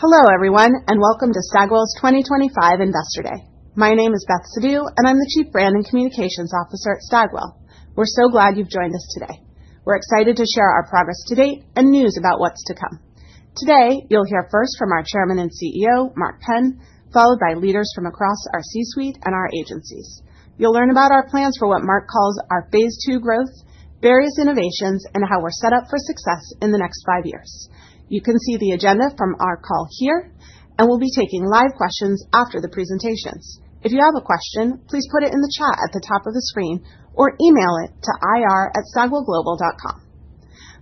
Hello everyone, and welcome to Stagwell's 2025 Investor Day. My name is Beth Sidhu, and I'm the Chief Brand and Communications Officer at Stagwell. We're so glad you've joined us today. We're excited to share our progress to date and news about what's to come. Today, you'll hear first from our Chairman and CEO, Mark Penn, followed by leaders from across our C-suite and our agencies. You'll learn about our plans for what Mark calls our phase II growth, various innovations, and how we're set up for success in the next five years. You can see the agenda from our call here, and we'll be taking live questions after the presentations. If you have a question, please put it in the chat at the top of the screen or email it to IR@stagwellglobal.com.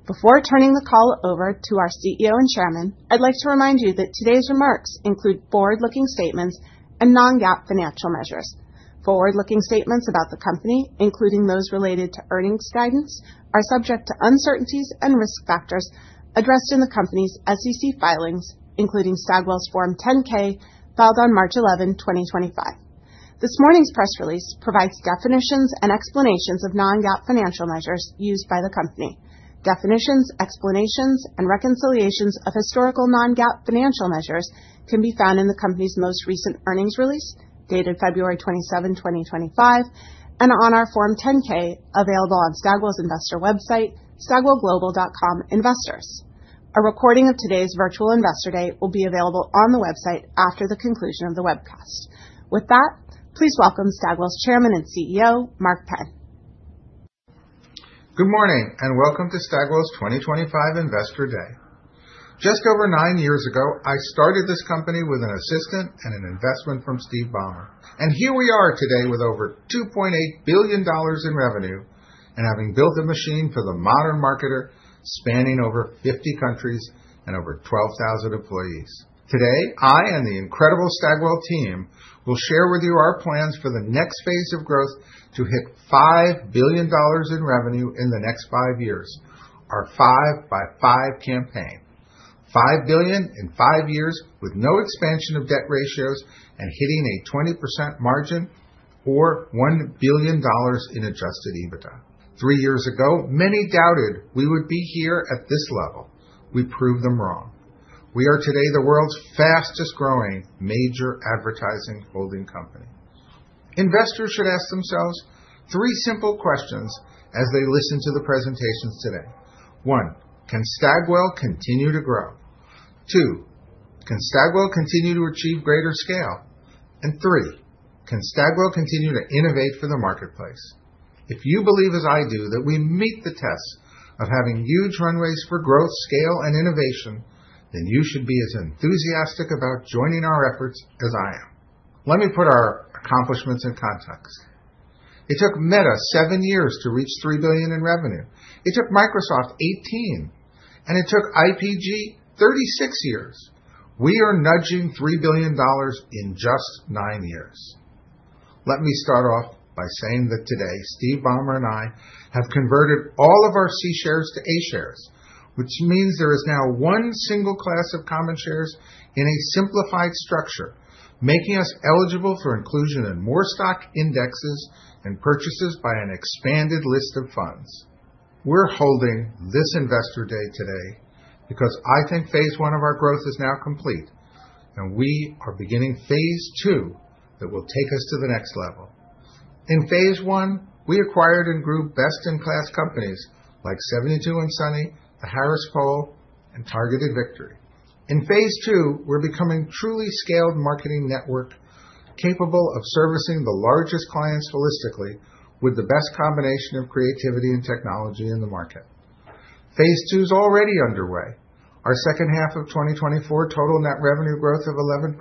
Before turning the call over to our CEO and Chairman, I'd like to remind you that today's remarks include forward-looking statements and non-GAAP financial measures. Forward-looking statements about the company, including those related to earnings guidance, are subject to uncertainties and risk factors addressed in the company's SEC filings, including Stagwell's Form 10-K filed on March 11, 2025. This morning's press release provides definitions and explanations of non-GAAP financial measures used by the company. Definitions, explanations, and reconciliations of historical non-GAAP financial measures can be found in the company's most recent earnings release dated February 27, 2025, and on our Form 10-K available on Stagwell's investor website, stagwellglobal.com investors. A recording of today's virtual investor day will be available on the website after the conclusion of the webcast. With that, please welcome Stagwell's Chairman and CEO, Mark Penn. Good morning and welcome to Stagwell's 2025 Investor Day. Just over nine years ago, I started this company with an assistant and an investment from Steve Ballmer. Here we are today with over $2.8 billion in revenue and having built a machine for the modern marketer, spanning over 50 countries and over 12,000 employees. Today, I and the incredible Stagwell team will share with you our plans for the next phase of growth to hit $5 billion in revenue in the next five years, our five-by-five campaign. $5 billion in five years with no expansion of debt ratios and hitting a 20% margin or $1 billion in adjusted EBITDA. Three years ago, many doubted we would be here at this level. We proved them wrong. We are today the world's fastest-growing major advertising holding company. Investors should ask themselves three simple questions as they listen to the presentations today. One, can Stagwell continue to grow? Two, can Stagwell continue to achieve greater scale? Three, can Stagwell continue to innovate for the marketplace? If you believe as I do that we meet the test of having huge runways for growth, scale, and innovation, then you should be as enthusiastic about joining our efforts as I am. Let me put our accomplishments in context. It took Meta seven years to reach $3 billion in revenue. It took Microsoft 18, and it took IPG 36 years. We are nudging $3 billion in just nine years. Let me start off by saying that today, Steve Ballmer and I have converted all of our C shares to A shares, which means there is now one single class of common shares in a simplified structure, making us eligible for inclusion in more stock indexes and purchases by an expanded list of funds. We're holding this investor day today because I think phase I of our growth is now complete, and we are beginning phase II that will take us to the next level. In phase I, we acquired and grew best-in-class companies like 72andSunny, The Harris Poll, and Targeted Victory. In phase II, we're becoming a truly scaled marketing network capable of servicing the largest clients holistically with the best combination of creativity and technology in the market. phase II is already underway. Our second half of 2024 total net revenue growth of 11%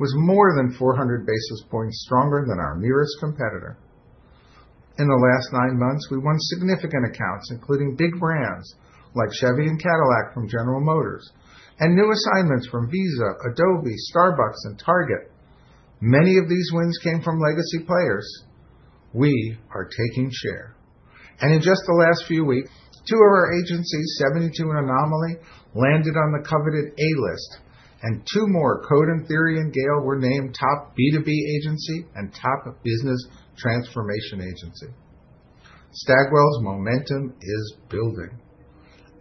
was more than 400 basis points stronger than our nearest competitor. In the last nine months, we won significant accounts, including big brands like Chevy and Cadillac from General Motors, and new assignments from Visa, Adobe, Starbucks, and Target. Many of these wins came from legacy players. We are taking share. In just the last few weeks, two of agencies, 72andSunny and Anomaly, landed on the coveted A list, and two more, Code and Theory and GALE, were named top B2B agency and top business transformation agency. Stagwell's momentum is building.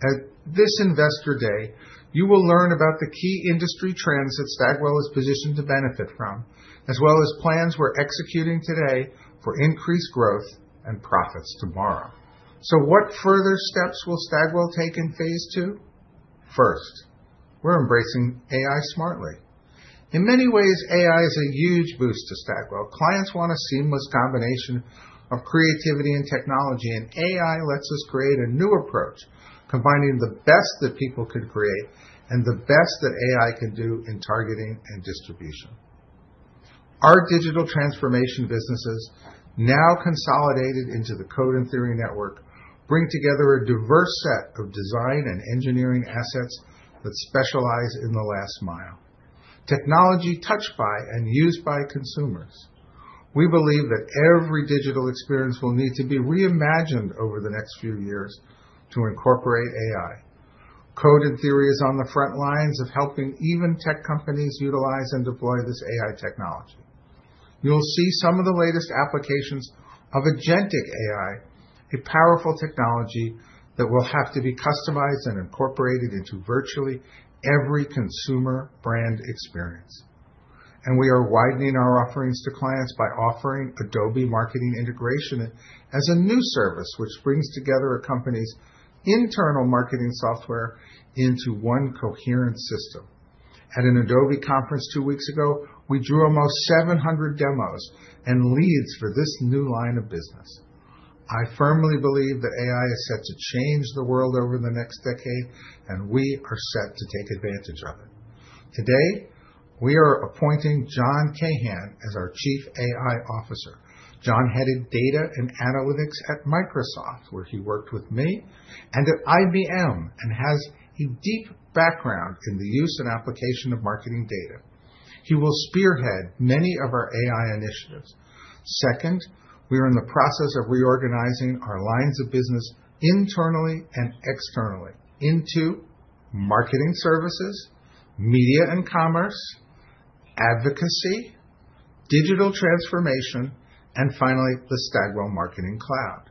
At this investor day, you will learn about the key industry trends that Stagwell is positioned to benefit from, as well as plans we're executing today for increased growth and profits tomorrow. What further steps will Stagwell take in phase II? First, we're embracing AI smartly. In many ways, AI is a huge boost to Stagwell. Clients want a seamless combination of creativity and technology, and AI lets us create a new approach, combining the best that people can create and the best that AI can do in targeting and distribution. Our digital transformation businesses, now consolidated into the Code and Theory network, bring together a diverse set of design and engineering assets that specialize in the last mile. Technology touched by and used by consumers. We believe that every digital experience will need to be reimagined over the next few years to incorporate AI. Code and Theory is on the front lines of helping even tech companies utilize and deploy this AI technology. You will see some of the latest applications of agentic AI, a powerful technology that will have to be customized and incorporated into virtually every consumer brand experience. We are widening our offerings to clients by offering Adobe marketing integration as a new service, which brings together a company's internal marketing software into one coherent system. At an Adobe conference two weeks ago, we drew almost 700 demos and leads for this new line of business. I firmly believe that AI is set to change the world over the next decade, and we are set to take advantage of it. Today, we are appointing John Kahan as our Chief AI Officer. John headed data and analytics at Microsoft, where he worked with me, and at IBM, and has a deep background in the use and application of marketing data. He will spearhead many of our AI initiatives. Second, we are in the process of reorganizing our lines of business internally and externally into marketing services, media and commerce, advocacy, digital transformation, and finally, the Stagwell Marketing Cloud.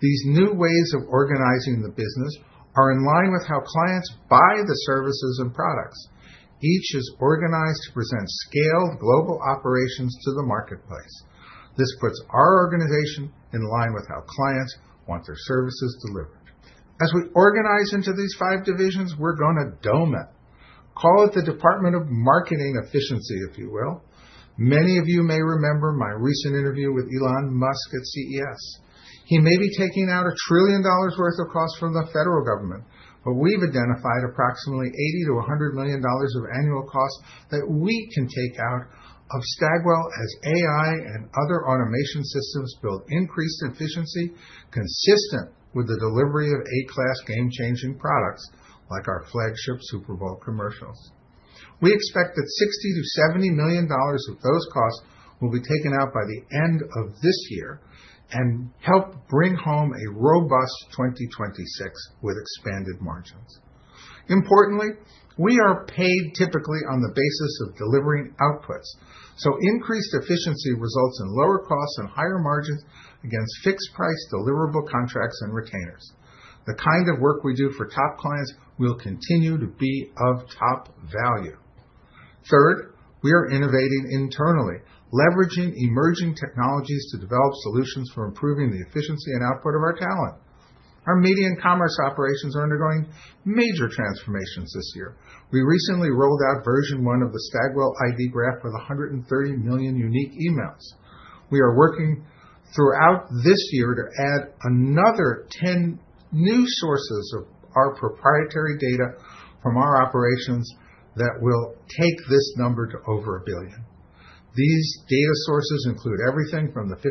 These new ways of organizing the business are in line with how clients buy the services and products. Each is organized to present scaled global operations to the marketplace. This puts our organization in line with how clients want their services delivered. As we organize into these five divisions, we're going to dome it. Call it the Department of Marketing Efficiency, if you will. Many of you may remember my recent interview with Elon Musk at CES. He may be taking out a trillion dollars' worth of costs from the federal government, but we've identified approximately $80 million-$100 million of annual costs that we can take out of Stagwell as AI and other automation systems build increased efficiency consistent with the delivery of A-class game-changing products like our flagship Super Bowl commercials. We expect that $60 million-$70 million of those costs will be taken out by the end of this year and help bring home a robust 2026 with expanded margins. Importantly, we are paid typically on the basis of delivering outputs, so increased efficiency results in lower costs and higher margins against fixed-price deliverable contracts and retainers. The kind of work we do for top clients will continue to be of top value. Third, we are innovating internally, leveraging emerging technologies to develop solutions for improving the efficiency and output of our talent. Our media and commerce operations are undergoing major transformations this year. We recently rolled out version one of the Stagwell ID Graph with 130 million unique emails. We are working throughout this year to add another 10 new sources of our proprietary data from our operations that will take this number to over a billion. These data sources include everything from the 50,000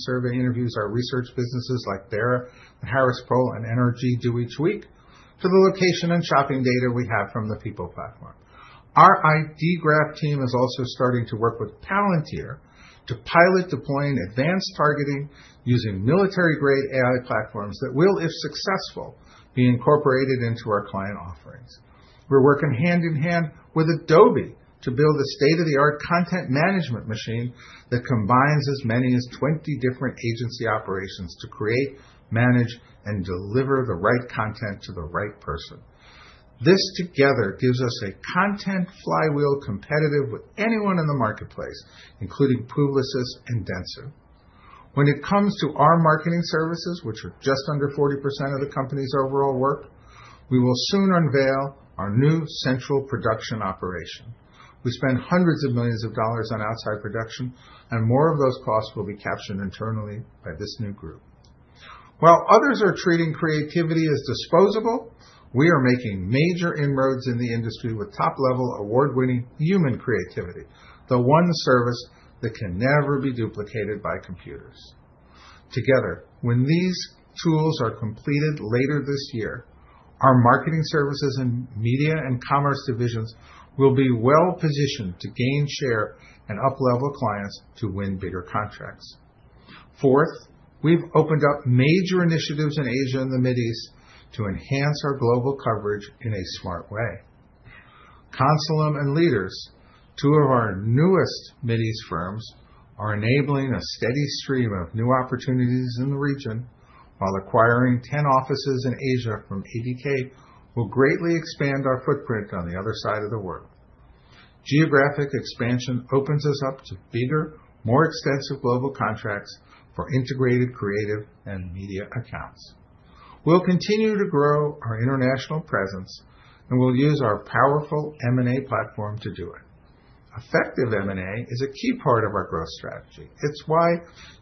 survey interviews our research businesses like BERA.ai and Harris Poll and NRG do each week to the location and shopping data we have from the People Platform. Our ID Graph team is also starting to work with Palantir to pilot deploying advanced targeting using military-grade AI platforms that will, if successful, be incorporated into our client offerings. We're working hand in hand with Adobe to build a state-of-the-art content management machine that combines as many as 20 different agency operations to create, manage, and deliver the right content to the right person. This together gives us a content flywheel competitive with anyone in the marketplace, including Publicis and Dentsu. When it comes to our marketing services, which are just under 40% of the company's overall work, we will soon unveil our new central production operation. We spend hundreds of millions of dollars on outside production, and more of those costs will be captured internally by this new group. While others are treating creativity as disposable, we are making major inroads in the industry with top-level award-winning human creativity, the one service that can never be duplicated by computers. Together, when these tools are completed later this year, our marketing services and media and commerce divisions will be well-positioned to gain share and uplevel clients to win bigger contracts. Fourth, we've opened up major initiatives in Asia and the Mideast to enhance our global coverage in a smart way. Consulum and LEADERS, two of our newest Mideast firms, are enabling a steady stream of new opportunities in the region while acquiring 10 offices in Asia from ADK, which will greatly expand our footprint on the other side of the world. Geographic expansion opens us up to bigger, more extensive global contracts for integrated creative and media accounts. We'll continue to grow our international presence, and we'll use our powerful M&A platform to do it. Effective M&A is a key part of our growth strategy. It's why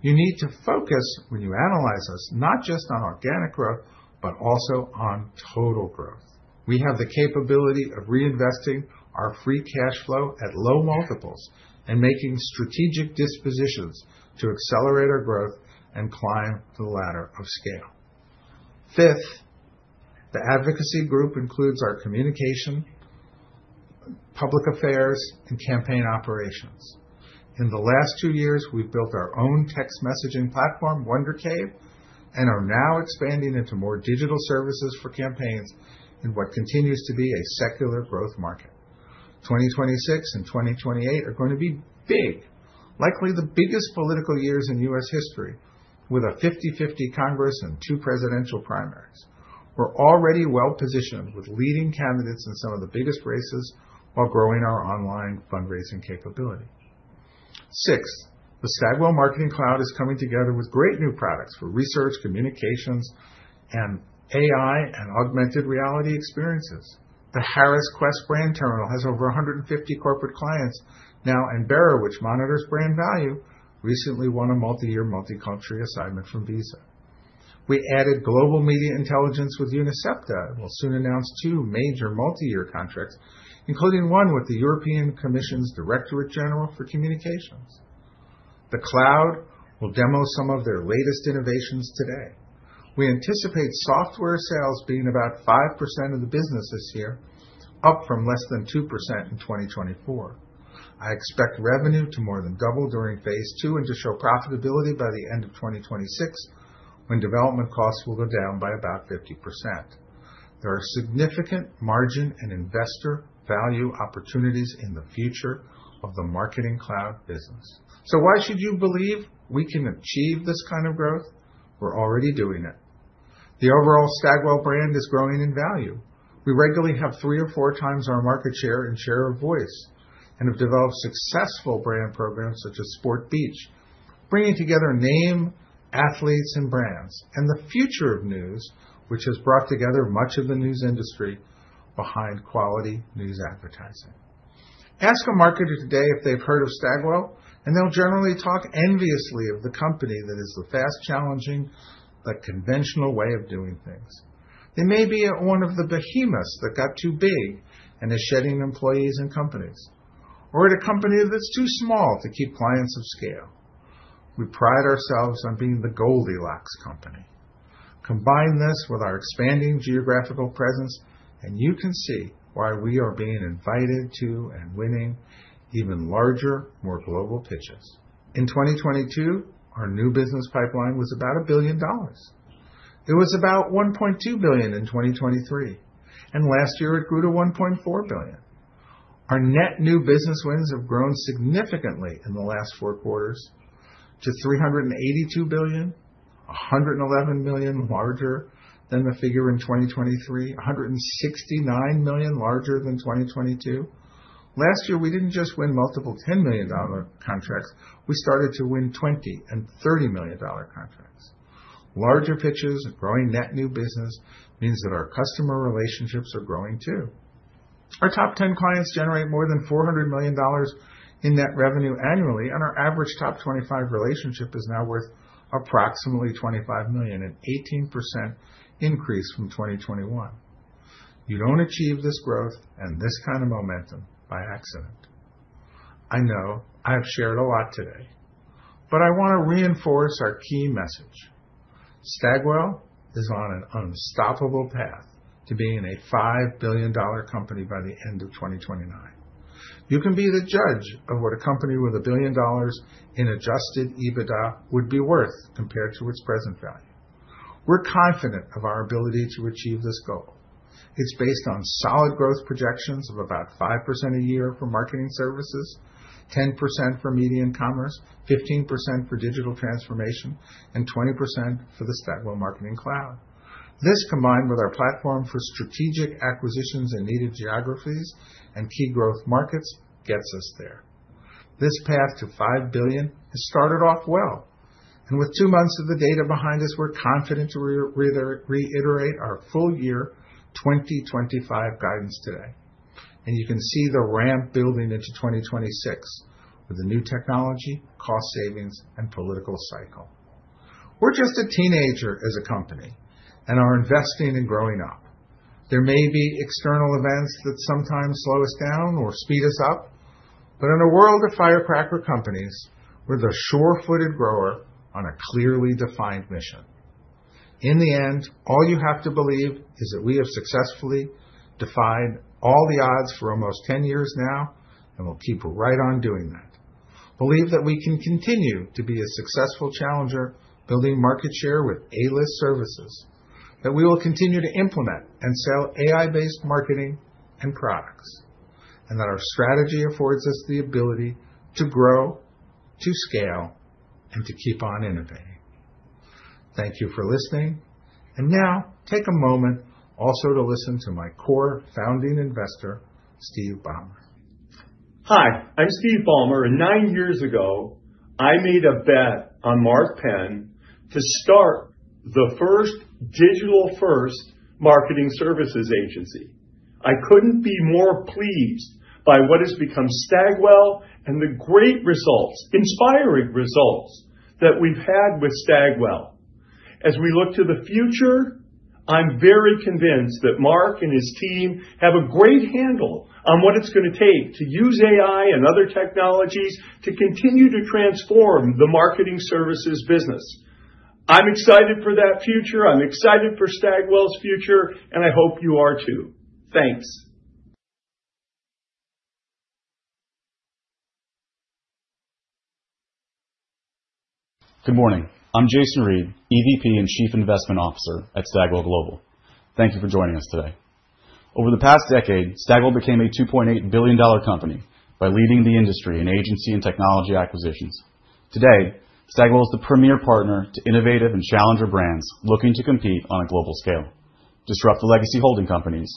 you need to focus when you analyze us, not just on organic growth, but also on total growth. We have the capability of reinvesting our free cash flow at low multiples and making strategic dispositions to accelerate our growth and climb the ladder of scale. Fifth, the advocacy group includes our communication, public affairs, and campaign operations. In the last two years, we've built our own text messaging platform, Wonder Cave, and are now expanding into more digital services for campaigns in what continues to be a secular growth market. 2026 and 2028 are going to be big, likely the biggest political years in U.S. history, with a 50-50 Congress and two presidential primaries. We're already well-positioned with leading candidates in some of the biggest races while growing our online fundraising capability. Sixth, the Stagwell Marketing Cloud is coming together with great new products for research, communications, and AI and augmented reality experiences. The Harris QuestBrand terminal has over 150 corporate clients now, and BERA, which monitors brand value, recently won a multi-year multicultural assignment from Visa. We added global media intelligence with UNICEPTA and will soon announce two major multi-year contracts, including one with the European Commission's Directorate General for Communications. The cloud will demo some of their latest innovations today. We anticipate software sales being about 5% of the business this year, up from less than 2% in 2024. I expect revenue to more than double during phase II and to show profitability by the end of 2026 when development costs will go down by about 50%. There are significant margin and investor value opportunities in the future of the marketing cloud business. Why should you believe we can achieve this kind of growth? We're already doing it. The overall Stagwell brand is growing in value. We regularly have three or four times our market share and share of voice and have developed successful brand programs such as Sport Beach, bringing together name, athletes, and brands, and the Future of News, which has brought together much of the news industry behind quality news advertising. Ask a marketer today if they've heard of Stagwell, and they'll generally talk enviously of the company that is the fast, challenging, but conventional way of doing things. They may be one of the behemoths that got too big and is shedding employees and companies, or at a company that's too small to keep clients of scale. We pride ourselves on being the Goldilocks company. Combine this with our expanding geographical presence, and you can see why we are being invited to and winning even larger, more global pitches. In 2022, our new business pipeline was about $1 billion. It was about $1.2 billion in 2023, and last year it grew to $1.4 billion. Our net new business wins have grown significantly in the last four quarters to $382 million, $111 million larger than the figure in 2023, $169 million larger than 2022. Last year, we did not just win multiple $10 million contracts; we started to win $20 million and $30 million contracts. Larger pitches and growing net new business means that our customer relationships are growing too. Our top 10 clients generate more than $400 million in net revenue annually, and our average top 25 relationship is now worth approximately $25 million, an 18% increase from 2021. You do not achieve this growth and this kind of momentum by accident. I know I have shared a lot today, but I want to reinforce our key message. Stagwell is on an unstoppable path to being a $5 billion company by the end of 2029. You can be the judge of what a company with a billion dollars in adjusted EBITDA would be worth compared to its present value. We are confident of our ability to achieve this goal. It is based on solid growth projections of about 5% a year for marketing services, 10% for media and commerce, 15% for digital transformation, and 20% for the Stagwell Marketing Cloud. This, combined with our platform for strategic acquisitions in needed geographies and key growth markets, gets us there. This path to $5 billion has started off well, and with two months of the data behind us, we're confident to reiterate our full year 2025 guidance today. You can see the ramp building into 2026 with the new technology, cost savings, and political cycle. We're just a teenager as a company, and our investing and growing up. There may be external events that sometimes slow us down or speed us up, but in a world of firecracker companies, we're the sure-footed grower on a clearly defined mission. In the end, all you have to believe is that we have successfully defied all the odds for almost 10 years now, and we'll keep right on doing that. Believe that we can continue to be a successful challenger building market share with A-list services, that we will continue to implement and sell AI-based marketing and products, and that our strategy affords us the ability to grow, to scale, and to keep on innovating. Thank you for listening, and now take a moment also to listen to my core founding investor, Steve Ballmer. Hi, I'm Steve Ballmer, and nine years ago, I made a bet on Mark Penn to start the first digital-first marketing services agency. I couldn't be more pleased by what has become Stagwell and the great results, inspiring results that we've had with Stagwell. As we look to the future, I'm very convinced that Mark and his team have a great handle on what it's going to take to use AI and other technologies to continue to transform the marketing services business. I'm excited for that future. I'm excited for Stagwell's future, and I hope you are too. Thanks. Good morning. I'm Jason Reid, EVP and Chief Investment Officer at Stagwell Global. Thank you for joining us today. Over the past decade, Stagwell became a $2.8 billion company by leading the industry in agency and technology acquisitions. Today, Stagwell is the premier partner to innovative and challenger brands looking to compete on a global scale, disrupt the legacy holding companies,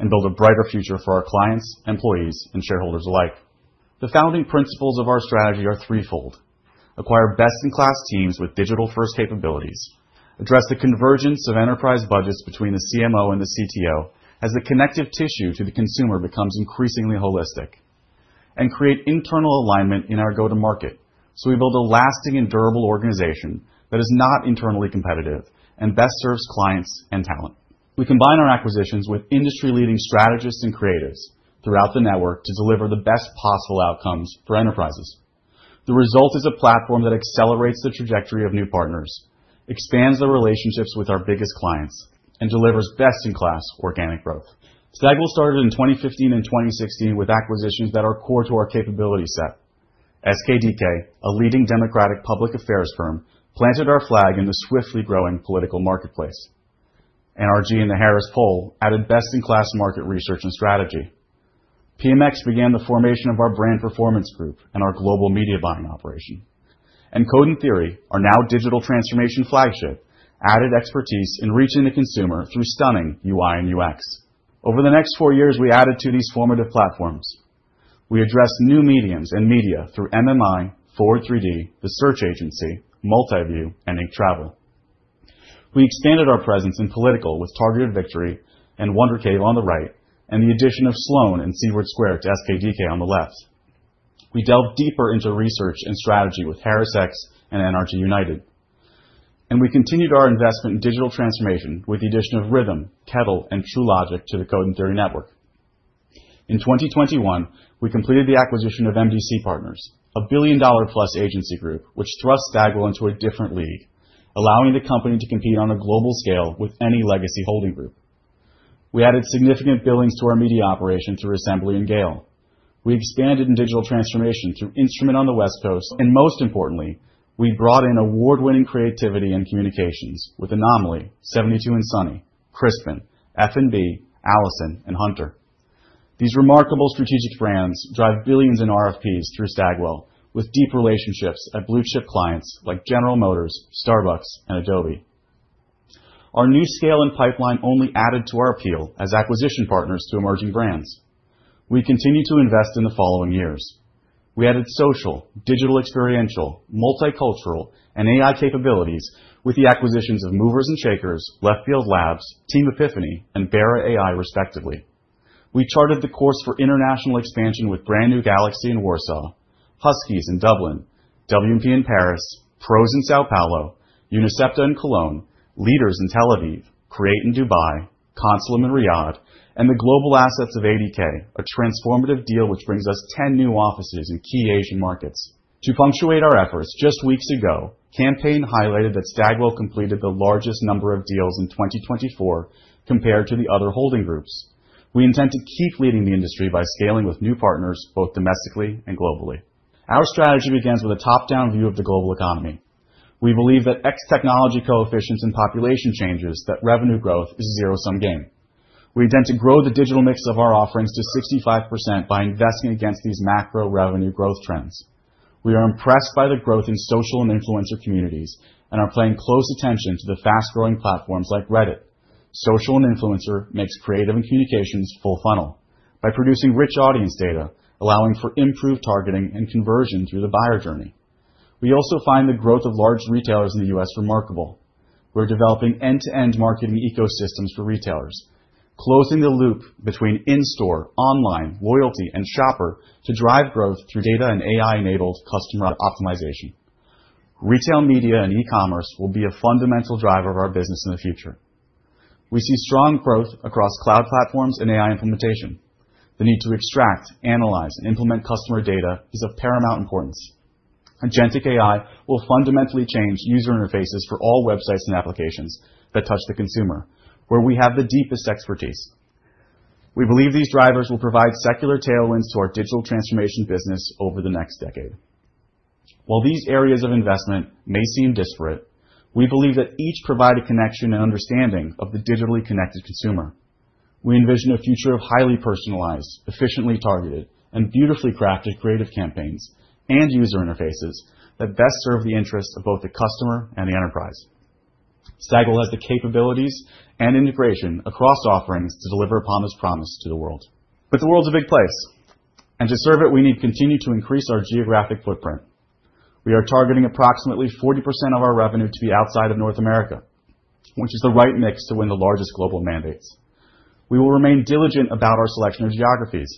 and build a brighter future for our clients, employees, and shareholders alike. The founding principles of our strategy are threefold: acquire best-in-class teams with digital-first capabilities, address the convergence of enterprise budgets between the CMO and the CTO as the connective tissue to the consumer becomes increasingly holistic, and create internal alignment in our go-to-market so we build a lasting and durable organization that is not internally competitive and best serves clients and talent. We combine our acquisitions with industry-leading strategists and creatives throughout the network to deliver the best possible outcomes for enterprises. The result is a platform that accelerates the trajectory of new partners, expands the relationships with our biggest clients, and delivers best-in-class organic growth. Stagwell started in 2015 and 2016 with acquisitions that are core to our capability set. SKDK, a leading democratic public affairs firm, planted our flag in the swiftly growing political marketplace. NRG and The Harris Poll added best-in-class market research and strategy. PMX began the formation of our brand performance group and our global media buying operation. Code and Theory, our now digital transformation flagship, added expertise in reaching the consumer through stunning UI and UX. Over the next four years, we added to these formative platforms. We addressed new mediums and media through MMI, Forward3D, The Search Agency, Multiview, and Ink Travel. We expanded our presence in political with Targeted Victory and Wonder Cave on the right and the addition of Sloane and Seward Square to SKDK on the left. We delved deeper into research and strategy with HarrisX and NRG United. We continued our investment in digital transformation with the addition of Rhythm, Kettle, and Truelogic to the Code and Theory network. In 2021, we completed the acquisition of MD.C. Partners, a billion-dollar-plus agency group, which thrust Stagwell into a different league, allowing the company to compete on a global scale with any legacy holding group. We added significant billings to our media operation through Assembly and GALE. We expanded in digital transformation through Instrument on the West Coast. Most importantly, we brought in award-winning creativity and communications with Anomaly, 72andSunny, Crispin, F&B, Allison, and HUNTER. These remarkable strategic brands drive billions in RFPs through Stagwell with deep relationships at blue-chip clients like General Motors, Starbucks, and Adobe. Our new scale and pipeline only added to our appeal as acquisition partners to emerging brands. We continue to invest in the following years. We added social, digital experiential, multicultural, and AI capabilities with the acquisitions of Movers+Shakers, Left Field Labs, Team Epiphany, and BERA.ai, respectively. We charted the course for international expansion with brand new Galaxy in Warsaw, Huskies in Dublin, W&P in Paris, Pros in São Paulo, UNICEPTA in Cologne, LEADERS in Tel Aviv, Create in Dubai, Consulum in Riyadh, and the global assets of ADK, a transformative deal which brings us 10 new offices in key Asian markets. To punctuate our efforts, just weeks ago, Campaign highlighted that Stagwell completed the largest number of deals in 2024 compared to the other holding groups. We intend to keep leading the industry by scaling with new partners both domestically and globally. Our strategy begins with a top-down view of the global economy. We believe that X technology coefficients and population changes that revenue growth is zero-sum game. We intend to grow the digital mix of our offerings to 65% by investing against these macro revenue growth trends. We are impressed by the growth in social and influencer communities and are paying close attention to the fast-growing platforms like Reddit. Social and influencer makes creative and communications full funnel by producing rich audience data, allowing for improved targeting and conversion through the buyer journey. We also find the growth of large retailers in the U.S. remarkable. We're developing end-to-end marketing ecosystems for retailers, closing the loop between in-store, online, loyalty, and shopper to drive growth through data and AI-enabled customer optimization. Retail media and e-commerce will be a fundamental driver of our business in the future. We see strong growth across cloud platforms and AI implementation. The need to extract, analyze, and implement customer data is of paramount importance. Agentic AI will fundamentally change user interfaces for all websites and applications that touch the consumer, where we have the deepest expertise. We believe these drivers will provide secular tailwinds to our digital transformation business over the next decade. While these areas of investment may seem disparate, we believe that each provides a connection and understanding of the digitally connected consumer. We envision a future of highly personalized, efficiently targeted, and beautifully crafted creative campaigns and user interfaces that best serve the interests of both the customer and the enterprise. Stagwell has the capabilities and integration across offerings to deliver upon this promise to the world. The world's a big place, and to serve it, we need to continue to increase our geographic footprint. We are targeting approximately 40% of our revenue to be outside of North America, which is the right mix to win the largest global mandates. We will remain diligent about our selection of geographies.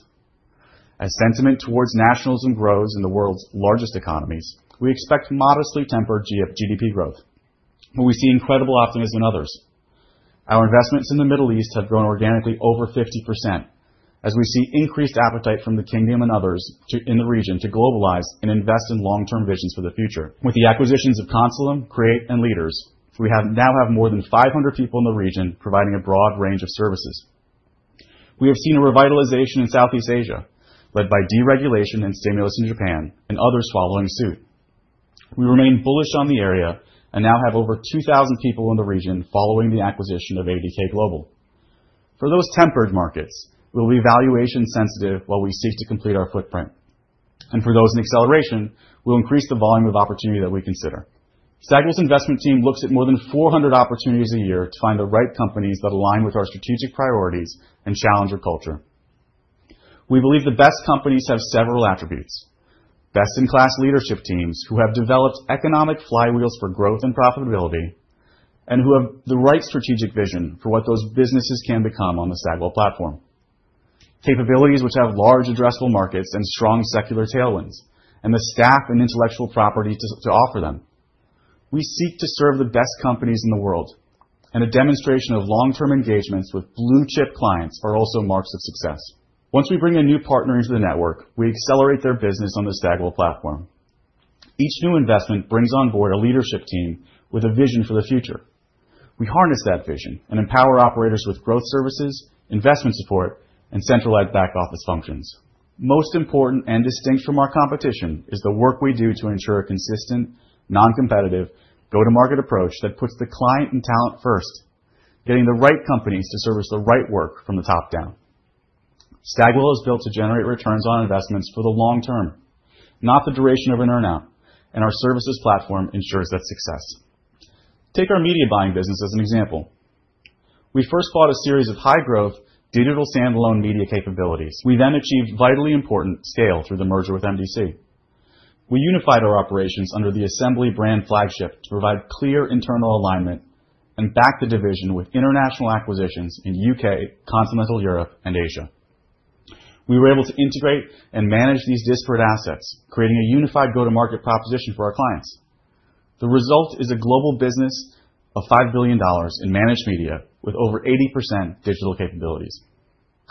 As sentiment towards nationalism grows in the world's largest economies, we expect modestly tempered GDP growth, but we see incredible optimism in others. Our investments in the Middle East have grown organically over 50% as we see increased appetite from the Kingdom and others in the region to globalize and invest in long-term visions for the future. With the acquisitions of Consulum, Create., and LEADERS, we now have more than 500 people in the region providing a broad range of services. We have seen a revitalization in Southeast Asia led by deregulation and stimulus in Japan and others following suit. We remain bullish on the area and now have over 2,000 people in the region following the acquisition of ADK Global. For those tempered markets, we will be valuation-sensitive while we seek to complete our footprint. For those in acceleration, we'll increase the volume of opportunity that we consider. Stagwell's investment team looks at more than 400 opportunities a year to find the right companies that align with our strategic priorities and challenger culture. We believe the best companies have several attributes: best-in-class leadership teams who have developed economic flywheels for growth and profitability, and who have the right strategic vision for what those businesses can become on the Stagwell platform. Capabilities which have large addressable markets and strong secular tailwinds, and the staff and intellectual property to offer them. We seek to serve the best companies in the world, and a demonstration of long-term engagements with blue-chip clients are also marks of success. Once we bring a new partner into the network, we accelerate their business on the Stagwell platform. Each new investment brings on board a leadership team with a vision for the future. We harness that vision and empower operators with growth services, investment support, and centralized back office functions. Most important and distinct from our competition is the work we do to ensure a consistent, non-competitive go-to-market approach that puts the client and talent first, getting the right companies to service the right work from the top down. Stagwell is built to generate returns on investments for the long term, not the duration of an earnout, and our services platform ensures that success. Take our media buying business as an example. We first bought a series of high-growth digital standalone media capabilities. We then achieved vitally important scale through the merger with MD.C.. We unified our operations under the Assembly brand flagship to provide clear internal alignment and back the division with international acquisitions in the U.K., continental Europe, and Asia. We were able to integrate and manage these disparate assets, creating a unified go-to-market proposition for our clients. The result is a global business of $5 billion in managed media with over 80% digital capabilities.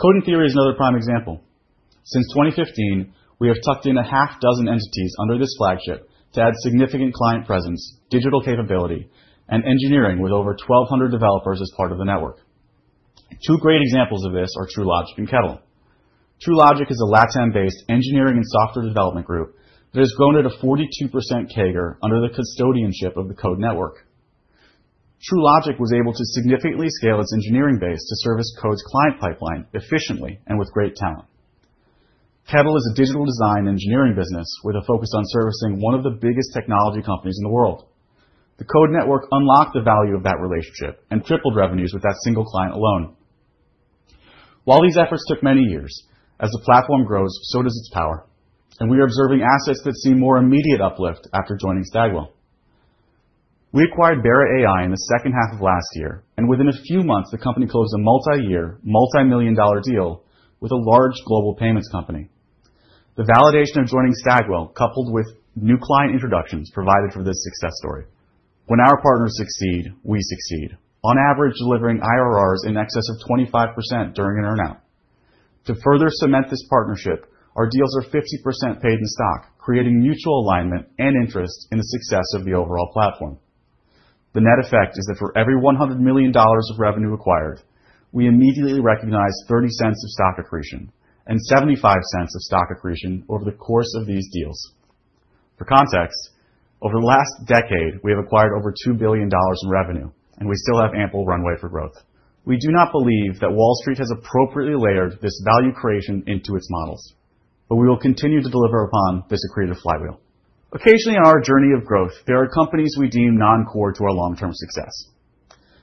Code and Theory is another prime example. Since 2015, we have tucked in a half dozen entities under this flagship to add significant client presence, digital capability, and engineering with over 1,200 developers as part of the network. Two great examples of this are Truelogic and Kettle. Truelogic is a LATAM-based engineering and software development group that has grown at a 42% CAGR under the custodianship of the Code network. Truelogic was able to significantly scale its engineering base to service Code's client pipeline efficiently and with great talent. Kettle is a digital design engineering business with a focus on servicing one of the biggest technology companies in the world. The Code and Theory network unlocked the value of that relationship and tripled revenues with that single client alone. While these efforts took many years, as the platform grows, so does its power, and we are observing assets that seem more immediate uplift after joining Stagwell. We acquired BERA.ai in the second half of last year, and within a few months, the company closed a multi-year, multi-million dollar deal with a large global payments company. The validation of joining Stagwell coupled with new client introductions provided for this success story. When our partners succeed, we succeed, on average delivering IRRs in excess of 25% during an earnout. To further cement this partnership, our deals are 50% paid in stock, creating mutual alignment and interest in the success of the overall platform. The net effect is that for every $100 million of revenue acquired, we immediately recognize $0.30 of stock accretion and $0.75 of stock accretion over the course of these deals. For context, over the last decade, we have acquired over $2 billion in revenue, and we still have ample runway for growth. We do not believe that Wall Street has appropriately layered this value creation into its models, but we will continue to deliver upon this accretive flywheel. Occasionally on our journey of growth, there are companies we deem non-core to our long-term success.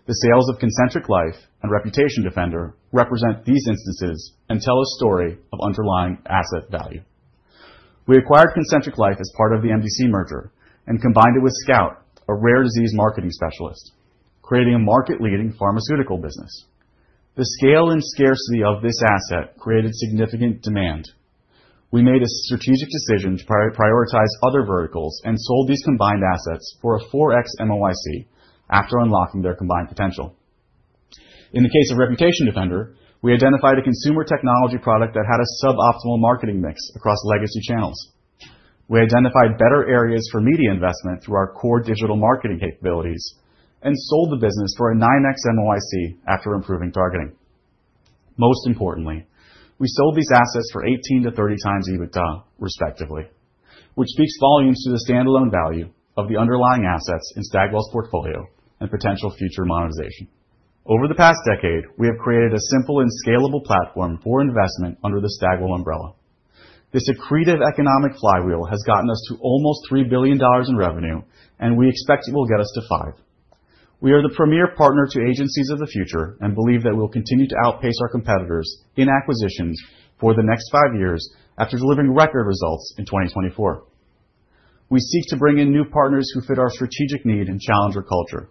The sales of ConcentricLife and Reputation Defender represent these instances and tell a story of underlying asset value. We acquired ConcentricLife as part of the MD.C. merger and combined it with Scout, a rare disease marketing specialist, creating a market-leading pharmaceutical business. The scale and scarcity of this asset created significant demand. We made a strategic decision to prioritize other verticals and sold these combined assets for a 4x MOIC after unlocking their combined potential. In the case of Reputation Defender, we identified a consumer technology product that had a suboptimal marketing mix across legacy channels. We identified better areas for media investment through our core digital marketing capabilities and sold the business for a 9x MOIC after improving targeting. Most importantly, we sold these assets for 18x-30x EBITDA, respectively, which speaks volumes to the standalone value of the underlying assets in Stagwell's portfolio and potential future monetization. Over the past decade, we have created a simple and scalable platform for investment under the Stagwell umbrella. This accretive economic flywheel has gotten us to almost $3 billion in revenue, and we expect it will get us to five. We are the premier partner to agencies of the future and believe that we will continue to outpace our competitors in acquisitions for the next five years after delivering record results in 2024. We seek to bring in new partners who fit our strategic need and challenger culture,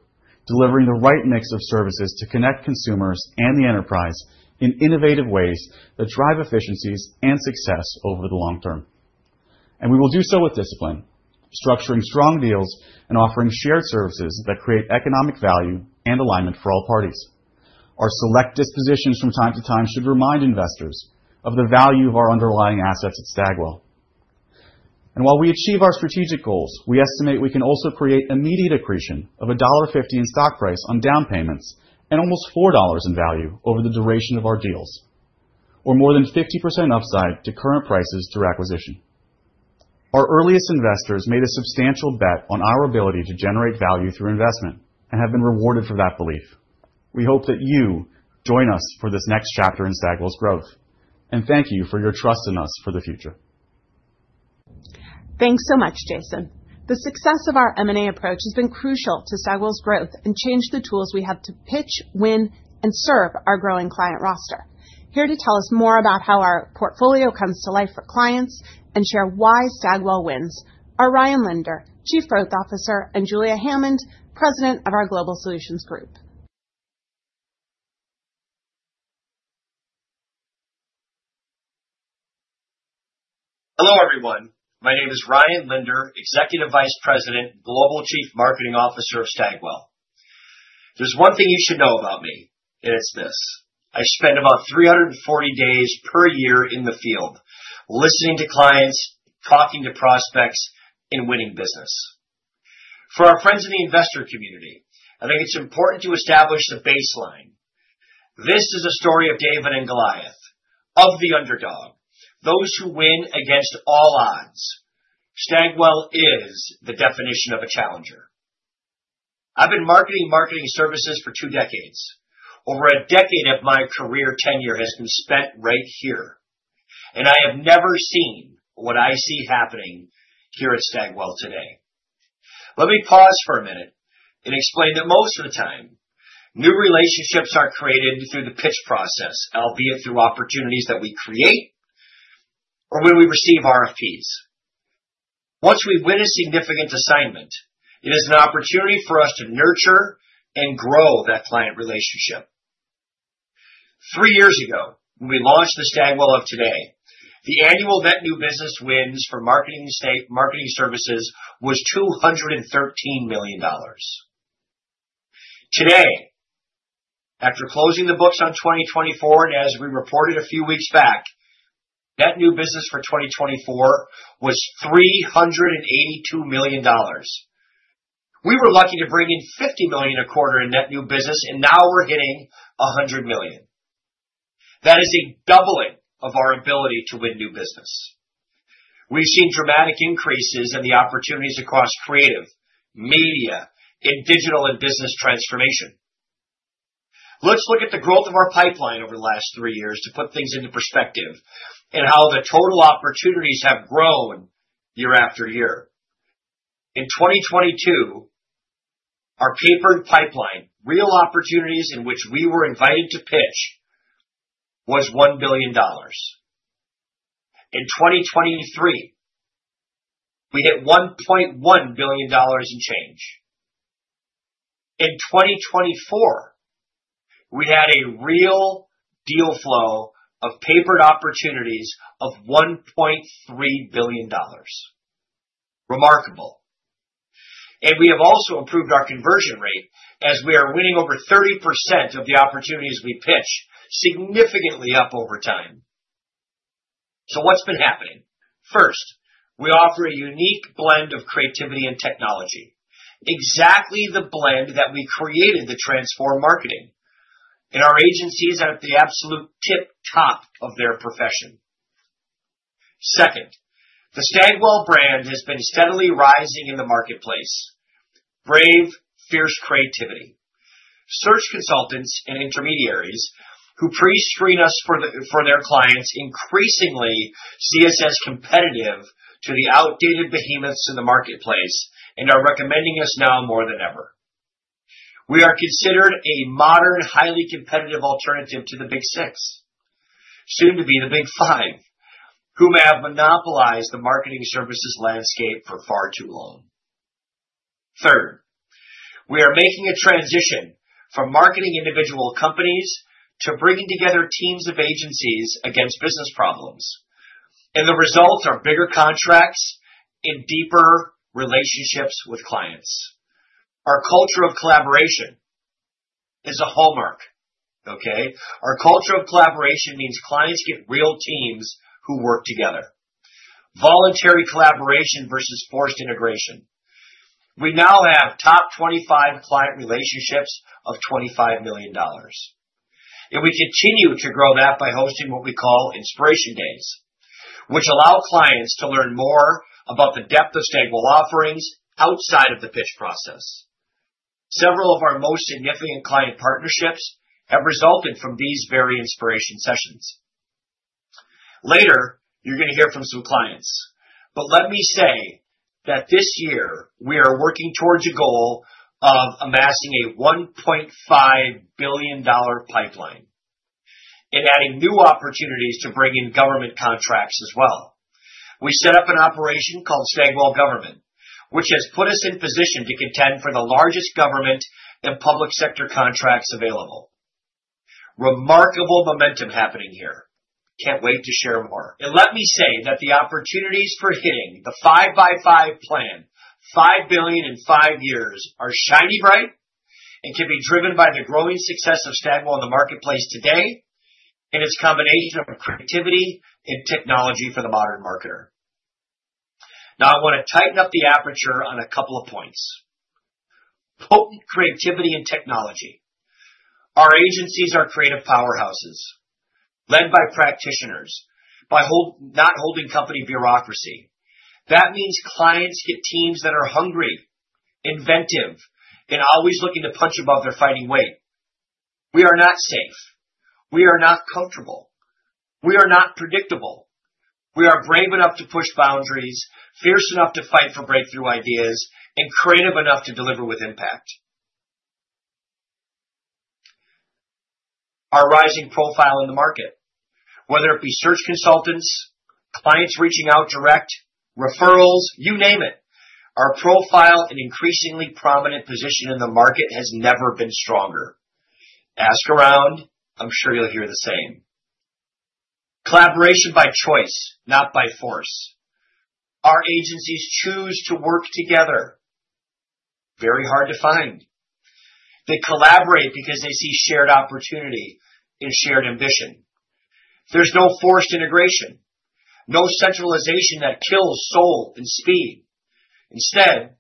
delivering the right mix of services to connect consumers and the enterprise in innovative ways that drive efficiencies and success over the long term. We will do so with discipline, structuring strong deals and offering shared services that create economic value and alignment for all parties. Our select dispositions from time to time should remind investors of the value of our underlying assets at Stagwell. While we achieve our strategic goals, we estimate we can also create immediate accretion of $1.50 in stock price on down payments and almost $4 in value over the duration of our deals, or more than 50% upside to current prices through acquisition. Our earliest investors made a substantial bet on our ability to generate value through investment and have been rewarded for that belief. We hope that you join us for this next chapter in Stagwell's growth, and thank you for your trust in us for the future. Thanks so much, Jason. The success of our M&A approach has been crucial to Stagwell's growth and changed the tools we have to pitch, win, and serve our growing client roster. Here to tell us more about how our portfolio comes to life for clients and share why Stagwell wins are Ryan Linder, Chief Growth Officer, and Julia Hammond, President of our Global Solutions Group. Hello, everyone. My name is Ryan Linder, Executive Vice President, Global Chief Marketing Officer of Stagwell. There's one thing you should know about me, and it's this: I spend about 340 days per year in the field, listening to clients, talking to prospects, and winning business. For our friends in the investor community, I think it's important to establish a baseline. This is a story of David and Goliath, of the underdog, those who win against all odds. Stagwell is the definition of a challenger. I've been marketing marketing services for two decades. Over a decade of my career tenure has been spent right here, and I have never seen what I see happening here at Stagwell today. Let me pause for a minute and explain that most of the time, new relationships are created through the pitch process, albeit through opportunities that we create or when we receive RFPs. Once we win a significant assignment, it is an opportunity for us to nurture and grow that client relationship. Three years ago, when we launched the Stagwell of today, the annual net new business wins for marketing services was $213 million. Today, after closing the books on 2024, and as we reported a few weeks back, net new business for 2024 was $382 million. We were lucky to bring in $50 million a quarter in net new business, and now we're hitting $100 million. That is a doubling of our ability to win new business. We've seen dramatic increases in the opportunities across creative, media, and digital and business transformation. Let's look at the growth of our pipeline over the last three years to put things into perspective and how the total opportunities have grown year after year. In 2022, our papered pipeline, real opportunities in which we were invited to pitch, was $1 billion. In 2023, we hit $1.1 billion and change. In 2024, we had a real deal flow of papered opportunities of $1.3 billion. Remarkable. We have also improved our conversion rate as we are winning over 30% of the opportunities we pitch, significantly up over time. What's been happening? First, we offer a unique blend of creativity and technology, exactly the blend that we created to transform marketing. Our agency is at the absolute tip top of their profession. Second, the Stagwell brand has been steadily rising in the marketplace. Brave, fierce creativity. Search consultants and intermediaries who pre-screen us for their clients increasingly see us as competitive to the outdated behemoths in the marketplace and are recommending us now more than ever. We are considered a modern, highly competitive alternative to the Big Six, soon to be the Big Five, who may have monopolized the marketing services landscape for far too long. Third, we are making a transition from marketing individual companies to bringing together teams of agencies against business problems. The results are bigger contracts and deeper relationships with clients. Our culture of collaboration is a hallmark, okay? Our culture of collaboration means clients get real teams who work together. Voluntary collaboration versus forced integration. We now have top 25 client relationships of $25 million. We continue to grow that by hosting what we call inspiration days, which allow clients to learn more about the depth of Stagwell offerings outside of the pitch process. Several of our most significant client partnerships have resulted from these very inspiration sessions. Later, you're going to hear from some clients, but let me say that this year we are working towards a goal of amassing a $1.5 billion pipeline and adding new opportunities to bring in government contracts as well. We set up an operation called Stagwell Government, which has put us in position to contend for the largest government and public sector contracts available. Remarkable momentum happening here. Can't wait to share more. Let me say that the opportunities for hitting the five by five plan, $5 billion in five years, are shiny bright and can be driven by the growing success of Stagwell in the marketplace today and its combination of creativity and technology for the modern marketer. I want to tighten up the aperture on a couple of points. Creativity and technology. Our agencies are creative powerhouses led by practitioners, by not holding company bureaucracy. That means clients get teams that are hungry, inventive, and always looking to punch above their fighting weight. We are not safe. We are not comfortable. We are not predictable. We are brave enough to push boundaries, fierce enough to fight for breakthrough ideas, and creative enough to deliver with impact. Our rising profile in the market, whether it be search consultants, clients reaching out direct, referrals, you name it, our profile and increasingly prominent position in the market has never been stronger. Ask around, I'm sure you'll hear the same. Collaboration by choice, not by force. Our agencies choose to work together. Very hard to find. They collaborate because they see shared opportunity and shared ambition. There's no forced integration, no centralization that kills soul and speed. Instead,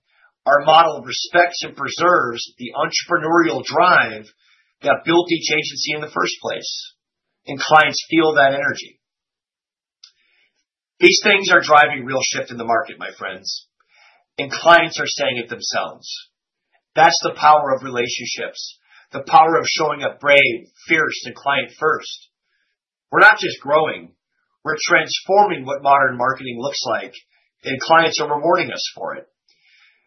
our model respects and preserves the entrepreneurial drive that built each agency in the first place, and clients feel that energy. These things are driving real shift in the market, my friends, and clients are saying it themselves. That's the power of relationships, the power of showing up brave, fierce, and client-first. We're not just growing. We're transforming what modern marketing looks like, and clients are rewarding us for it.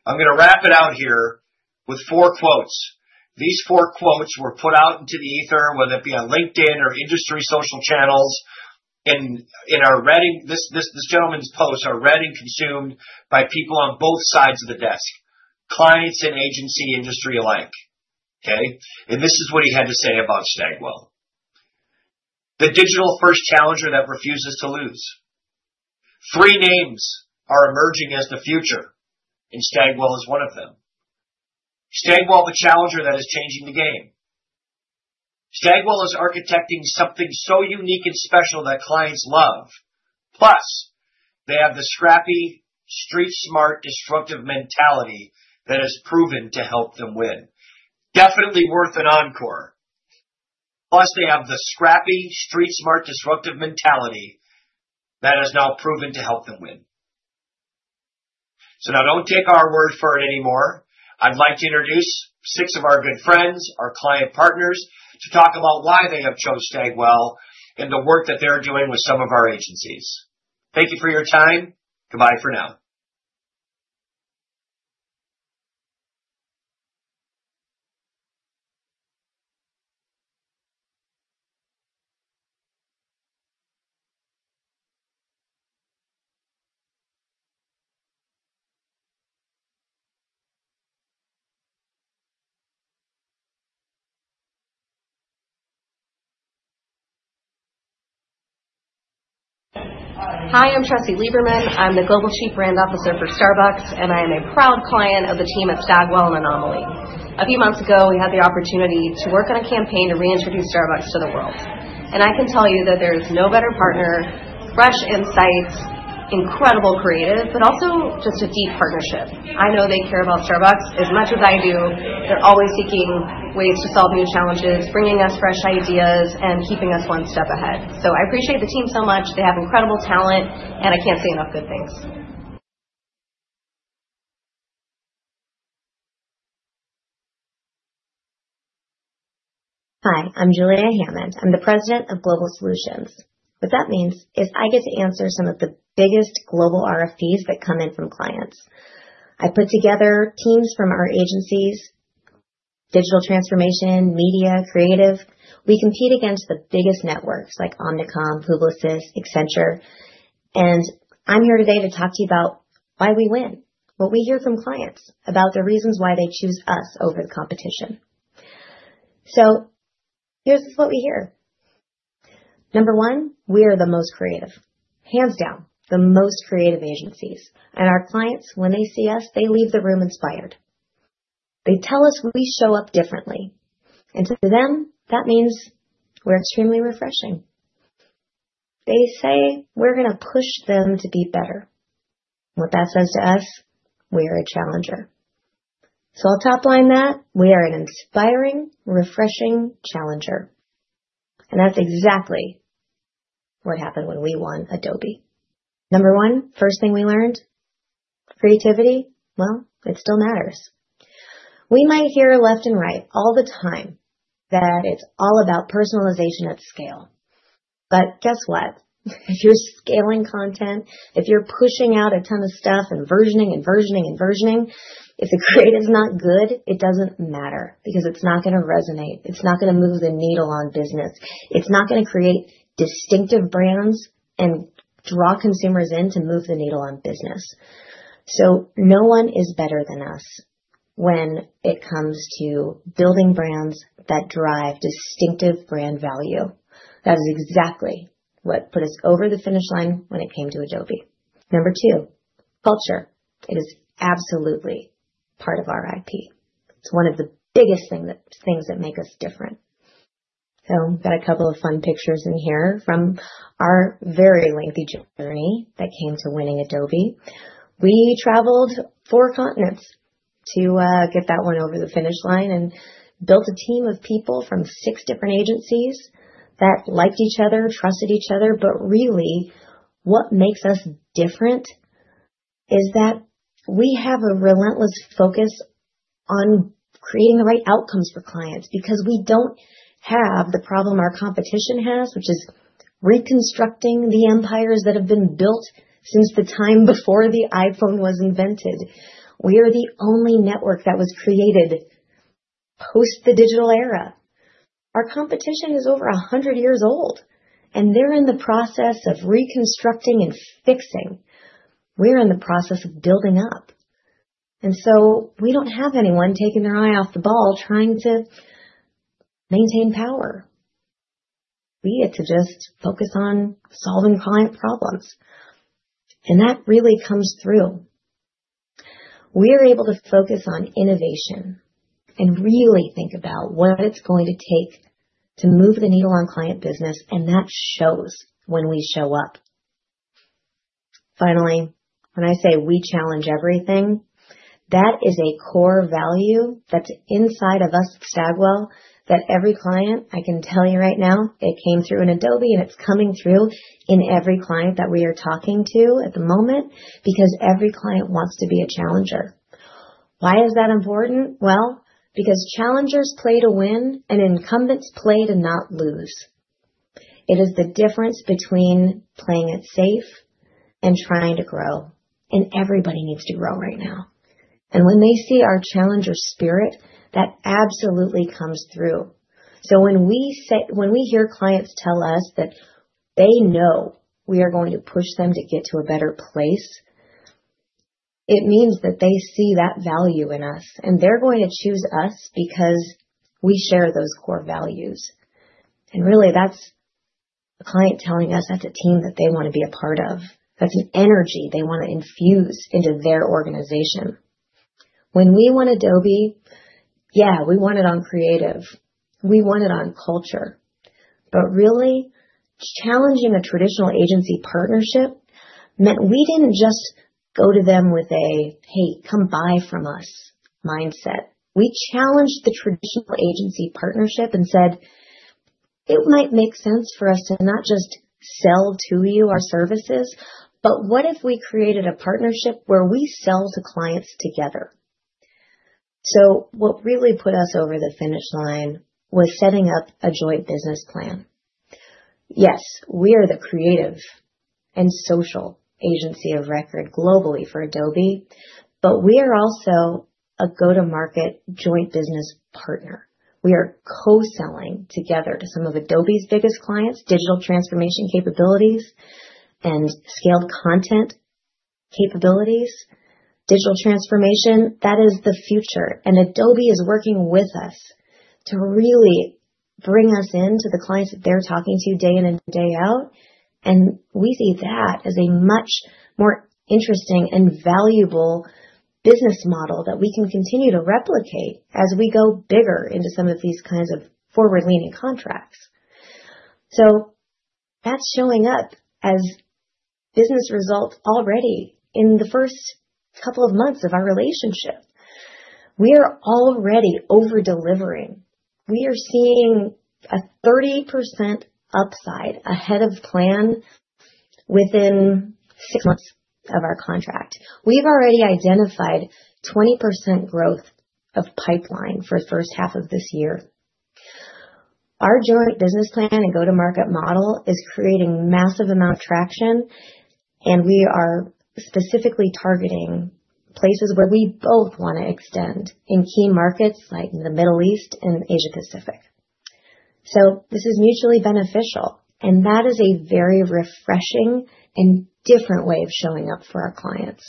I'm going to wrap it out here with four quotes. These four quotes were put out into the ether, whether it be on LinkedIn or industry social channels, and this gentleman's posts are read and consumed by people on both sides of the desk, clients and agency industry alike, okay? This is what he had to say about Stagwell: the digital first challenger that refuses to lose. Three names are emerging as the future, and Stagwell is one of them. Stagwell, the challenger that is changing the game. Stagwell is architecting something so unique and special that clients love. Plus, they have the scrappy, street-smart, disruptive mentality that has proven to help them win. Definitely worth an encore. Plus, they have the scrappy, street-smart, disruptive mentality that has now proven to help them win. Now don't take our word for it anymore. I'd like to introduce six of our good friends, our client partners, to talk about why they have chosen Stagwell and the work that they're doing with some of our agencies. Thank you for your time. Goodbye for now. Hi, I'm Tressie Lieberman. I'm the Global Chief Brand Officer for Starbucks, and I am a proud client of the team at Stagwell and Anomaly. A few months ago, we had the opportunity to work on a campaign to reintroduce Starbucks to the world. I can tell you that there is no better partner: fresh insights, incredible creative, but also just a deep partnership. I know they care about Starbucks as much as I do. They're always seeking ways to solve new challenges, bringing us fresh ideas, and keeping us one step ahead. I appreciate the team so much. They have incredible talent, and I can't say enough good things. Hi, I'm Julia Hammond. I'm the President of Global Solutions. What that means is I get to answer some of the biggest global RFPs that come in from clients. I put together teams from our agencies, digital transformation, media, creative. We compete against the biggest networks like Omnicom, Publicis, Accenture. I'm here today to talk to you about why we win, what we hear from clients, about the reasons why they choose us over the competition. Here's what we hear. Number one, we are the most creative, hands down, the most creative agencies. Our clients, when they see us, they leave the room inspired. They tell us we show up differently. To them, that means we're extremely refreshing. They say we're going to push them to be better. What that says to us, we are a challenger. I'll topline that: we are an inspiring, refreshing challenger. That's exactly what happened when we won Adobe. Number one, first thing we learned: creativity, it still matters. We might hear left and right all the time that it's all about personalization at scale. Guess what? If you're scaling content, if you're pushing out a ton of stuff and versioning and versioning and versioning, if the creative's not good, it doesn't matter because it's not going to resonate. It's not going to move the needle on business. It's not going to create distinctive brands and draw consumers in to move the needle on business. No one is better than us when it comes to building brands that drive distinctive brand value. That is exactly what put us over the finish line when it came to Adobe. Number two, culture. It is absolutely part of our IP. It's one of the biggest things that make us different. I've got a couple of fun pictures in here from our very lengthy journey that came to winning Adobe. We traveled four continents to get that one over the finish line and built a team of people from six different agencies that liked each other, trusted each other. What makes us different is that we have a relentless focus on creating the right outcomes for clients because we don't have the problem our competition has, which is reconstructing the empires that have been built since the time before the iPhone was invented. We are the only network that was created post the digital era. Our competition is over 100 years old, and they're in the process of reconstructing and fixing. We're in the process of building up. We do not have anyone taking their eye off the ball trying to maintain power. We get to just focus on solving client problems. That really comes through. We are able to focus on innovation and really think about what it is going to take to move the needle on client business, and that shows when we show up. Finally, when I say we challenge everything, that is a core value that is inside of us at Stagwell that every client, I can tell you right now, it came through in Adobe, and it is coming through in every client that we are talking to at the moment because every client wants to be a challenger. Why is that important? Because challengers play to win and incumbents play to not lose. It is the difference between playing it safe and trying to grow. Everybody needs to grow right now. When they see our challenger spirit, that absolutely comes through. When we hear clients tell us that they know we are going to push them to get to a better place, it means that they see that value in us, and they're going to choose us because we share those core values. Really, that's a client telling us that's a team that they want to be a part of. That's an energy they want to infuse into their organization. When we won Adobe, yeah, we won it on creative. We won it on culture. Really, challenging a traditional agency partnership meant we didn't just go to them with a, "Hey, come buy from us," mindset. We challenged the traditional agency partnership and said, "It might make sense for us to not just sell to you our services, but what if we created a partnership where we sell to clients together?" What really put us over the finish line was setting up a joint business plan. Yes, we are the creative and social agency of record globally for Adobe, but we are also a go-to-market joint business partner. We are co-selling together to some of Adobe's biggest clients digital transformation capabilities and scaled content capabilities. Digital transformation, that is the future. Adobe is working with us to really bring us into the clients that they're talking to day in and day out. We see that as a much more interesting and valuable business model that we can continue to replicate as we go bigger into some of these kinds of forward-leaning contracts. That's showing up as business results already in the first couple of months of our relationship. We are already over-delivering. We are seeing a 30% upside ahead of plan within six months of our contract. We've already identified 20% growth of pipeline for the first half of this year. Our joint business plan and go-to-market model is creating massive amount of traction, and we are specifically targeting places where we both want to extend in key markets like the Middle East and Asia-Pacific. This is mutually beneficial, and that is a very refreshing and different way of showing up for our clients.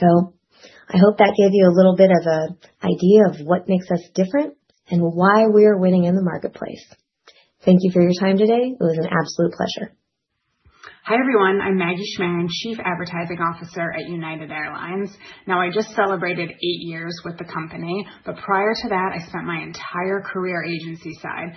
I hope that gave you a little bit of an idea of what makes us different and why we are winning in the marketplace. Thank you for your time today. It was an absolute pleasure. Hi everyone. I'm Maggie Schmerin, Chief Advertising Officer at United Airlines. I just celebrated eight years with the company, but prior to that, I spent my entire career agency side.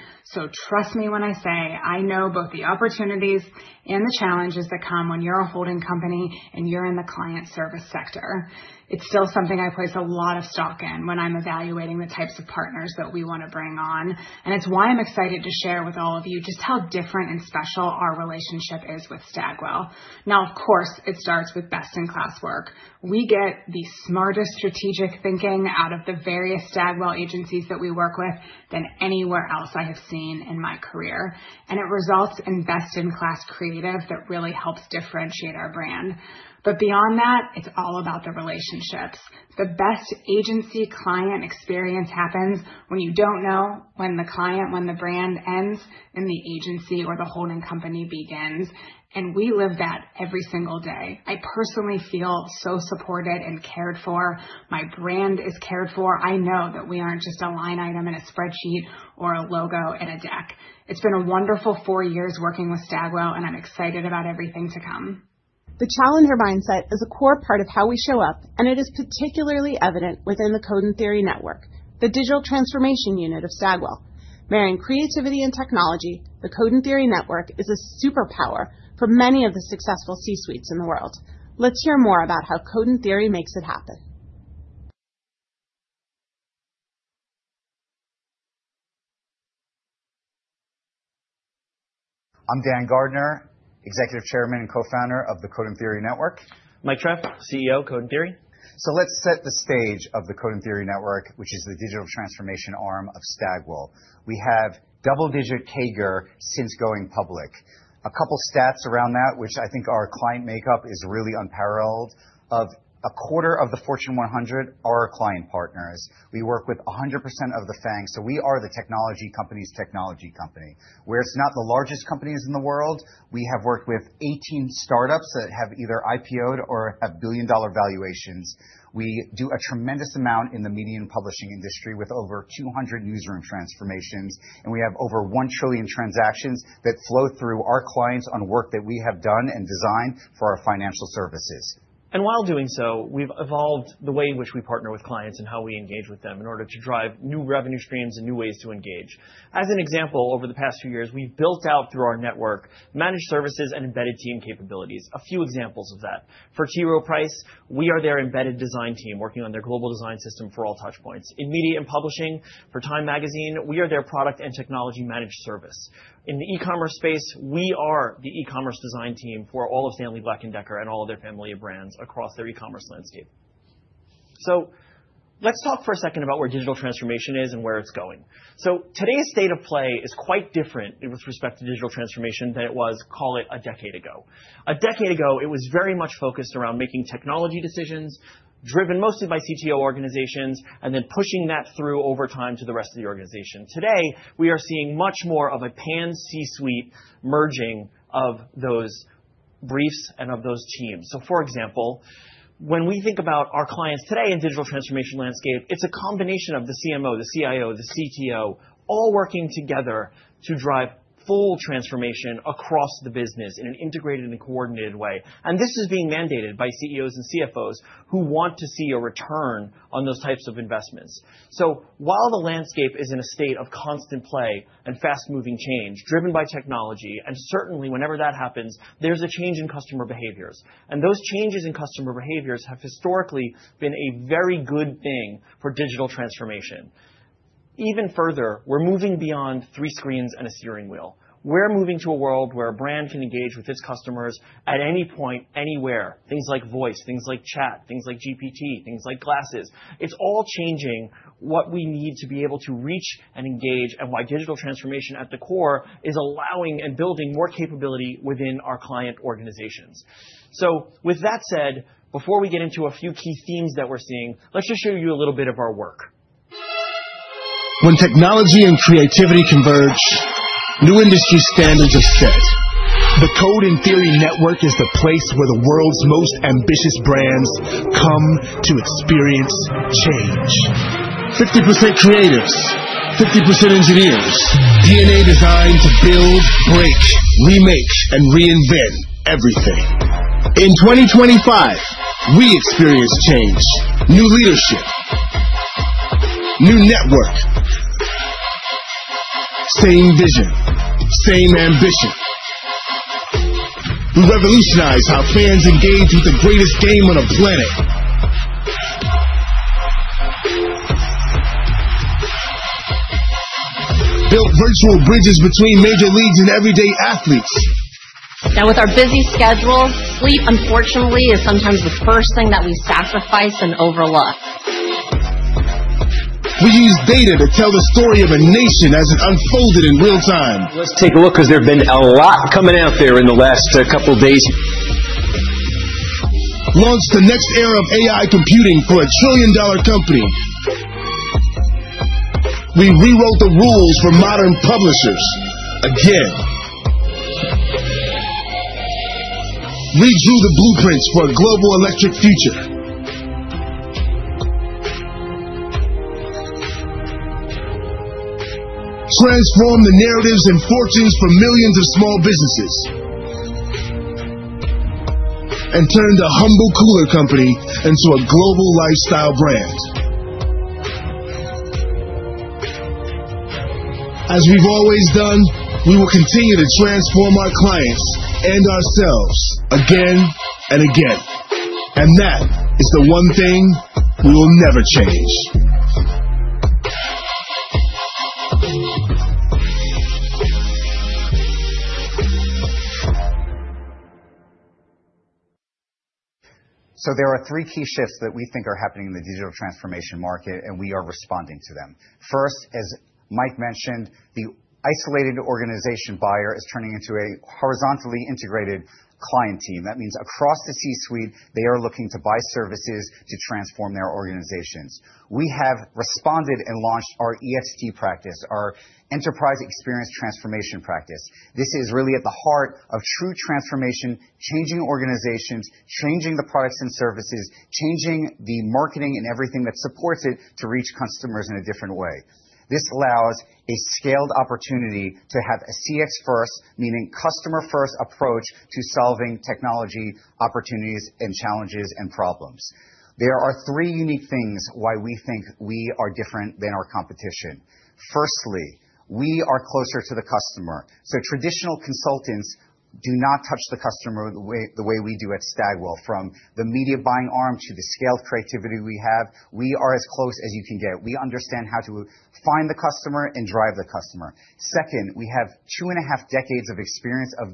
Trust me when I say I know both the opportunities and the challenges that come when you're a holding company and you're in the client service sector. It's still something I place a lot of stock in when I'm evaluating the types of partners that we want to bring on. It's why I'm excited to share with all of you just how different and special our relationship is with Stagwell. Of course, it starts with best-in-class work. We get the smartest strategic thinking out of the various Stagwell agencies that we work with than anywhere else I have seen in my career. It results in best-in-class creative that really helps differentiate our brand. Beyond that, it's all about the relationships. The best agency-client experience happens when you don't know when the client, when the brand ends, and the agency or the holding company begins. We live that every single day. I personally feel so supported and cared for. My brand is cared for. I know that we aren't just a line item in a spreadsheet or a logo in a deck. It's been a wonderful four years working with Stagwell, and I'm excited about everything to come. The challenger mindset is a core part of how we show up, and it is particularly evident within the Code and Theory Network, the digital transformation unit of Stagwell. Marrying creativity and technology, the Code and Theory Network is a superpower for many of the successful C-suites in the world. Let's hear more about how Code and Theory makes it happen. I'm Dan Gardner, Executive Chairman and Co-founder of the Code and Theory Network. Mike Treff, CEO, Code and Theory. Let's set the stage of the Code and Theory Network, which is the digital transformation arm of Stagwell. We have double-digit CAGR since going public. A couple of stats around that, which I think our client makeup is really unparalleled: a quarter of the Fortune 100 are our client partners. We work with 100% of the FAANG. We are the technology company's technology company. We're not the largest companies in the world. We have worked with 18 startups that have either IPO'd or have billion-dollar valuations. We do a tremendous amount in the media and publishing industry with over 200 newsroom transformations, and we have over 1 trillion transactions that flow through our clients on work that we have done and designed for our financial services. While doing so, we've evolved the way in which we partner with clients and how we engage with them in order to drive new revenue streams and new ways to engage. As an example, over the past few years, we've built out through our network managed services and embedded team capabilities. A few examples of that: for T. Rowe Price, we are their embedded design team working on their global design system for all touchpoints. In media and publishing, for Time Magazine, we are their product and technology managed service. In the e-commerce space, we are the e-commerce design team for all of Stanley Black & Decker and all of their family of brands across their e-commerce landscape. Let's talk for a second about where digital transformation is and where it's going. Today's state of play is quite different with respect to digital transformation than it was, call it, a decade ago. A decade ago, it was very much focused around making technology decisions driven mostly by CTO organizations and then pushing that through over time to the rest of the organization. Today, we are seeing much more of a pan-C-suite merging of those briefs and of those teams. For example, when we think about our clients today in the digital transformation landscape, it's a combination of the CMO, the CIO, the CTO, all working together to drive full transformation across the business in an integrated and coordinated way. This is being mandated by CEOs and CFOs who want to see a return on those types of investments. While the landscape is in a state of constant play and fast-moving change driven by technology, and certainly whenever that happens, there's a change in customer behaviors. Those changes in customer behaviors have historically been a very good thing for digital transformation. Even further, we're moving beyond three screens and a steering wheel. We're moving to a world where a brand can engage with its customers at any point, anywhere. Things like voice, things like chat, things like GPT, things like glasses. It's all changing what we need to be able to reach and engage and why digital transformation at the core is allowing and building more capability within our client organizations. With that said, before we get into a few key themes that we're seeing, let's just show you a little bit of our work. When technology and creativity converge, new industry standards are set. The Code and Theory Network is the place where the world's most ambitious brands come to experience change. 50% creatives, 50% engineers, DNA designed to build, break, remake, and reinvent everything. In 2025, we experience change, new leadership, new network, same vision, same ambition. We revolutionize how fans engage with the greatest game on the planet. Built virtual bridges between major leagues and everyday athletes. Now, with our busy schedule, sleep, unfortunately, is sometimes the first thing that we sacrifice and overlook. We use data to tell the story of a nation as it unfolded in real time. Let's take a look because there's been a lot coming out there in the last couple of days. Launch the next era of AI computing for a trillion-dollar company. We rewrote the rules for modern publishers again. Redrew the blueprints for a global electric future. Transform the narratives and fortunes for millions of small businesses. And turned a humble cooler company into a global lifestyle brand. As we've always done, we will continue to transform our clients and ourselves again and again. That is the one thing we will never change. There are three key shifts that we think are happening in the digital transformation market, and we are responding to them. First, as Mike mentioned, the isolated organization buyer is turning into a horizontally integrated client team. That means across the C-suite, they are looking to buy services to transform their organizations. We have responded and launched our EXT practice, our enterprise experience transformation practice. This is really at the heart of true transformation, changing organizations, changing the products and services, changing the marketing and everything that supports it to reach customers in a different way. This allows a scaled opportunity to have a CX-first, meaning customer-first approach to solving technology opportunities and challenges and problems. There are three unique things why we think we are different than our competition. Firstly, we are closer to the customer. Traditional consultants do not touch the customer the way we do at Stagwell. From the media buying arm to the scaled creativity we have, we are as close as you can get. We understand how to find the customer and drive the customer. Second, we have two and a half decades of experience of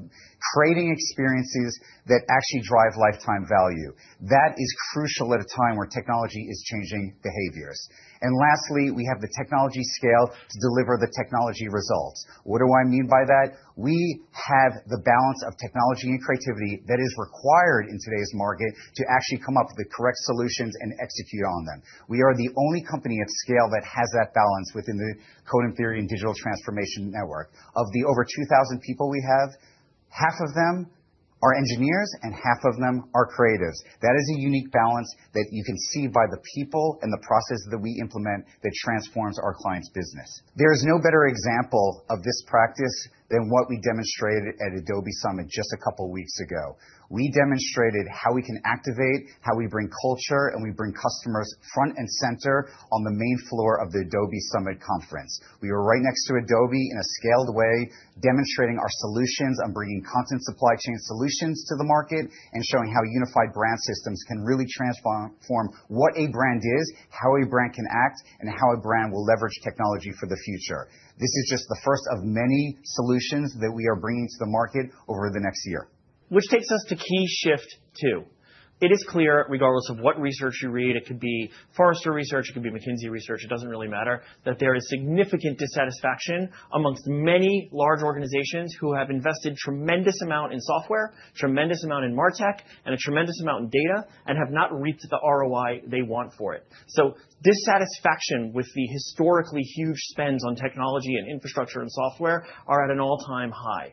creating experiences that actually drive lifetime value. That is crucial at a time where technology is changing behaviors. Lastly, we have the technology scale to deliver the technology results. What do I mean by that? We have the balance of technology and creativity that is required in today's market to actually come up with the correct solutions and execute on them. We are the only company at scale that has that balance within the Code and Theory and digital transformation network. Of the over 2,000 people we have, half of them are engineers and half of them are creatives. That is a unique balance that you can see by the people and the process that we implement that transforms our clients' business. There is no better example of this practice than what we demonstrated at Adobe Summit just a couple of weeks ago. We demonstrated how we can activate, how we bring culture, and we bring customers front and center on the main floor of the Adobe Summit Conference. We were right next to Adobe in a scaled way, demonstrating our solutions and bringing content supply chain solutions to the market and showing how unified brand systems can really transform what a brand is, how a brand can act, and how a brand will leverage technology for the future. This is just the first of many solutions that we are bringing to the market over the next year. Which takes us to key shift two. It is clear, regardless of what research you read, it could be Forrester Research, it could be McKinsey Research, it doesn't really matter, that there is significant dissatisfaction amongst many large organizations who have invested a tremendous amount in software, a tremendous amount in MarTech, and a tremendous amount in data, and have not reached the ROI they want for it. Dissatisfaction with the historically huge spends on technology and infrastructure and software are at an all-time high.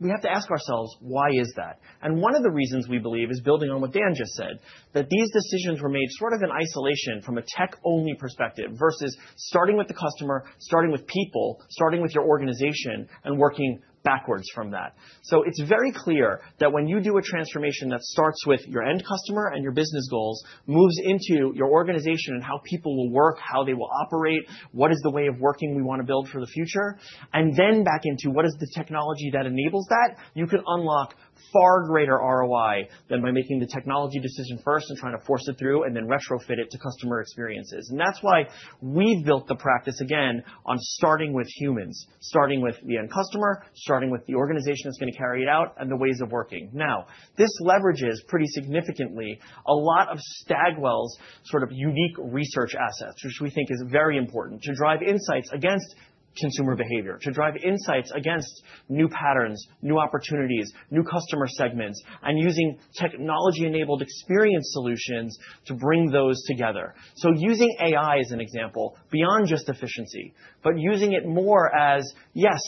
We have to ask ourselves, why is that? One of the reasons we believe is building on what Dan just said, that these decisions were made sort of in isolation from a tech-only perspective versus starting with the customer, starting with people, starting with your organization, and working backwards from that. It is very clear that when you do a transformation that starts with your end customer and your business goals, moves into your organization and how people will work, how they will operate, what is the way of working we want to build for the future, and then back into what is the technology that enables that, you can unlock far greater ROI than by making the technology decision first and trying to force it through and then retrofit it to customer experiences. That is why we have built the practice again on starting with humans, starting with the end customer, starting with the organization that is going to carry it out, and the ways of working. Now, this leverages pretty significantly a lot of Stagwell's sort of unique research assets, which we think is very important to drive insights against consumer behavior, to drive insights against new patterns, new opportunities, new customer segments, and using technology-enabled experience solutions to bring those together. Using AI as an example, beyond just efficiency, but using it more as, yes,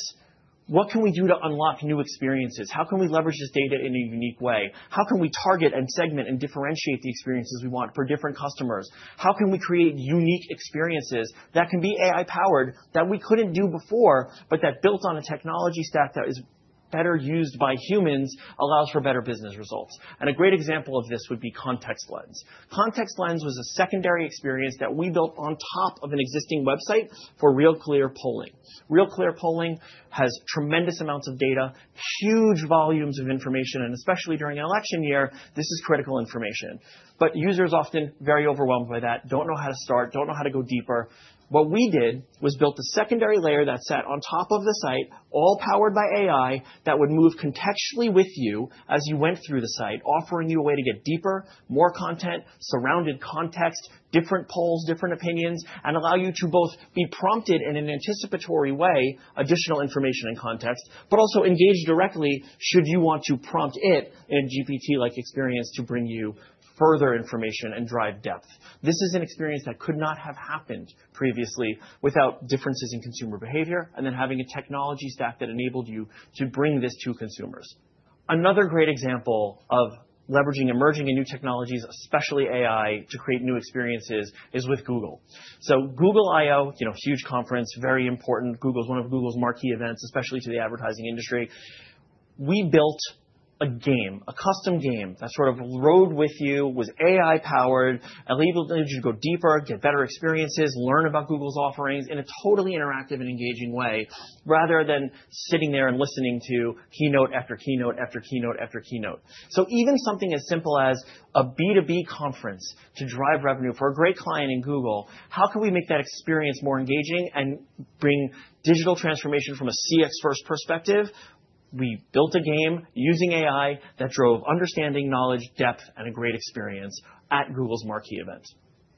what can we do to unlock new experiences? How can we leverage this data in a unique way? How can we target and segment and differentiate the experiences we want for different customers? How can we create unique experiences that can be AI-powered that we could not do before, but that built on a technology stack that is better used by humans allows for better business results? A great example of this would be ContextLens. ContextLens was a secondary experience that we built on top of an existing website for RealClearPolling. RealClearPolling has tremendous amounts of data, huge volumes of information, and especially during an election year, this is critical information. Users are often very overwhelmed by that, don't know how to start, don't know how to go deeper. What we did was build the secondary layer that sat on top of the site, all powered by AI, that would move contextually with you as you went through the site, offering you a way to get deeper, more content, surrounded context, different polls, different opinions, and allow you to both be prompted in an anticipatory way, additional information and context, but also engage directly should you want to prompt it in a GPT-like experience to bring you further information and drive depth. This is an experience that could not have happened previously without differences in consumer behavior and then having a technology stack that enabled you to bring this to consumers. Another great example of leveraging emerging and new technologies, especially AI, to create new experiences is with Google. Google I/O, huge conference, very important. Google is one of Google's marquee events, especially to the advertising industry. We built a game, a custom game that sort of rode with you, was AI-powered, enabled you to go deeper, get better experiences, learn about Google's offerings in a totally interactive and engaging way rather than sitting there and listening to keynote after keynote after keynote after keynote. Even something as simple as a B2B conference to drive revenue for a great client in Google, how can we make that experience more engaging and bring digital transformation from a CX-first perspective? We built a game using AI that drove understanding, knowledge, depth, and a great experience at Google's marquee event.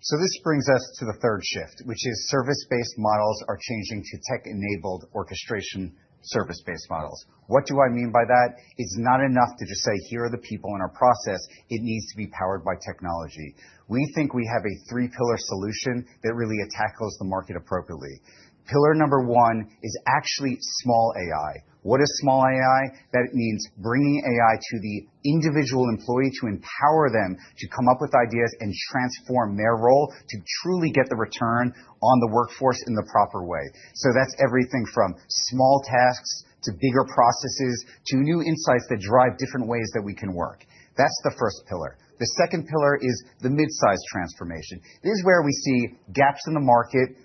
This brings us to the third shift, which is service-based models are changing to tech-enabled orchestration service-based models. What do I mean by that? It's not enough to just say, here are the people in our process. It needs to be powered by technology. We think we have a three-pillar solution that really tackles the market appropriately. Pillar number one is actually small AI. What is small AI? That means bringing AI to the individual employee to empower them to come up with ideas and transform their role to truly get the return on the workforce in the proper way. That's everything from small tasks to bigger processes to new insights that drive different ways that we can work. That's the first pillar. The second pillar is the mid-size transformation. This is where we see gaps in the market.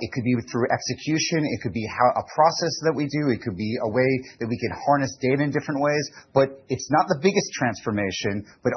It could be through execution. It could be how a process that we do. It could be a way that we can harness data in different ways. It's not the biggest transformation, but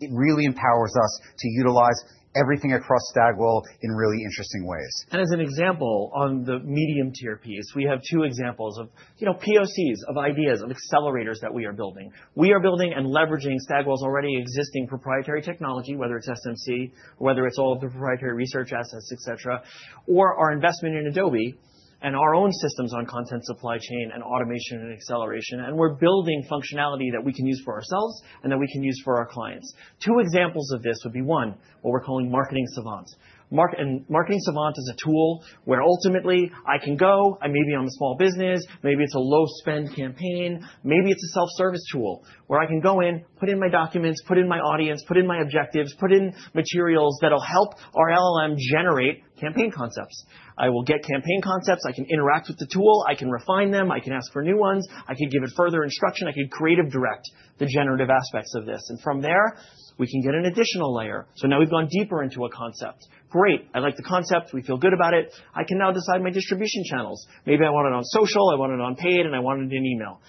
it really empowers us to utilize everything across Stagwell in really interesting ways. As an example, on the medium-tier piece, we have two examples of POCs, of ideas, of accelerators that we are building. We are building and leveraging Stagwell's already existing proprietary technology, whether it's SMC, whether it's all of the proprietary research assets, et cetera, or our investment in Adobe and our own systems on content supply chain and automation and acceleration. We're building functionality that we can use for ourselves and that we can use for our clients. Two examples of this would be one, what we're calling marketing savants. And marketing savants is a tool where ultimately I can go, I may be on a small business, maybe it's a low-spend campaign, maybe it's a self-service tool where I can go in, put in my documents, put in my audience, put in my objectives, put in materials that'll help our LLM generate campaign concepts. I will get campaign concepts. I can interact with the tool. I can refine them. I can ask for new ones. I can give it further instruction. I can creative direct the generative aspects of this. From there, we can get an additional layer. Now we've gone deeper into a concept. Great. I like the concept. We feel good about it. I can now decide my distribution channels. Maybe I want it on social. I want it on paid, and I want it in email.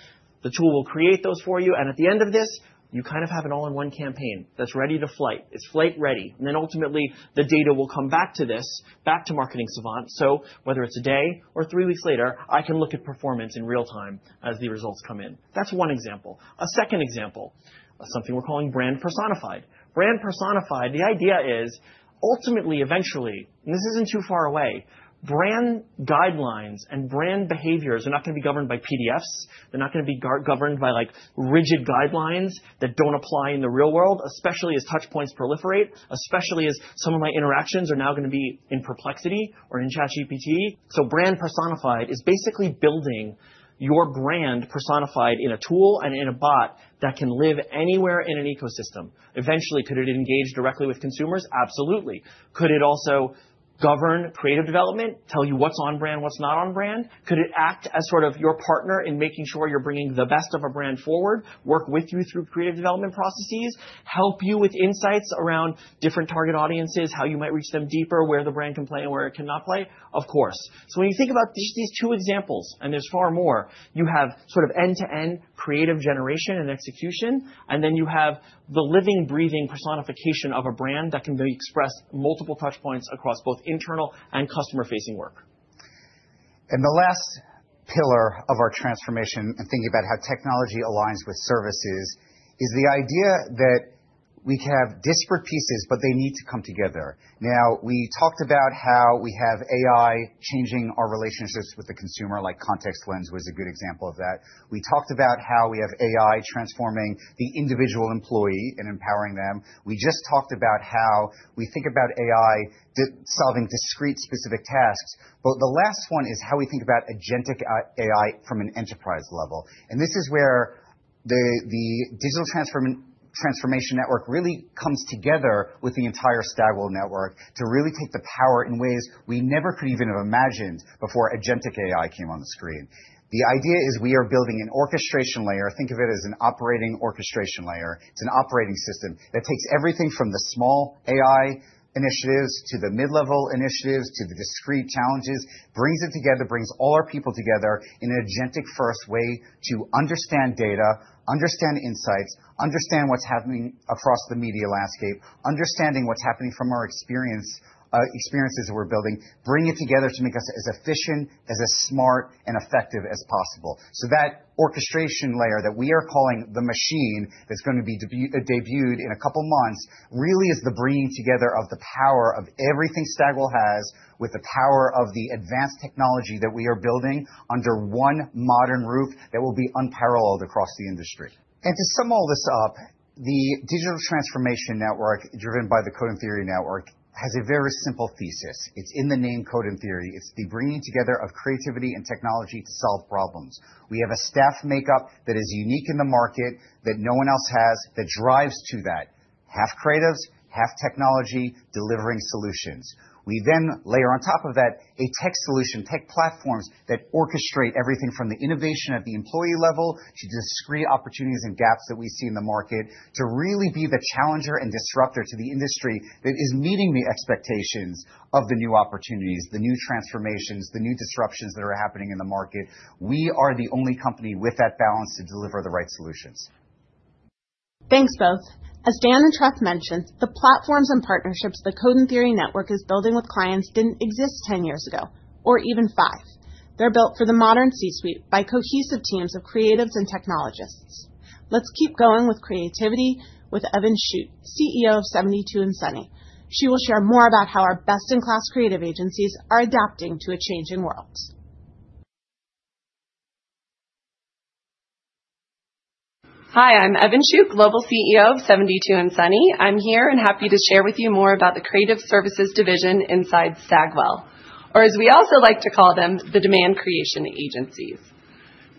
The tool will create those for you. At the end of this, you kind of have an all-in-one campaign that's ready to flight. It's flight ready. Ultimately, the data will come back to this, back to marketing savants. Whether it's a day or three weeks later, I can look at performance in real time as the results come in. That's one example. A second example, something we're calling brand personified. brand personified, the idea is ultimately, eventually, and this isn't too far away, brand guidelines and brand behaviors are not going to be governed by PDFs. They're not going to be governed by rigid guidelines that don't apply in the real world, especially as touchpoints proliferate, especially as some of my interactions are now going to be in Perplexity or in ChatGPT. Brand Personified is basically building your brand personified in a tool and in a bot that can live anywhere in an ecosystem. Eventually, could it engage directly with consumers? Absolutely. Could it also govern creative development, tell you what's on brand, what's not on brand? Could it act as sort of your partner in making sure you're bringing the best of a brand forward, work with you through creative development processes, help you with insights around different target audiences, how you might reach them deeper, where the brand can play and where it cannot play? Of course. When you think about just these two examples, and there's far more, you have sort of end-to-end creative generation and execution, and then you have the living, breathing personification of a brand that can be expressed multiple touchpoints across both internal and customer-facing work. The last pillar of our transformation and thinking about how technology aligns with services is the idea that we can have disparate pieces, but they need to come together. We talked about how we have AI changing our relationships with the consumer, like ContextLens was a good example of that. We talked about how we have AI transforming the individual employee and empowering them. We just talked about how we think about AI solving discrete specific tasks. The last one is how we think about agentic AI from an enterprise level. This is where the digital transformation network really comes together with the entire Stagwell Network to really take the power in ways we never could even have imagined before agentic AI came on the screen. The idea is we are building an orchestration layer. Think of it as an operating orchestration layer. It's an operating system that takes everything from the small AI initiatives to the mid-level initiatives to the discrete challenges, brings it together, brings all our people together in an agentic-first way to understand data, understand insights, understand what's happening across the media landscape, understanding what's happening from our experiences we're building, bring it together to make us as efficient, as smart, and effective as possible. That orchestration layer that we are calling The Machine that's going to be debuted in a couple of months really is the bringing together of the power of everything Stagwell has with the power of the advanced technology that we are building under one modern roof that will be unparalleled across the industry. To sum all this up, the digital transformation network driven by the Code and Theory Network has a very simple thesis. It's in the name Code and Theory. It's the bringing together of creativity and technology to solve problems. We have a staff makeup that is unique in the market that no one else has that drives to that, half creatives, half technology delivering solutions. We then layer on top of that a tech solution, tech platforms that orchestrate everything from the innovation at the employee level to discrete opportunities and gaps that we see in the market to really be the challenger and disruptor to the industry that is meeting the expectations of the new opportunities, the new transformations, the new disruptions that are happening in the market. We are the only company with that balance to deliver the right solutions. Thanks, both. As Dan and Treff mentioned, the platforms and partnerships the Code and Theory Network is building with clients didn't exist 10 years ago or even 5. They're built for the modern C-suite by cohesive teams of creatives and technologists. Let's keep going with creativity with Evin Shutt, CEO of 72andSunny. She will share more about how our best-in-class creative agencies are adapting to a changing world. Hi, I'm Evin Shutt, Global CEO of 72andSunny. I'm here and happy to share with you more about the Creative Services Division inside Stagwell, or as we also like to call them, the Demand Creation Agencies.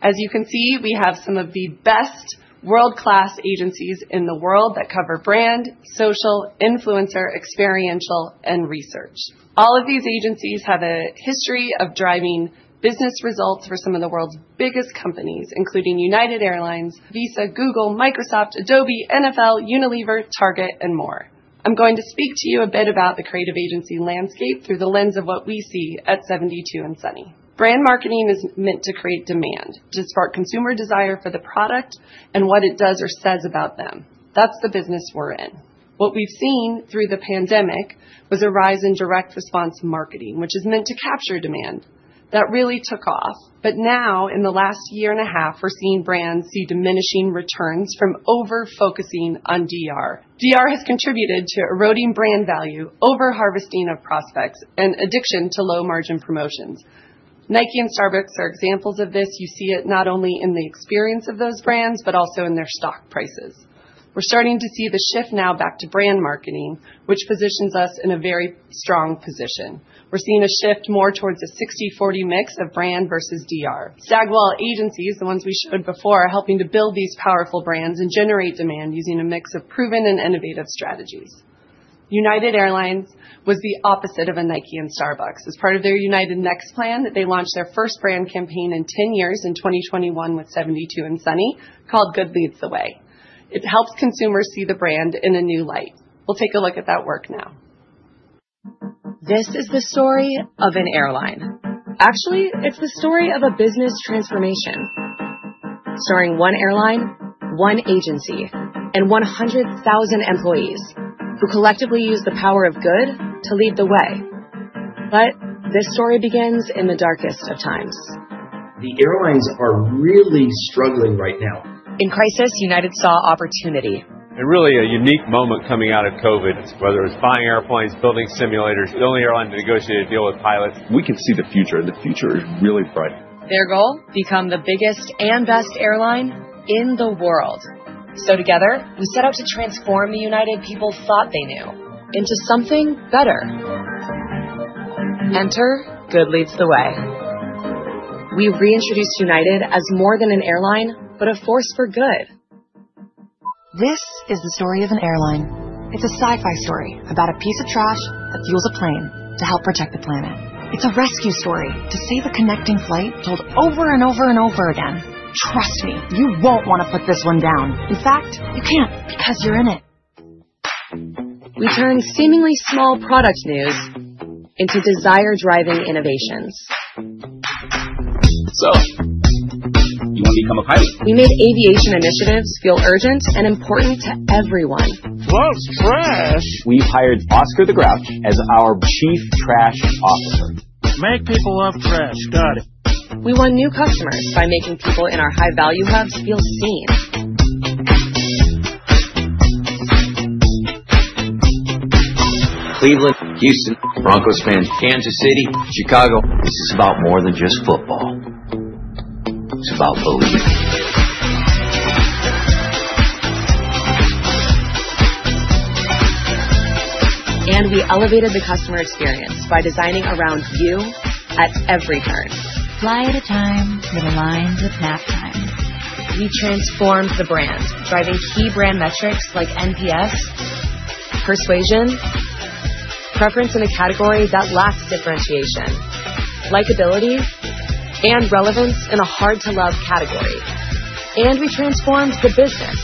As you can see, we have some of the best world-class agencies in the world that cover brand, social, influencer, experiential, and research. All of these agencies have a history of driving business results for some of the world's biggest companies, including United Airlines, Visa, Google, Microsoft, Adobe, NFL, Unilever, Target, and more. I'm going to speak to you a bit about the creative agency landscape through the lens of what we see at 72andSunny. Brand marketing is meant to create demand, to spark consumer desire for the product and what it does or says about them. That's the business we're in. What we've seen through the pandemic was a rise in direct response marketing, which is meant to capture demand. That really took off. Now, in the last year and a half, we're seeing brands see diminishing returns from over-focusing on DR. DR has contributed to eroding brand value, over-harvesting of prospects, and addiction to low-margin promotions. Nike and Starbucks are examples of this. You see it not only in the experience of those brands, but also in their stock prices. We're starting to see the shift now back to brand marketing, which positions us in a very strong position. We're seeing a shift more towards a 60/40 mix of brand versus DR. Stagwell agencies, the ones we showed before, are helping to build these powerful brands and generate demand using a mix of proven and innovative strategies. United Airlines was the opposite of a Nike and Starbucks. As part of their United Next plan, they launched their first brand campaign in 10 years in 2021 with 72andSunny, called Good Leads the Way. It helps consumers see the brand in a new light. We'll take a look at that work now. This is the story of an airline. Actually, it's the story of a business transformation, starring one airline, one agency, and 100,000 employees who collectively use the power of good to lead the way. This story begins in the darkest of times. The airlines are really struggling right now. In crisis, United saw opportunity. Really, a unique moment coming out of COVID, whether it was buying airplanes, building simulators, the only airline to negotiate a deal with pilots. We can see the future, and the future is really bright. Their goal: become the biggest and best airline in the world. Together, we set out to transform the United people thought they knew into something better. Enter Good Leads The Way. We reintroduced United as more than an airline, but a force for good. This is the story of an airline. It's a sci-fi story about a piece of trash that fuels a plane to help protect the planet. It's a rescue story to save a connecting flight told over and over and over again. Trust me, you won't want to put this one down. In fact, you can't because you're in it. We turn seemingly small product news into desire-driving innovations. You want to become a pilot? We made aviation initiatives feel urgent and important to everyone. Love trash. We've hired Oscar the Grouch as our Chief Trash Officer. Make people love trash, got it. We won new customers by making people in our high-value hubs feel seen. Cleveland, Houston, Broncos fans, Kansas City, Chicago. This is about more than just football. It's about belief. We elevated the customer experience by designing around you at every turn. Fly at a time with a line with nap time. We transformed the brand, driving key brand metrics like NPS, persuasion, preference in a category that lacks differentiation, likability, and relevance in a hard-to-love category. We transformed the business,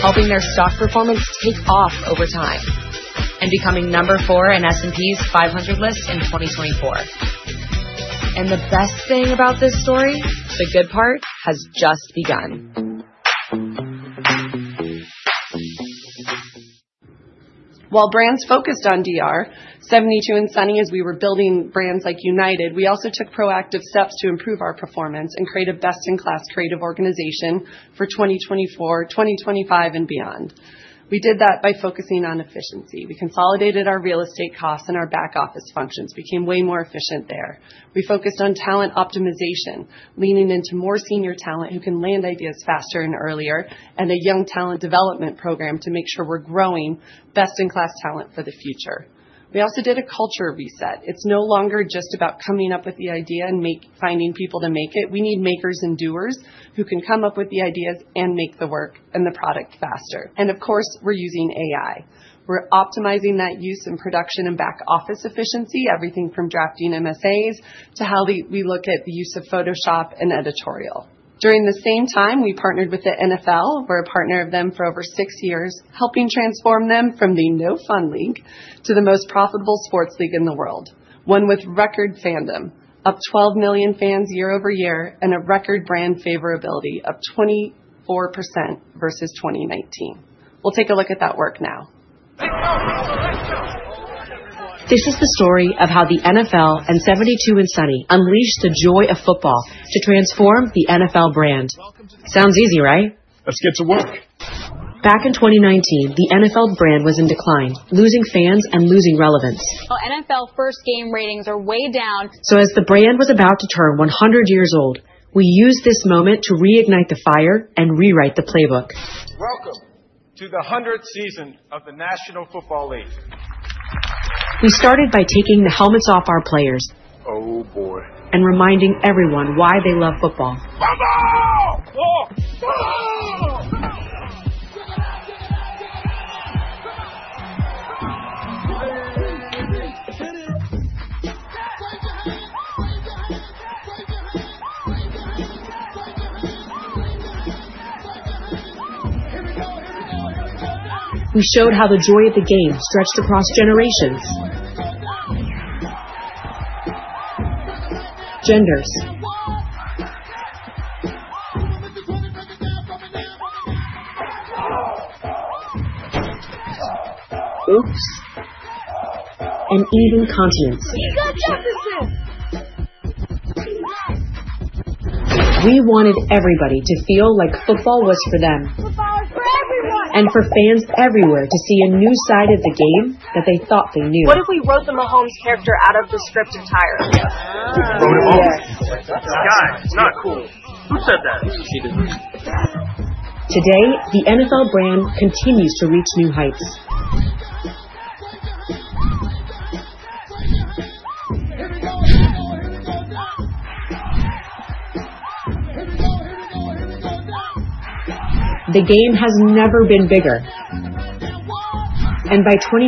helping their stock performance take off over time and becoming number four in S&P's 500 list in 2024. The best thing about this story, the good part has just begun. While brands focused on DR, 72andSunny, as we were building brands like United, we also took proactive steps to improve our performance and create a best-in-class creative organization for 2024, 2025, and beyond. We did that by focusing on efficiency. We consolidated our real estate costs and our back-office functions. We became way more efficient there. We focused on talent optimization, leaning into more senior talent who can land ideas faster and earlier, and a young talent development program to make sure we're growing best-in-class talent for the future. We also did a culture reset. It's no longer just about coming up with the idea and finding people to make it. We need makers and doers who can come up with the ideas and make the work and the product faster. Of course, we're using AI. We're optimizing that use in production and back-office efficiency, everything from drafting MSAs to how we look at the use of Photoshop and editorial. During the same time, we partnered with the NFL. We're a partner of them for over six years, helping transform them from the no-fun league to the most profitable sports league in the world, one with record fandom, up 12 million fans year over year, and a record brand favorability of 24% versus 2019. We'll take a look at that work now. This is the story of how the NFL and 72andSunny unleashed the joy of football to transform the NFL brand. Sounds easy, right? Let's get to work. Back in 2019, the NFL brand was in decline, losing fans and losing relevance. NFL first game ratings are way down. As the brand was about to turn 100 years old, we used this moment to reignite the fire and rewrite the playbook. Welcome to the 100th season of the National Football League. We started by taking the helmets off our players. Oh, boy. Reminding everyone why they love football. Football! We showed how the joy of the game stretched across generations. Genders. Oops. Even continents. We wanted everybody to feel like football was for them. Football is for everyone. For fans everywhere to see a new side of the game that they thought they knew. What if we wrote the Mahomes character out of the script entirely? Wrote it all. This guy, it's not cool. Who said that? She didn't. Today, the NFL brand continues to reach new heights. The game has never been bigger. By 2028,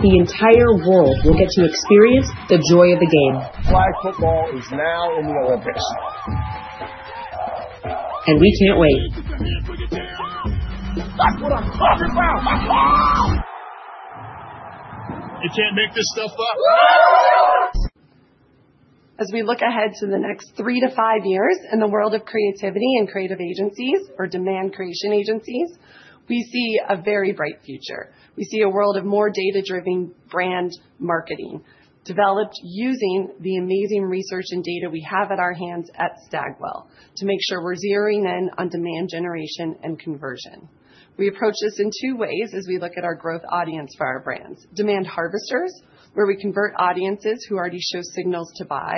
the entire world will get to experience the joy of the game. Flag football is now in the Olympics. We can't wait. That's what I'm talking about. You can't make this stuff up. As we look ahead to the next three to five years in the world of creativity and creative agencies, or demand creation agencies, we see a very bright future. We see a world of more data-driven brand marketing developed using the amazing research and data we have at our hands at Stagwell to make sure we're zeroing in on demand generation and conversion. We approach this in two ways as we look at our growth audience for our brands: demand harvesters, where we convert audiences who already show signals to buy,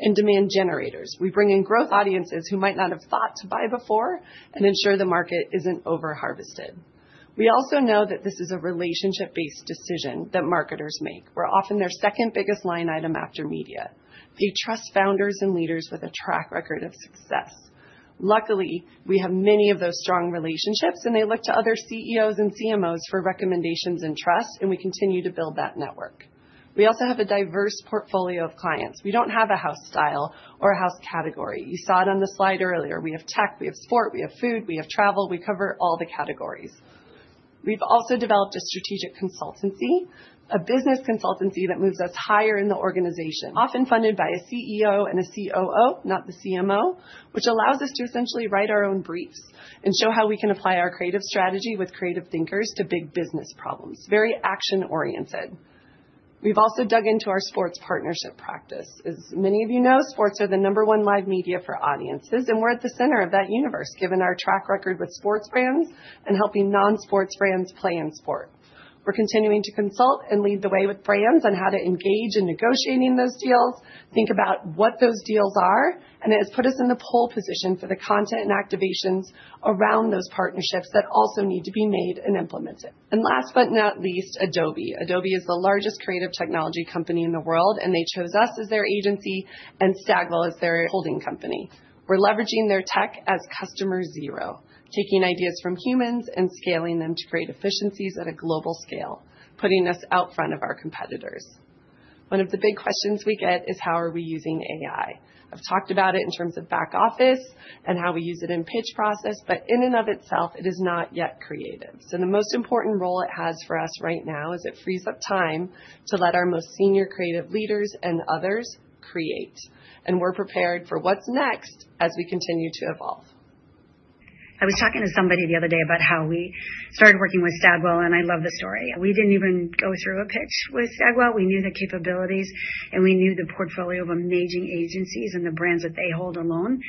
and demand generators. We bring in growth audiences who might not have thought to buy before and ensure the market is not over-harvested. We also know that this is a relationship-based decision that marketers make. We are often their second biggest line item after media. They trust founders and leaders with a track record of success. Luckily, we have many of those strong relationships, and they look to other CEOs and CMOs for recommendations and trust, and we continue to build that network. We also have a diverse portfolio of clients. We do not have a house style or a house category. You saw it on the slide earlier. We have tech, we have sport, we have food, we have travel. We cover all the categories. We've also developed a strategic consultancy, a business consultancy that moves us higher in the organization, often funded by a CEO and a COO, not the CMO, which allows us to essentially write our own briefs and show how we can apply our creative strategy with creative thinkers to big business problems. Very action-oriented. We've also dug into our sports partnership practice. As many of you know, sports are the number one live media for audiences, and we're at the center of that universe, given our track record with sports brands and helping non-sports brands play in sport. We're continuing to consult and lead the way with brands on how to engage in negotiating those deals, think about what those deals are, and it has put us in the pole position for the content and activations around those partnerships that also need to be made and implemented. Last but not least, Adobe. Adobe is the largest creative technology company in the world, and they chose us as their agency and Stagwell as their holding company. We're leveraging their tech as customer zero, taking ideas from humans and scaling them to create efficiencies at a global scale, putting us out front of our competitors. One of the big questions we get is, how are we using AI? I've talked about it in terms of back-office and how we use it in pitch process, but in and of itself, it is not yet creative. The most important role it has for us right now is it frees up time to let our most senior creative leaders and others create. We're prepared for what's next as we continue to evolve. I was talking to somebody the other day about how we started working with Stagwell, and I love the story. We did not even go through a pitch with Stagwell. We knew the capabilities, and we knew the portfolio of amazing agencies and the brands that they hold alone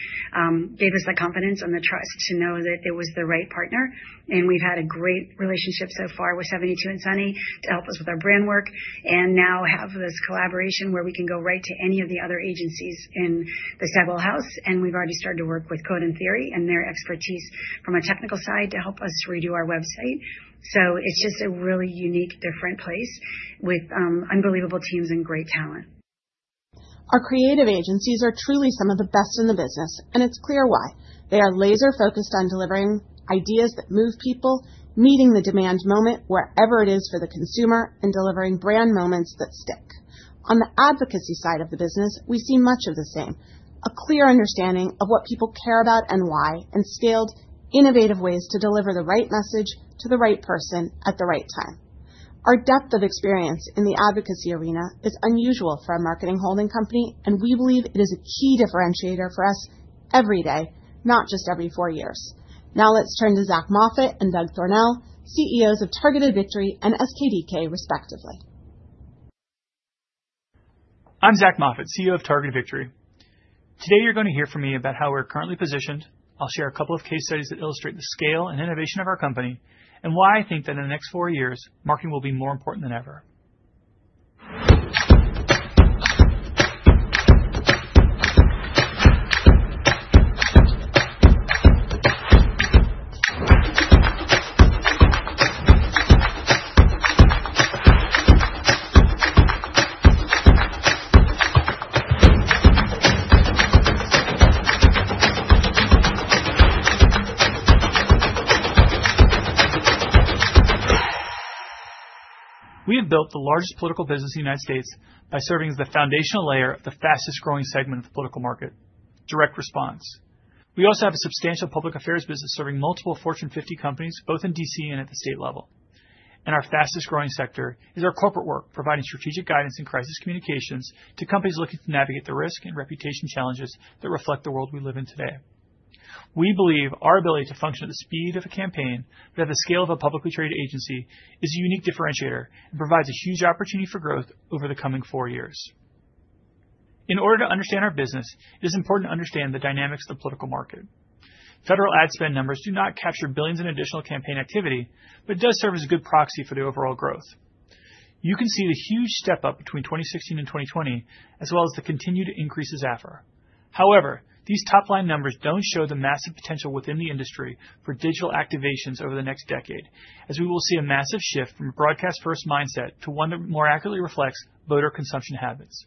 gave us the confidence and the trust to know that it was the right partner. We have had a great relationship so far with 72andSunny to help us with our brand work and now have this collaboration where we can go right to any of the other agencies in the Stagwell house. We have already started to work with Code and Theory and their expertise from a technical side to help us redo our website. It is just a really unique, different place with unbelievable teams and great talent. Our creative agencies are truly some of the best in the business, and it's clear why. They are laser-focused on delivering ideas that move people, meeting the demand moment wherever it is for the consumer, and delivering brand moments that stick. On the advocacy side of the business, we see much of the same: a clear understanding of what people care about and why, and scaled innovative ways to deliver the right message to the right person at the right time. Our depth of experience in the advocacy arena is unusual for a marketing holding company, and we believe it is a key differentiator for us every day, not just every four years. Now let's turn to Zac Moffatt and Doug Thornell, CEOs of Targeted Victory and SKDK, respectively. I'm Zac Moffatt, CEO of Targeted Victory. Today, you're going to hear from me about how we're currently positioned. I'll share a couple of case studies that illustrate the scale and innovation of our company and why I think that in the next four years, marketing will be more important than ever. We have built the largest political business in the United States by serving as the foundational layer of the fastest-growing segment of the political market, direct response. We also have a substantial public affairs business serving multiple Fortune 50 companies, both in D.C. and at the state level. Our fastest-growing sector is our corporate work, providing strategic guidance and crisis communications to companies looking to navigate the risk and reputation challenges that reflect the world we live in today. We believe our ability to function at the speed of a campaign, but at the scale of a publicly traded agency, is a unique differentiator and provides a huge opportunity for growth over the coming four years. In order to understand our business, it is important to understand the dynamics of the political market. Federal ad spend numbers do not capture billions in additional campaign activity, but it does serve as a good proxy for the overall growth. You can see the huge step-up between 2016 and 2020, as well as the continued increase in [effort]. However, these top-line numbers don't show the massive potential within the industry for digital activations over the next decade, as we will see a massive shift from a broadcast-first mindset to one that more accurately reflects voter consumption habits.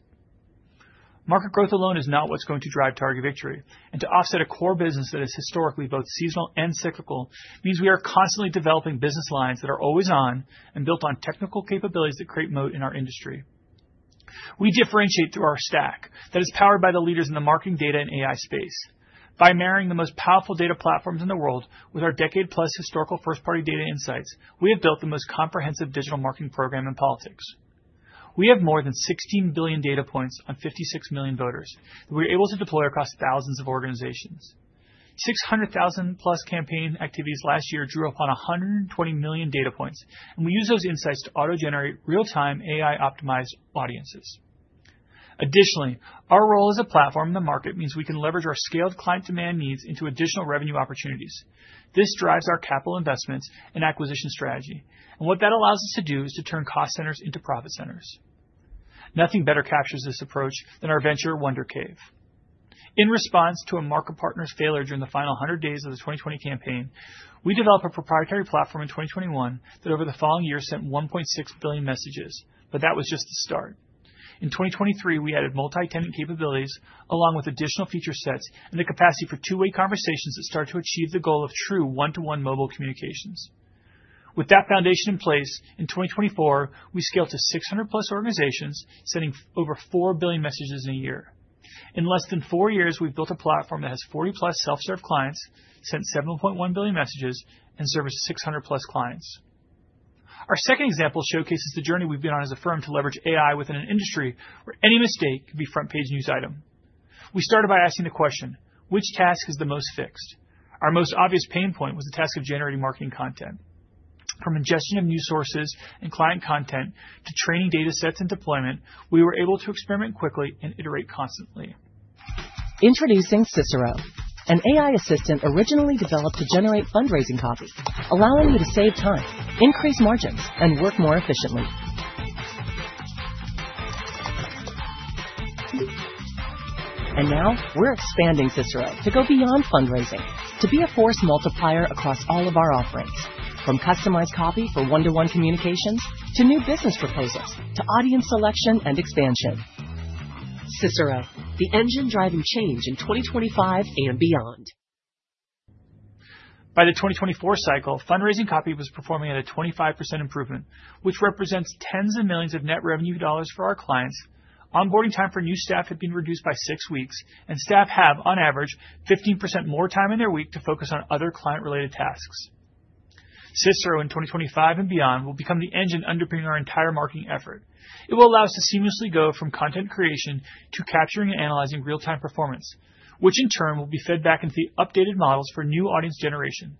Market growth alone is not what's going to drive Targeted Victory. To offset a core business that is historically both seasonal and cyclical means we are constantly developing business lines that are always on and built on technical capabilities that create moat in our industry. We differentiate through our stack that is powered by the leaders in the marketing data and AI space. By marrying the most powerful data platforms in the world with our decade-plus historical first-party data insights, we have built the most comprehensive digital marketing program in politics. We have more than 16 billion data points on 56 million voters that we are able to deploy across thousands of organizations. 600,000+ campaign activities last year drew upon 120 million data points, and we use those insights to auto-generate real-time AI-optimized audiences. Additionally, our role as a platform in the market means we can leverage our scaled client demand needs into additional revenue opportunities. This drives our capital investments and acquisition strategy. What that allows us to do is to turn cost centers into profit centers. Nothing better captures this approach than our venture, Wonder Cave. In response to a market partner's failure during the final 100 days of the 2020 campaign, we developed a proprietary platform in 2021 that over the following year sent 1.6 billion messages, but that was just the start. In 2023, we added multi-tenant capabilities along with additional feature sets and the capacity for two-way conversations that start to achieve the goal of true one-to-one mobile communications. With that foundation in place, in 2024, we scaled to 600+ organizations, sending over 4 billion messages in a year. In less than four years, we've built a platform that has 40+ self-serve clients, sent 7.1 billion messages, and serviced 600+clients. Our second example showcases the journey we've been on as a firm to leverage AI within an industry where any mistake could be front-page news item. We started by asking the question, "Which task is the most fixed?" Our most obvious pain point was the task of generating marketing content. From ingestion of new sources and client content to training data sets and deployment, we were able to experiment quickly and iterate constantly. Introducing Cicero, an AI assistant originally developed to generate fundraising copy, allowing you to save time, increase margins, and work more efficiently. Now we are expanding Cicero to go beyond fundraising to be a force multiplier across all of our offerings, from customized copy for one-to-one communications to new business proposals to audience selection and expansion. Cicero, the engine driving change in 2025 and beyond. By the 2024 cycle, fundraising copy was performing at a 25% improvement, which represents tens of millions of net revenue dollars for our clients. Onboarding time for new staff had been reduced by six weeks, and staff have, on average, 15% more time in their week to focus on other client-related tasks. Cicero, in 2025 and beyond, will become the engine underpinning our entire marketing effort. It will allow us to seamlessly go from content creation to capturing and analyzing real-time performance, which in turn will be fed back into the updated models for new audience generation,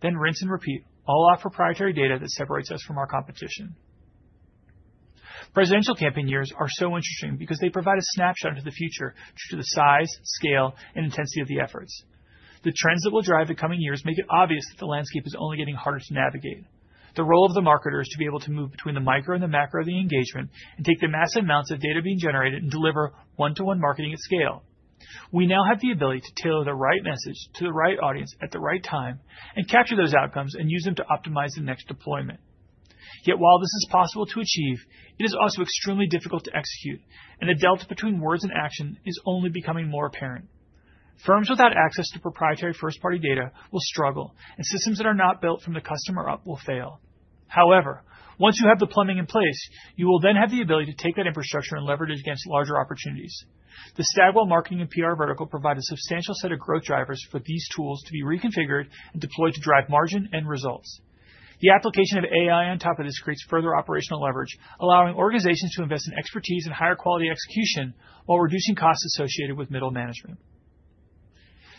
then rinse and repeat, all off proprietary data that separates us from our competition. Presidential campaign years are so interesting because they provide a snapshot into the future due to the size, scale, and intensity of the efforts. The trends that will drive the coming years make it obvious that the landscape is only getting harder to navigate. The role of the marketer is to be able to move between the micro and the macro of the engagement and take the massive amounts of data being generated and deliver one-to-one marketing at scale. We now have the ability to tailor the right message to the right audience at the right time and capture those outcomes and use them to optimize the next deployment. Yet while this is possible to achieve, it is also extremely difficult to execute, and the delta between words and action is only becoming more apparent. Firms without access to proprietary first-party data will struggle, and systems that are not built from the customer up will fail. However, once you have the plumbing in place, you will then have the ability to take that infrastructure and leverage it against larger opportunities. The Stagwell marketing and PR vertical provide a substantial set of growth drivers for these tools to be reconfigured and deployed to drive margin and results. The application of AI on top of this creates further operational leverage, allowing organizations to invest in expertise and higher quality execution while reducing costs associated with middle management.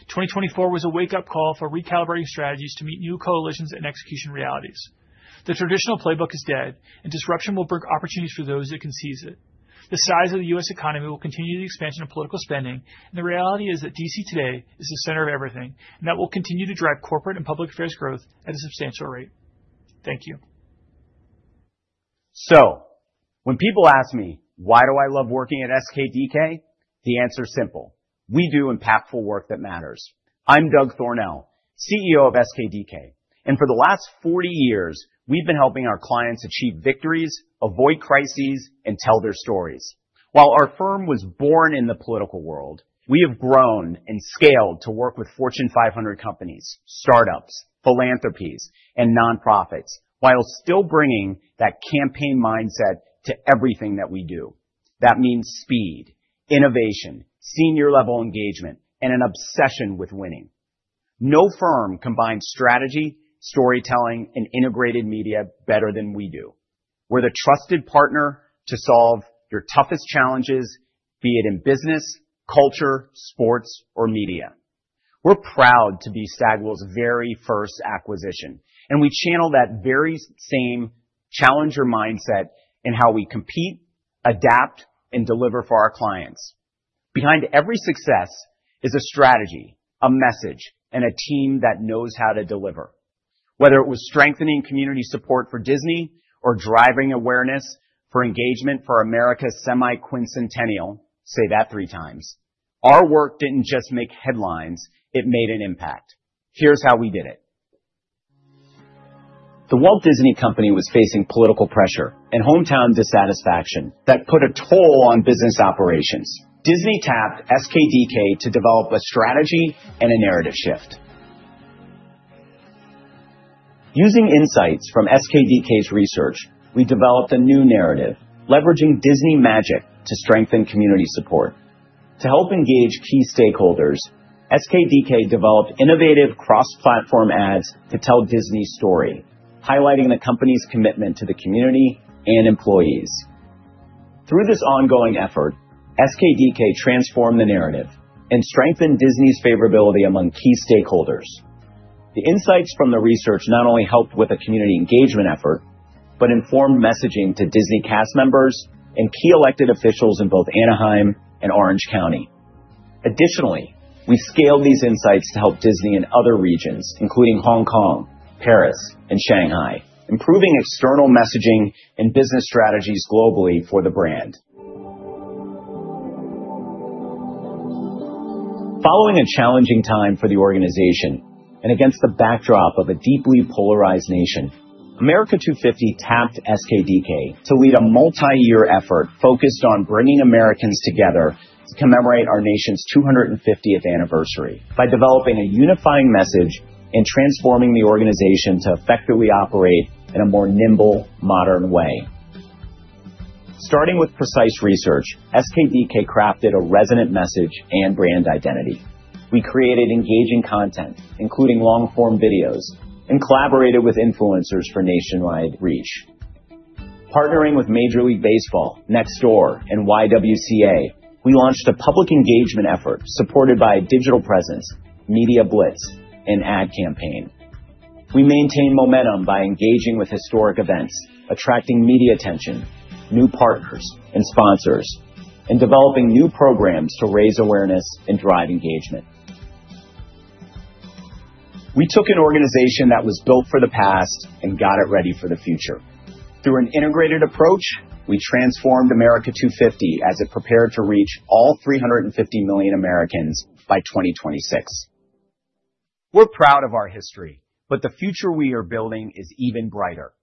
2024 was a wake-up call for recalibrating strategies to meet new coalitions and execution realities. The traditional playbook is dead, and disruption will bring opportunities for those that can seize it. The size of the U.S. economy will continue the expansion of political spending, and the reality is that D.C. today is the center of everything, and that will continue to drive corporate and public affairs growth at a substantial rate. Thank you. When people ask me, "Why do I love working at SKDK?" the answer is simple. We do impactful work that matters. I'm Doug Thornell, CEO of SKDK, and for the last 40 years, we've been helping our clients achieve victories, avoid crises, and tell their stories. While our firm was born in the political world, we have grown and scaled to work with Fortune 500 companies, startups, philanthropies, and nonprofits while still bringing that campaign mindset to everything that we do. That means speed, innovation, senior-level engagement, and an obsession with winning. No firm combines strategy, storytelling, and integrated media better than we do. We're the trusted partner to solve your toughest challenges, be it in business, culture, sports, or media. We're proud to be Stagwell's very first acquisition, and we channel that very same challenger mindset in how we compete, adapt, and deliver for our clients. Behind every success is a strategy, a message, and a team that knows how to deliver. Whether it was strengthening community support for Disney or driving awareness for engagement for America's semi-quincentennial, say that three times. Our work didn't just make headlines, it made an impact. Here's how we did it. The Walt Disney Company was facing political pressure and hometown dissatisfaction that put a toll on business operations. Disney tapped SKDK to develop a strategy and a narrative shift. Using insights from SKDK's research, we developed a new narrative, leveraging Disney magic to strengthen community support. To help engage key stakeholders, SKDK developed innovative cross-platform ads to tell Disney's story, highlighting the company's commitment to the community and employees. Through this ongoing effort, SKDK transformed the narrative and strengthened Disney's favorability among key stakeholders. The insights from the research not only helped with a community engagement effort, but informed messaging to Disney cast members and key elected officials in both Anaheim and Orange County. Additionally, we've scaled these insights to help Disney in other regions, including Hong Kong, Paris, and Shanghai, improving external messaging and business strategies globally for the brand. Following a challenging time for the organization and against the backdrop of a deeply polarized nation, America250 tapped SKDK to lead a multi-year effort focused on bringing Americans together to commemorate our nation's 250th anniversary by developing a unifying message and transforming the organization to effectively operate in a more nimble, modern way. Starting with precise research, SKDK crafted a resonant message and brand identity. We created engaging content, including long-form videos, and collaborated with influencers for nationwide reach. Partnering with Major League Baseball, Nextdoor, and YWCA, we launched a public engagement effort supported by a digital presence, media blitz, and ad campaign. We maintained momentum by engaging with historic events, attracting media attention, new partners, and sponsors, and developing new programs to raise awareness and drive engagement. We took an organization that was built for the past and got it ready for the future. Through an integrated approach, we transformed America250 as it prepared to reach all 350 million Americans by 2026. We're proud of our history, but the future we are building is even brighter.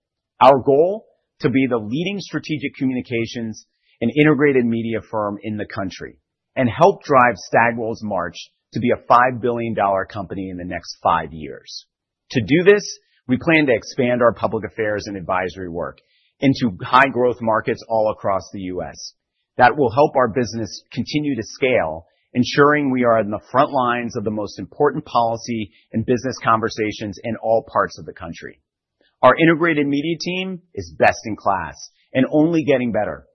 Our goal is to be the leading strategic communications and integrated media firm in the country and help drive Stagwell's march to be a $5 billion company in the next five years. To do this, we plan to expand our public affairs and advisory work into high-growth markets all across the U.S.. That will help our business continue to scale, ensuring we are on the front lines of the most important policy and business conversations in all parts of the country. Our integrated media team is best in class and only getting better.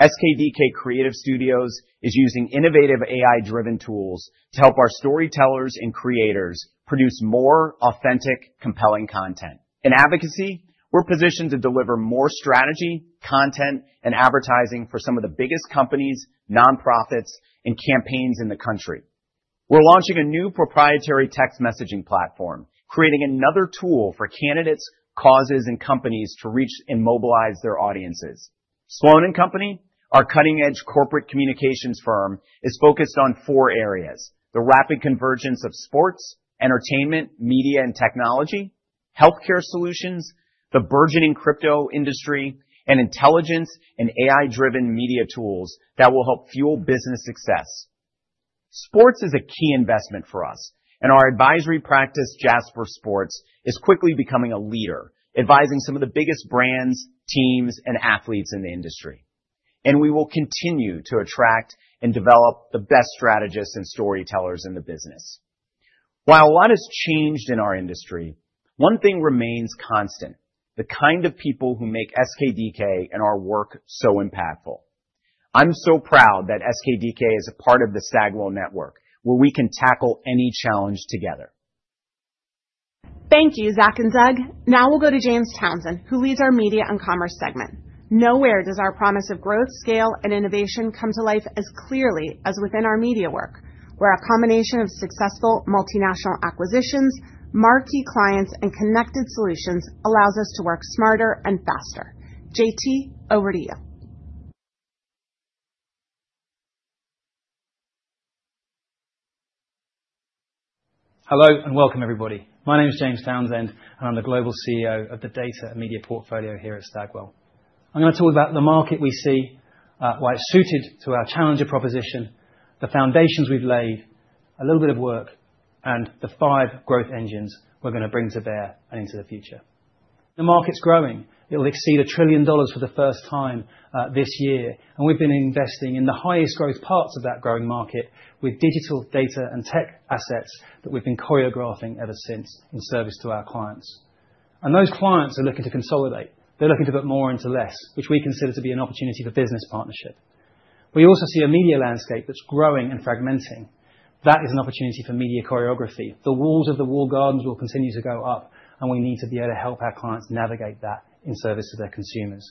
SKDK Creative Studios is using innovative AI-driven tools to help our storytellers and creators produce more authentic, compelling content. In advocacy, we're positioned to deliver more strategy, content, and advertising for some of the biggest companies, nonprofits, and campaigns in the country. We're launching a new proprietary text messaging platform, creating another tool for candidates, causes, and companies to reach and mobilize their audiences. Sloane & Co, our cutting-edge corporate communications firm, is focused on four areas: the rapid convergence of sports, entertainment, media, and technology, healthcare solutions, the burgeoning crypto industry, and intelligence and AI-driven media tools that will help fuel business success. Sports is a key investment for us, and our advisory practice, Jasper Sports, is quickly becoming a leader, advising some of the biggest brands, teams, and athletes in the industry. We will continue to attract and develop the best strategists and storytellers in the business. While a lot has changed in our industry, one thing remains constant: the kind of people who make SKDK and our work so impactful. I am so proud that SKDK is a part of the Stagwell network where we can tackle any challenge together. Thank you, Zac and Doug. Now we will go to James Townsend, who leads our media and commerce segment. Nowhere does our promise of growth, scale, and innovation come to life as clearly as within our media work, where a combination of successful multinational acquisitions, marquee clients, and connected solutions allows us to work smarter and faster. J.T., over to you. Hello, and welcome, everybody. My name is James Townsend, and I'm the global CEO of the data and media portfolio here at Stagwell. I'm going to talk about the market we see, why it's suited to our challenger proposition, the foundations we've laid, a little bit of work, and the five growth engines we're going to bring to bear and into the future. The market's growing. It'll exceed $1 trillion for the first time this year, and we've been investing in the highest growth parts of that growing market with digital data and tech assets that we've been choreographing ever since in service to our clients. Those clients are looking to consolidate. They're looking to put more into less, which we consider to be an opportunity for business partnership. We also see a media landscape that's growing and fragmenting. That is an opportunity for media choreography. The walls of the wall gardens will continue to go up, and we need to be able to help our clients navigate that in service to their consumers.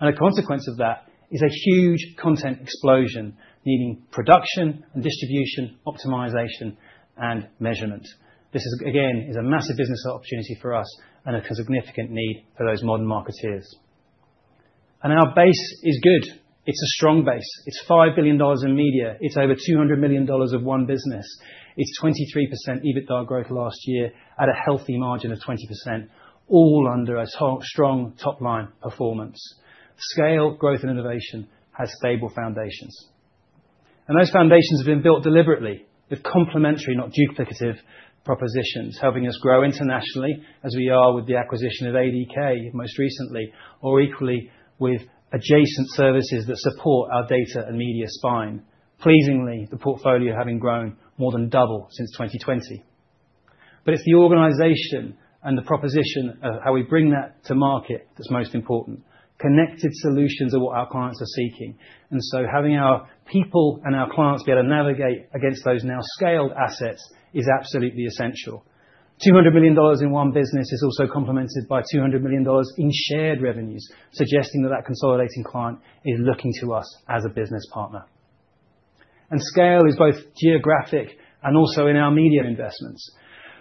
A consequence of that is a huge content explosion, meaning production and distribution, optimization, and measurement. This is, again, a massive business opportunity for us and a significant need for those modern marketeers. Our base is good. It's a strong base. It's $5 billion in media. It's over $200 million of one business. It's 23% EBITDA growth last year at a healthy margin of 20%, all under a strong top-line performance. Scale, growth, and innovation have stable foundations. Those foundations have been built deliberately with complementary, not duplicative, propositions, helping us grow internationally as we are with the acquisition of ADK most recently, or equally with adjacent services that support our data and media spine. Pleasingly, the portfolio having grown more than double since 2020. It is the organization and the proposition of how we bring that to market that's most important. Connected solutions are what our clients are seeking. Having our people and our clients be able to navigate against those now scaled assets is absolutely essential. $200 million in one business is also complemented by $200 million in shared revenues, suggesting that that consolidating client is looking to us as a business partner. Scale is both geographic and also in our media investments.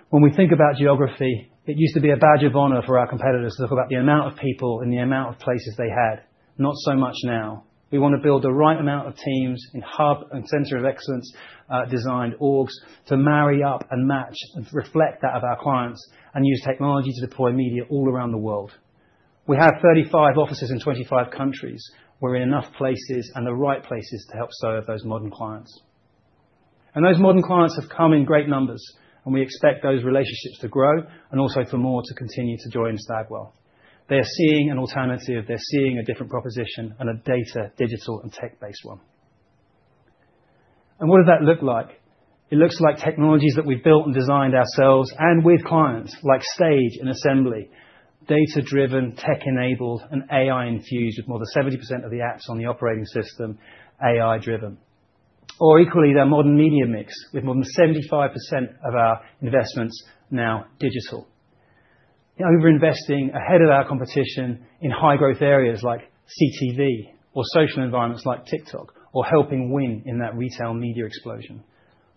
When we think about geography, it used to be a badge of honor for our competitors to talk about the amount of people and the amount of places they had, not so much now. We want to build the right amount of teams in hub and center of excellence designed orgs to marry up and match and reflect that of our clients and use technology to deploy media all around the world. We have 35 offices in 25 countries. We're in enough places and the right places to help serve those modern clients. Those modern clients have come in great numbers, and we expect those relationships to grow and also for more to continue to join Stagwell. They are seeing an alternative. They're seeing a different proposition and a data digital and tech-based one. What does that look like? It looks like technologies that we've built and designed ourselves and with clients like Stagwell and Assembly, data-driven, tech-enabled, and AI-infused with more than 70% of the apps on the operating system AI-driven. Or equally, their modern media mix with more than 75% of our investments now digital. We're investing ahead of our competition in high-growth areas like CTV or social environments like TikTok or helping win in that retail media explosion.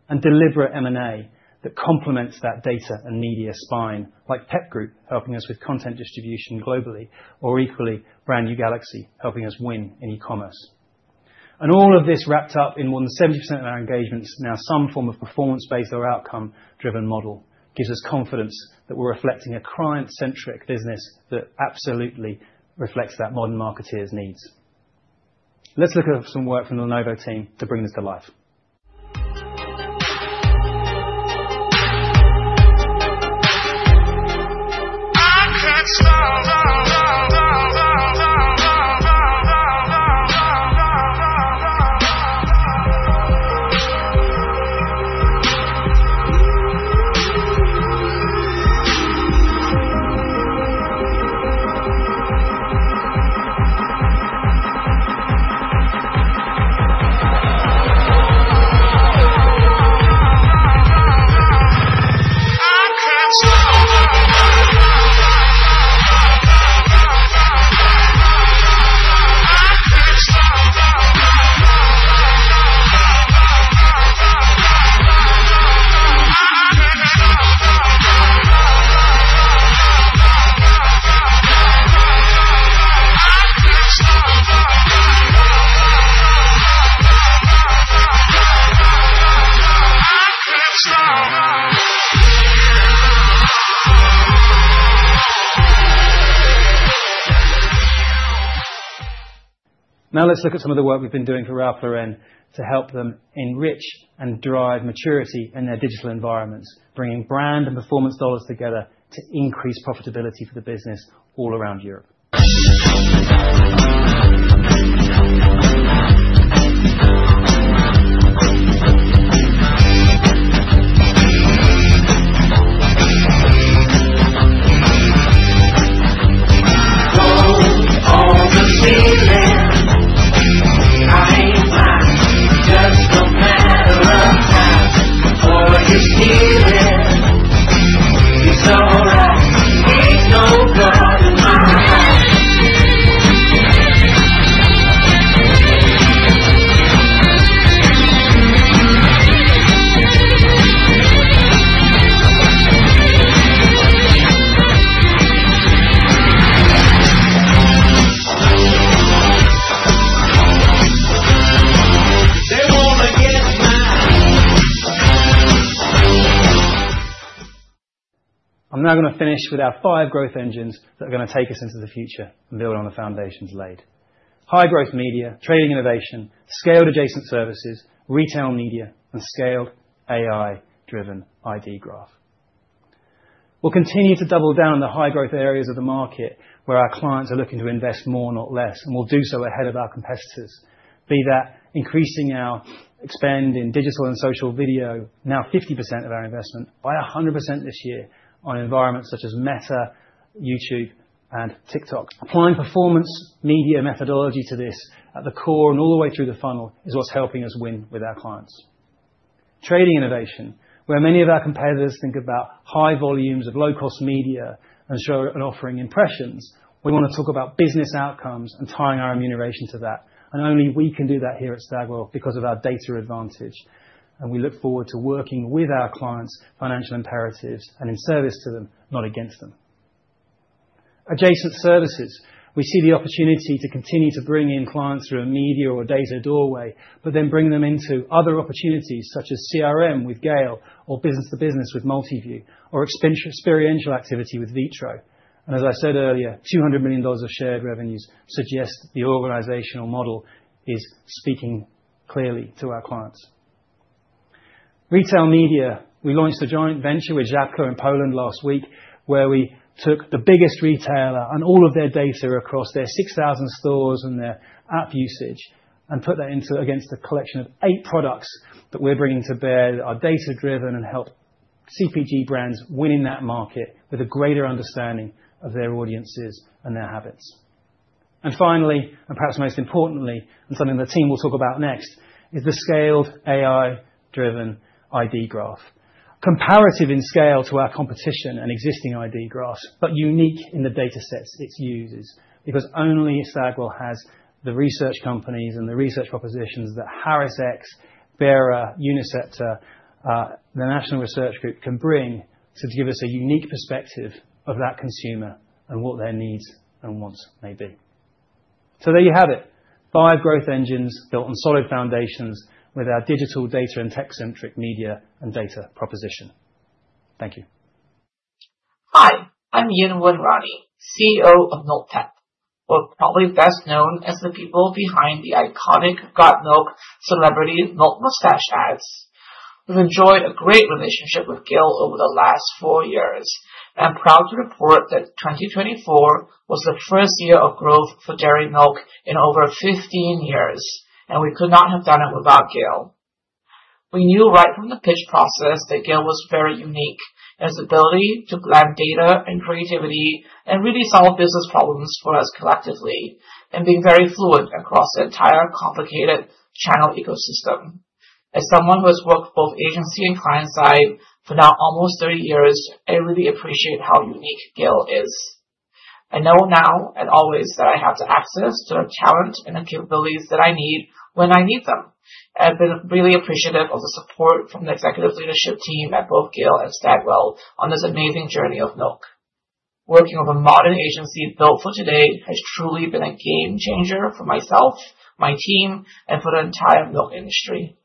Deliberate M&A that complements that data and media spine, like PEP Group helping us with content distribution globally, or equally, Brand New Galaxy helping us win in e-commerce. All of this wrapped up in more than 70% of our engagements, now some form of performance-based or outcome-driven model gives us confidence that we're reflecting a client-centric business that absolutely reflects that modern marketeer's needs. Let's look at some work from the Lenovo team to bring this to life. Now let's look at some of the work we've been doing for Ralph Lauren to help them enrich and drive maturity in their digital environments, bringing brand and performance dollars together to increase profitability for the business all around Europe. Go all you're feeling. I ain't blind. Just a matter of time. Before you steal it, it's all right. Ain't no blood in my heart. They want to get mine. I'm now going to finish with our five growth engines that are going to take us into the future and build on the foundations laid: high-growth media, trading innovation, scaled adjacent services, retail media, and scaled AI-driven ID graph. We'll continue to double down on the high-growth areas of the market where our clients are looking to invest more not less, and we'll do so ahead of our competitors, be that increasing our spend in digital and social video, now 50% of our investment, by 100% this year on environments such as Meta, YouTube, and TikTok. Applying performance media methodology to this at the core and all the way through the funnel is what's helping us win with our clients. Trading innovation, where many of our competitors think about high volumes of low-cost media and show an offering impressions, we want to talk about business outcomes and tying our remuneration to that. Only we can do that here at Stagwell because of our data advantage. We look forward to working with our clients' financial imperatives and in service to them, not against them. Adjacent services, we see the opportunity to continue to bring in clients through a media or data doorway, but then bring them into other opportunities such as CRM with GALE or business-to-business with Multiview or experiential activity with Vitro. As I said earlier, $200 million of shared revenues suggest the organizational model is speaking clearly to our clients. Retail media, we launched a joint venture with Żabka in Poland last week where we took the biggest retailer and all of their data across their 6,000 stores and their app usage and put that against a collection of eight products that we're bringing to bear that are data-driven and help CPG brands win in that market with a greater understanding of their audiences and their habits. Finally, and perhaps most importantly, and something the team will talk about next, is the scaled AI-driven ID graph. Comparative in scale to our competition and existing ID graphs, but unique in the data sets it uses, because only Stagwell has the research companies and the research propositions that HarrisX, BERA, UNICEPTA, the National Research Group can bring to give us a unique perspective of that consumer and what their needs and wants may be. There you have it. Five growth engines built on solid foundations with our digital data and tech-centric media and data proposition. Thank you. Hi, I'm Yin Woon Rani, CEO of MilkPEP, or probably best known as the people behind the iconic got milk? celebrity milk mustache ads. We've enjoyed a great relationship with GALE over the last four years and proud to report that 2024 was the first year of growth for dairy milk in over 15 years, and we could not have done it without GALE. We knew right from the pitch process that GALE was very unique in its ability to blend data and creativity and really solve business problems for us collectively, and being very fluent across the entire complicated channel ecosystem. As someone who has worked both agency and client side for now almost 30 years, I really appreciate how unique GALE is. I know now and always that I have the access to the talent and the capabilities that I need when I need them. I've been really appreciative of the support from the executive leadership team at both GALE and Stagwell on this amazing journey of milk. Working with a modern agency built for today has truly been a game changer for myself, my team, and for the entire milk industry.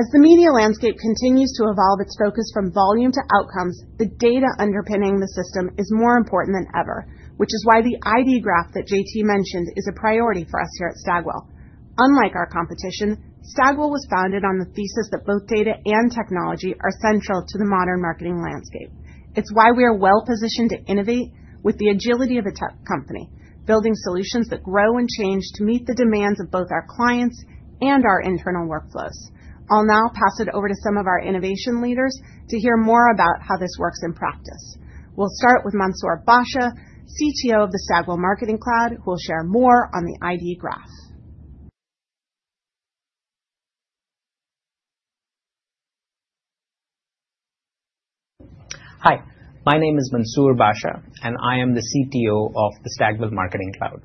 As the media landscape continues to evolve its focus from volume to outcomes, the data underpinning the system is more important than ever, which is why the ID graph that J.T. mentioned is a priority for us here at Stagwell. Unlike our competition, Stagwell was founded on the thesis that both data and technology are central to the modern marketing landscape. It's why we are well-positioned to innovate with the agility of a tech company, building solutions that grow and change to meet the demands of both our clients and our internal workflows. I'll now pass it over to some of our innovation leaders to hear more about how this works in practice. We'll start with Mansoor Basha, CTO of the Stagwell Marketing Cloud, who will share more on the ID graph. Hi, my name is Mansoor Basha, and I am the CTO of the Stagwell Marketing Cloud.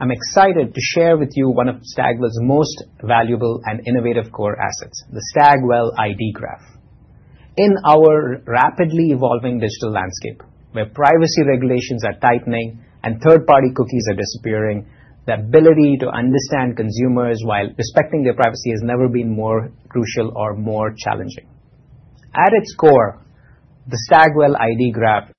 I'm excited to share with you one of Stagwell's most valuable and innovative core assets, the Stagwell ID Graph. In our rapidly evolving digital landscape, where privacy regulations are tightening and third-party cookies are disappearing, the ability to understand consumers while respecting their privacy has never been more crucial or more challenging. At its core, the Stagwell ID Graph.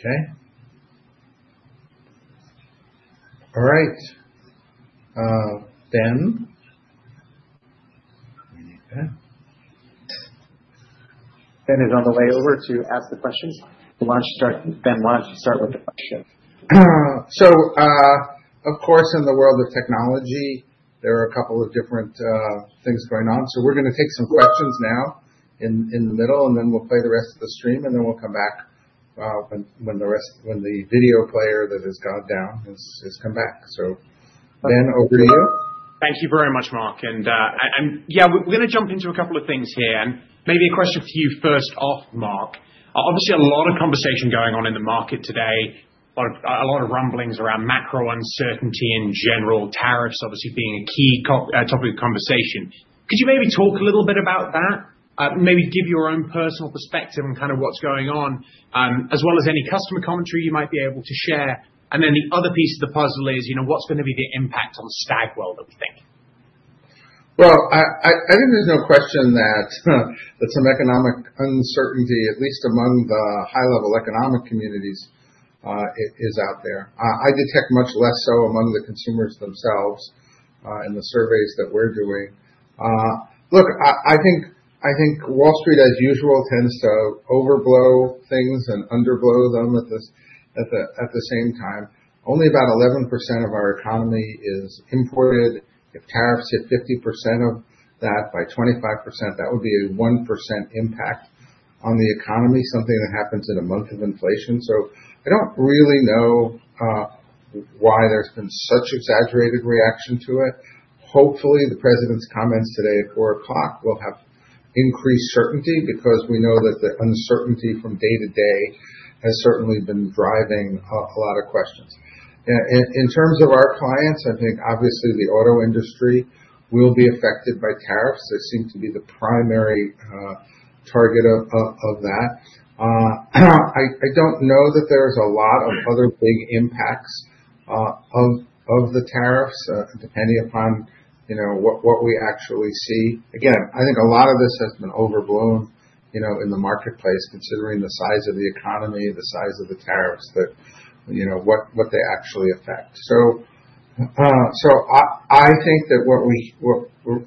Okay. All right. Ben is on the way over to ask the questions. Ben wanted to start with the question. Of course, in the world of technology, there are a couple of different things going on. We're going to take some questions now in the middle, and then we'll play the rest of the stream, and then we'll come back when the video player that has gone down has come back. Ben, over to you. Thank you very much, Mark. Yeah, we're going to jump into a couple of things here. Maybe a question for you first off, Mark. Obviously, a lot of conversation going on in the market today, a lot of rumblings around macro uncertainty in general, tariffs obviously being a key topic of conversation. Could you maybe talk a little bit about that, maybe give your own personal perspective on kind of what's going on, as well as any customer commentary you might be able to share? The other piece of the puzzle is what's going to be the impact on Stagwell that we think? I think there's no question that some economic uncertainty, at least among the high-level economic communities, is out there. I detect much less so among the consumers themselves in the surveys that we're doing. Look, I think Wall Street, as usual, tends to overblow things and underblow them at the same time. Only about 11% of our economy is imported. If tariffs hit 50% of that by 25%, that would be a 1% impact on the economy, something that happens in a month of inflation. I don't really know why there's been such exaggerated reaction to it. Hopefully, the president's comments today at 4:00 o'clock will have increased certainty because we know that the uncertainty from day to day has certainly been driving a lot of questions. In terms of our clients, I think obviously the auto industry will be affected by tariffs. They seem to be the primary target of that. I don't know that there's a lot of other big impacts of the tariffs depending upon what we actually see. Again, I think a lot of this has been overblown in the marketplace, considering the size of the economy, the size of the tariffs, what they actually affect. I think that what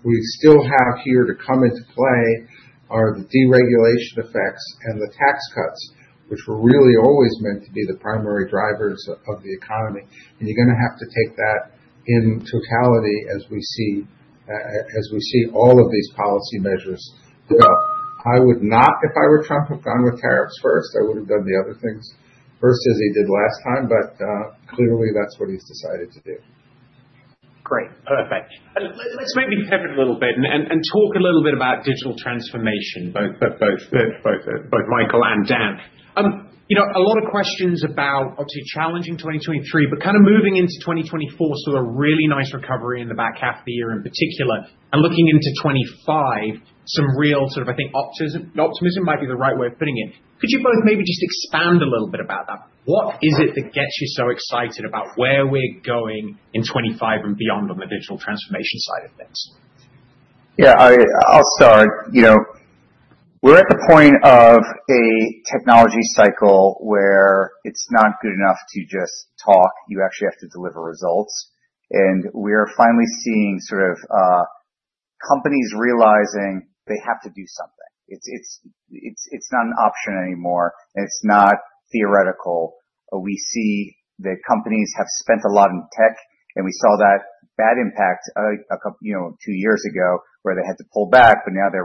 we still have here to come into play are the deregulation effects and the tax cuts, which were really always meant to be the primary drivers of the economy. You're going to have to take that in totality as we see all of these policy measures develop. I would not, if I were Trump, have gone with tariffs first. I would have done the other things first as he did last time, but clearly that's what he's decided to do. Great. Perfect. Let's maybe pivot a little bit and talk a little bit about digital transformation, both Michael and Dan. A lot of questions about obviously challenging 2023, but kind of moving into 2024, a really nice recovery in the back half of the year in particular. Looking into 2025, some real sort of, I think, optimism might be the right way of putting it. Could you both maybe just expand a little bit about that? What is it that gets you so excited about where we're going in 2025 and beyond on the digital transformation side of things? Yeah, I'll start. We're at the point of a technology cycle where it's not good enough to just talk. You actually have to deliver results. We're finally seeing sort of companies realizing they have to do something. It's not an option anymore. It's not theoretical. We see that companies have spent a lot in tech, and we saw that bad impact two years ago where they had to pull back, but now they're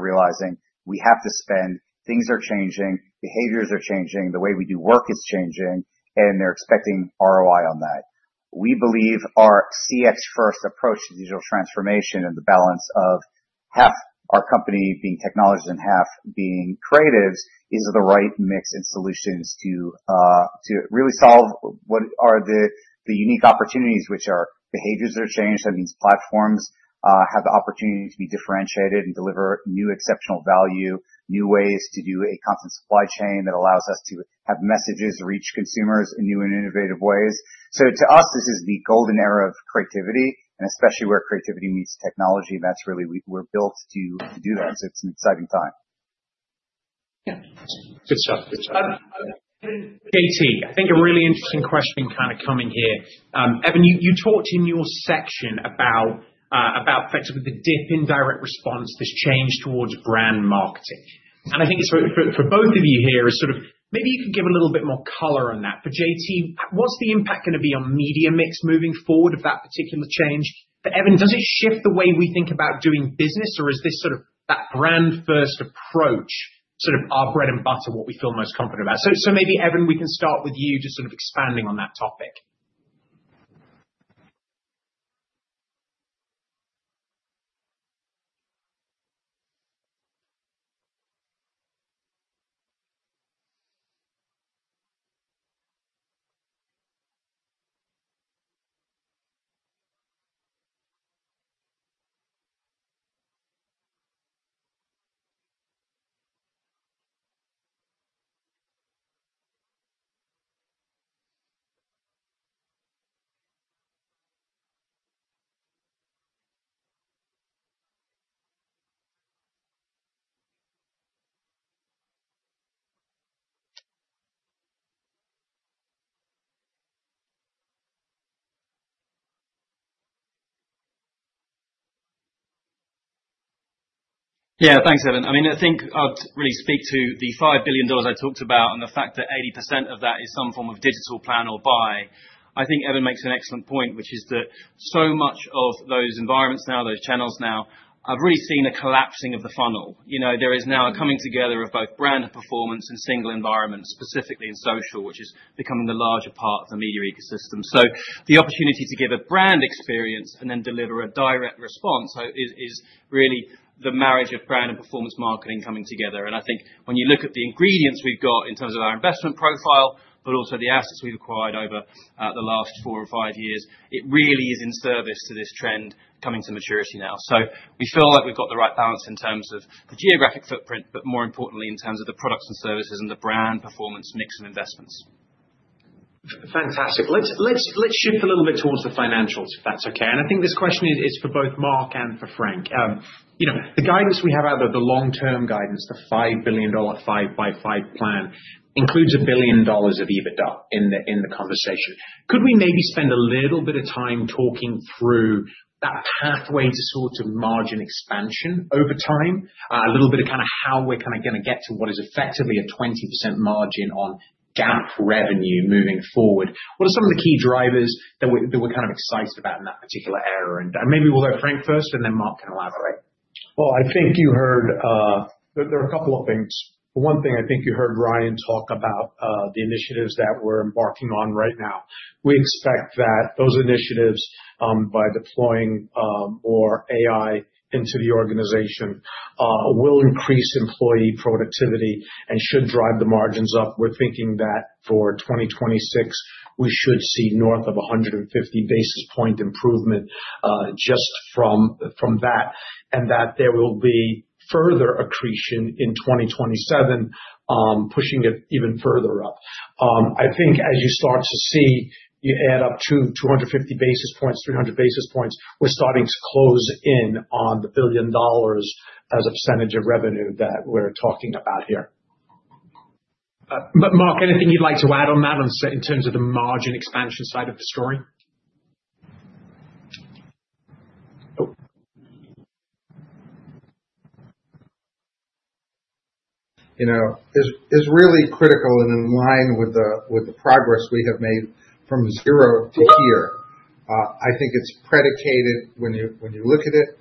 realizing we have to spend. Things are changing. Behaviors are changing. The way we do work is changing, and they're expecting ROI on that. We believe our CX-first approach to digital transformation and the balance of half our company being technologists and half being creatives is the right mix and solutions to really solve what are the unique opportunities, which are behaviors that are changed. That means platforms have the opportunity to be differentiated and deliver new exceptional value, new ways to do a constant supply chain that allows us to have messages reach consumers in new and innovative ways. To us, this is the golden era of creativity, and especially where creativity meets technology. That's really where we're built to do that. It's an exciting time. Yeah. Good stuff. Good stuff. Evin. J.T., I think a really interesting question kind of coming here. Evin, you talked in your section about effectively the dip in direct response, this change towards brand marketing. I think for both of you here is sort of maybe you can give a little bit more color on that. For J.T., what's the impact going to be on media mix moving forward of that particular change? For Evin, does it shift the way we think about doing business, or is this sort of that brand-first approach, sort of our bread and butter, what we feel most confident about? Maybe, Evin, we can start with you just sort of expanding on that topic. Yeah, thanks, Evin. I mean, I think I'd really speak to the $5 billion I talked about and the fact that 80% of that is some form of digital plan or buy. I think Evin makes an excellent point, which is that so much of those environments now, those channels now, I've really seen a collapsing of the funnel. There is now a coming together of both brand and performance and single environments, specifically in social, which is becoming the larger part of the media ecosystem. The opportunity to give a brand experience and then deliver a direct response is really the marriage of brand and performance marketing coming together. I think when you look at the ingredients we've got in terms of our investment profile, but also the assets we've acquired over the last four or five years, it really is in service to this trend coming to maturity now. We feel like we've got the right balance in terms of the geographic footprint, but more importantly, in terms of the products and services and the brand performance mix and investments. Fantastic. Let's shift a little bit towards the financials, if that's okay. I think this question is for both Mark and for Frank. The guidance we have out there, the long-term guidance, the $5 billion five by five plan, includes a billion dollars of EBITDA in the conversation. Could we maybe spend a little bit of time talking through that pathway to sort of margin expansion over time? A little bit of kind of how we're kind of going to get to what is effectively a 20% margin on GAAP revenue moving forward. What are some of the key drivers that we're kind of excited about in that particular area? Maybe we'll let Frank first, and then Mark can elaborate. I think you heard there are a couple of things. One thing I think you heard Ryan talk about is the initiatives that we're embarking on right now. We expect that those initiatives, by deploying more AI into the organization, will increase employee productivity and should drive the margins up. We're thinking that for 2026, we should see north of 150 basis point improvement just from that, and that there will be further accretion in 2027, pushing it even further up. I think as you start to see, you add up to 250 basis points-300 basis points. We're starting to close in on the billion dollars as a percentage of revenue that we're talking about here. Mark, anything you'd like to add on that in terms of the margin expansion side of the story? Is really critical and in line with the progress we have made from zero to here. I think it's predicated, when you look at it,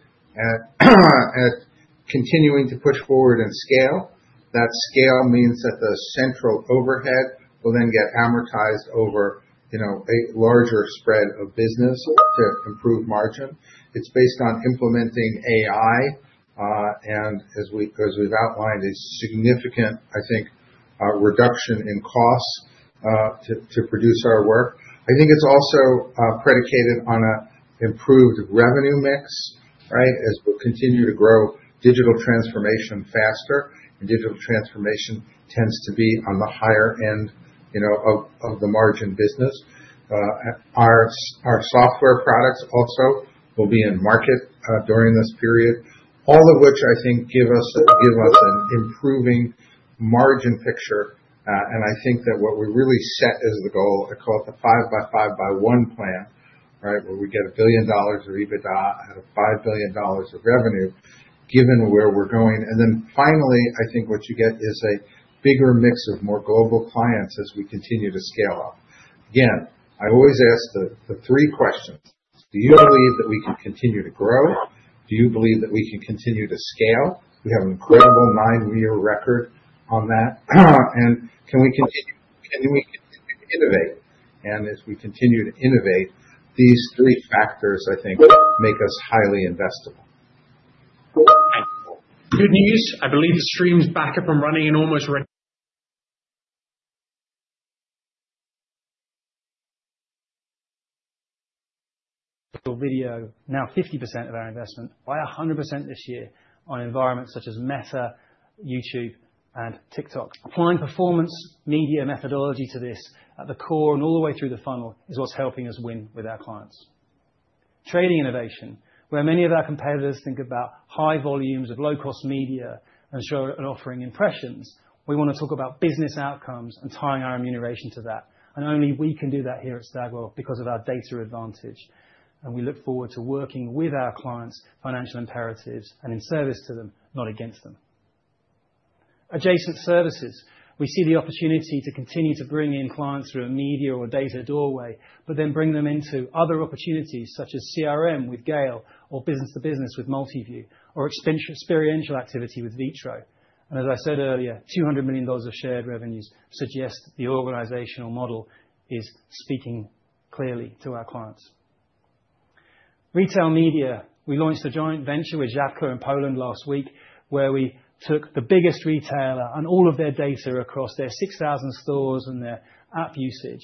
at continuing to push forward and scale. That scale means that the central overhead will then get amortized over a larger spread of business to improve margin. It's based on implementing AI, and as we've outlined, a significant, I think, reduction in costs to produce our work. I think it's also predicated on an improved revenue mix, right, as we'll continue to grow digital transformation faster. Digital transformation tends to be on the higher end of the margin business. Our software products also will be in market during this period, all of which I think give us an improving margin picture. I think that what we really set as the goal, I call it the five by five by one plan, right, where we get a billion dollars of EBITDA out of $5 billion of revenue, given where we're going. Finally, I think what you get is a bigger mix of more global clients as we continue to scale up. Again, I always ask the three questions. Do you believe that we can continue to grow? Do you believe that we can continue to scale? We have an incredible nine-year record on that. Can we continue to innovate? As we continue to innovate, these three factors, I think, make us highly investable. Good news. I believe the stream's back up and running in almost. Video now 50% of our investment, by 100% this year on environments such as Meta, YouTube, and TikTok. Applying performance media methodology to this at the core and all the way through the funnel is what's helping us win with our clients. Trading innovation, where many of our competitors think about high volumes of low-cost media and show an offering impressions, we want to talk about business outcomes and tying our ammuneration to that. Only we can do that here at Stagwell because of our data advantage. We look forward to working with our clients' financial imperatives and in service to them, not against them. Adjacent services, we see the opportunity to continue to bring in clients through a media or data doorway, but then bring them into other opportunities such as CRM with GALE or business-to-business with Multiview or experiential activity with Vitro. As I said earlier, $200 million of shared revenues suggest the organizational model is speaking clearly to our clients. Retail media, we launched a joint venture with Żabka in Poland last week, where we took the biggest retailer and all of their data across their 6,000 stores and their app usage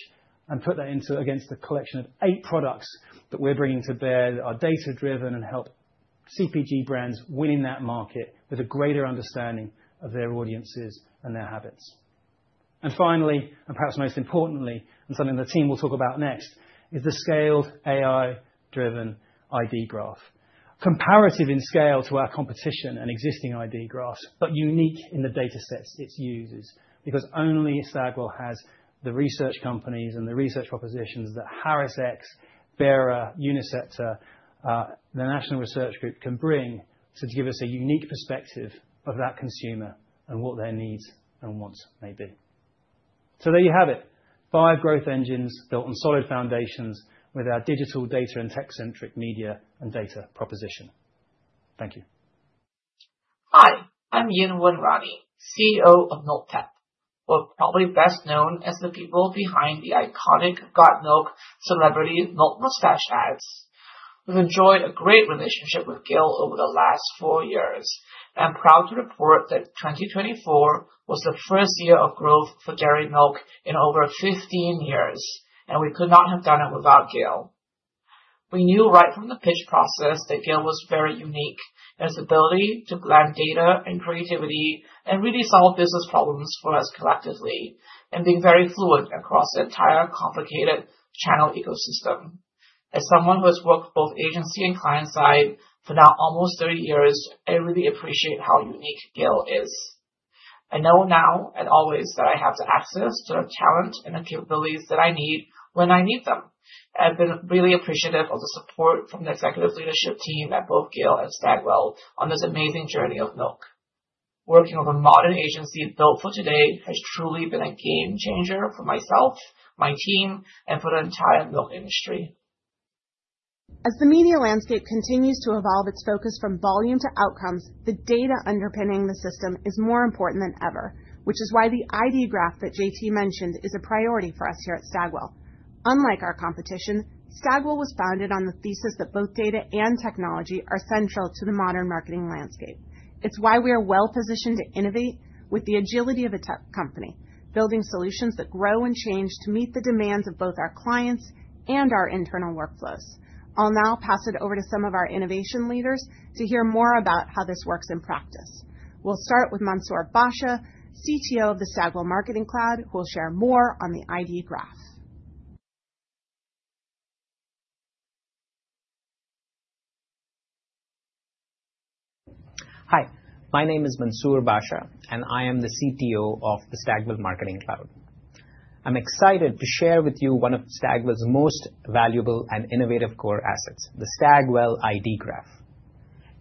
and put that against a collection of eight products that we're bringing to bear that are data-driven and help CPG brands win in that market with a greater understanding of their audiences and their habits. Finally, and perhaps most importantly, and something the team will talk about next, is the scaled AI-driven ID graph. Comparative in scale to our competition and existing ID graphs, but unique in the datasets it uses, because only Stagwell has the research companies and the research propositions that HarrisX, BERA, UNICEPTA, the National Research Group can bring to give us a unique perspective of that consumer and what their needs and wants may be. There you have it. Five growth engines built on solid foundations with our digital data and tech-centric media and data proposition. Thank you. Hi, I'm Yin Woon Rani, CEO of MilkPEP, or probably best known as the people behind the iconic got milk? celebrity milk mustache ads. We've enjoyed a great relationship with GALE over the last four years and are proud to report that 2024 was the first year of growth for Dairy Milk in over 15 years, and we could not have done it without GALE. We knew right from the pitch process that GALE was very unique in its ability to blend data and creativity and really solve business problems for us collectively and being very fluent across the entire complicated channel ecosystem. As someone who has worked both agency and client-side for now almost 30 years, I really appreciate how unique GALE is. I know now and always that I have the access to the talent and the capabilities that I need when I need them. I've been really appreciative of the support from the executive leadership team at both GALE and Stagwell on this amazing journey of milk. Working with a modern agency built for today has truly been a game changer for myself, my team, and for the entire milk industry. As the media landscape continues to evolve its focus from volume to outcomes, the data underpinning the system is more important than ever, which is why the ID graph that J.T. mentioned is a priority for us here at Stagwell. Unlike our competition, Stagwell was founded on the thesis that both data and technology are central to the modern marketing landscape. It's why we are well-positioned to innovate with the agility of a tech company, building solutions that grow and change to meet the demands of both our clients and our internal workflows. I'll now pass it over to some of our innovation leaders to hear more about how this works in practice. We'll start with Mansoor Basha, CTO of the Stagwell Marketing Cloud, who will share more on the ID graph. Hi. My name is Mansoor Basha, and I am the CTO of the Stagwell Marketing Cloud. I'm excited to share with you one of Stagwell's most valuable and innovative core assets, the Stagwell ID Graph.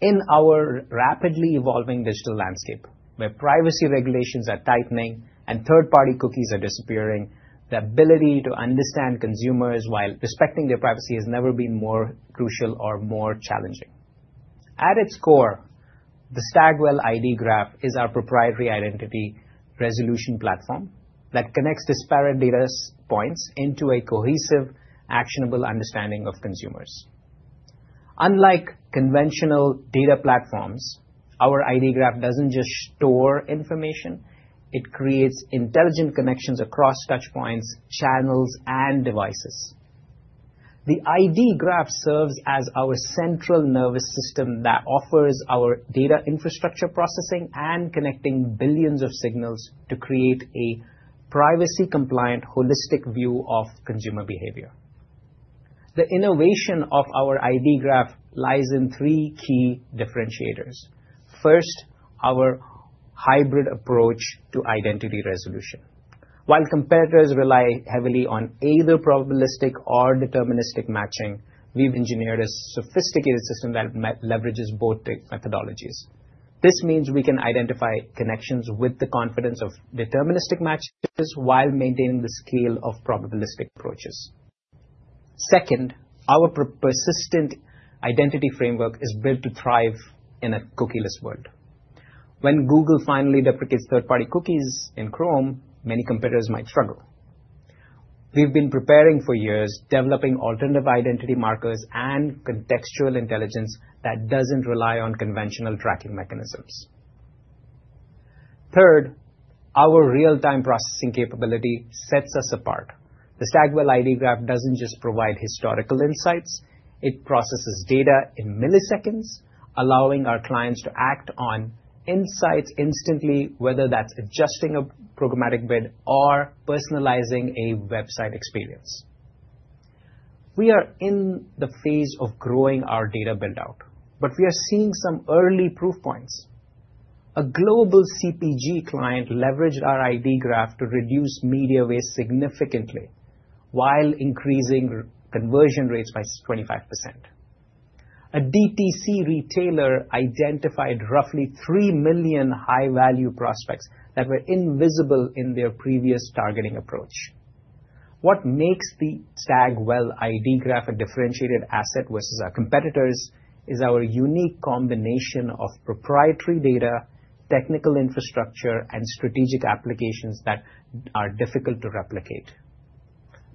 In our rapidly evolving digital landscape, where privacy regulations are tightening and third-party cookies are disappearing, the ability to understand consumers while respecting their privacy has never been more crucial or more challenging. At its core, the Stagwell ID Graph is our proprietary identity resolution platform that connects disparate data points into a cohesive, actionable understanding of consumers. Unlike conventional data platforms, our ID Graph doesn't just store information. It creates intelligent connections across touch points, channels, and devices. The ID Graph serves as our central nervous system that offers our data infrastructure processing and connecting billions of signals to create a privacy-compliant, holistic view of consumer behavior. The innovation of our ID Graph lies in three key differentiators. First, our hybrid approach to identity resolution. While competitors rely heavily on either probabilistic or deterministic matching, we've engineered a sophisticated system that leverages both methodologies. This means we can identify connections with the confidence of deterministic matches while maintaining the scale of probabilistic approaches. Second, our persistent identity framework is built to thrive in a cookieless world. When Google finally deprecates third-party cookies in Chrome, many competitors might struggle. We've been preparing for years, developing alternative identity markers and contextual intelligence that doesn't rely on conventional tracking mechanisms. Third, our real-time processing capability sets us apart. The Stagwell ID Graph doesn't just provide historical insights. It processes data in milliseconds, allowing our clients to act on insights instantly, whether that's adjusting a programmatic bid or personalizing a website experience. We are in the phase of growing our data buildout, but we are seeing some early proof points. A global CPG client leveraged our ID Graph to reduce media waste significantly while increasing conversion rates by 25%. A DTC retailer identified roughly 3 million high-value prospects that were invisible in their previous targeting approach. What makes the Stagwell ID Graph a differentiated asset versus our competitors is our unique combination of proprietary data, technical infrastructure, and strategic applications that are difficult to replicate.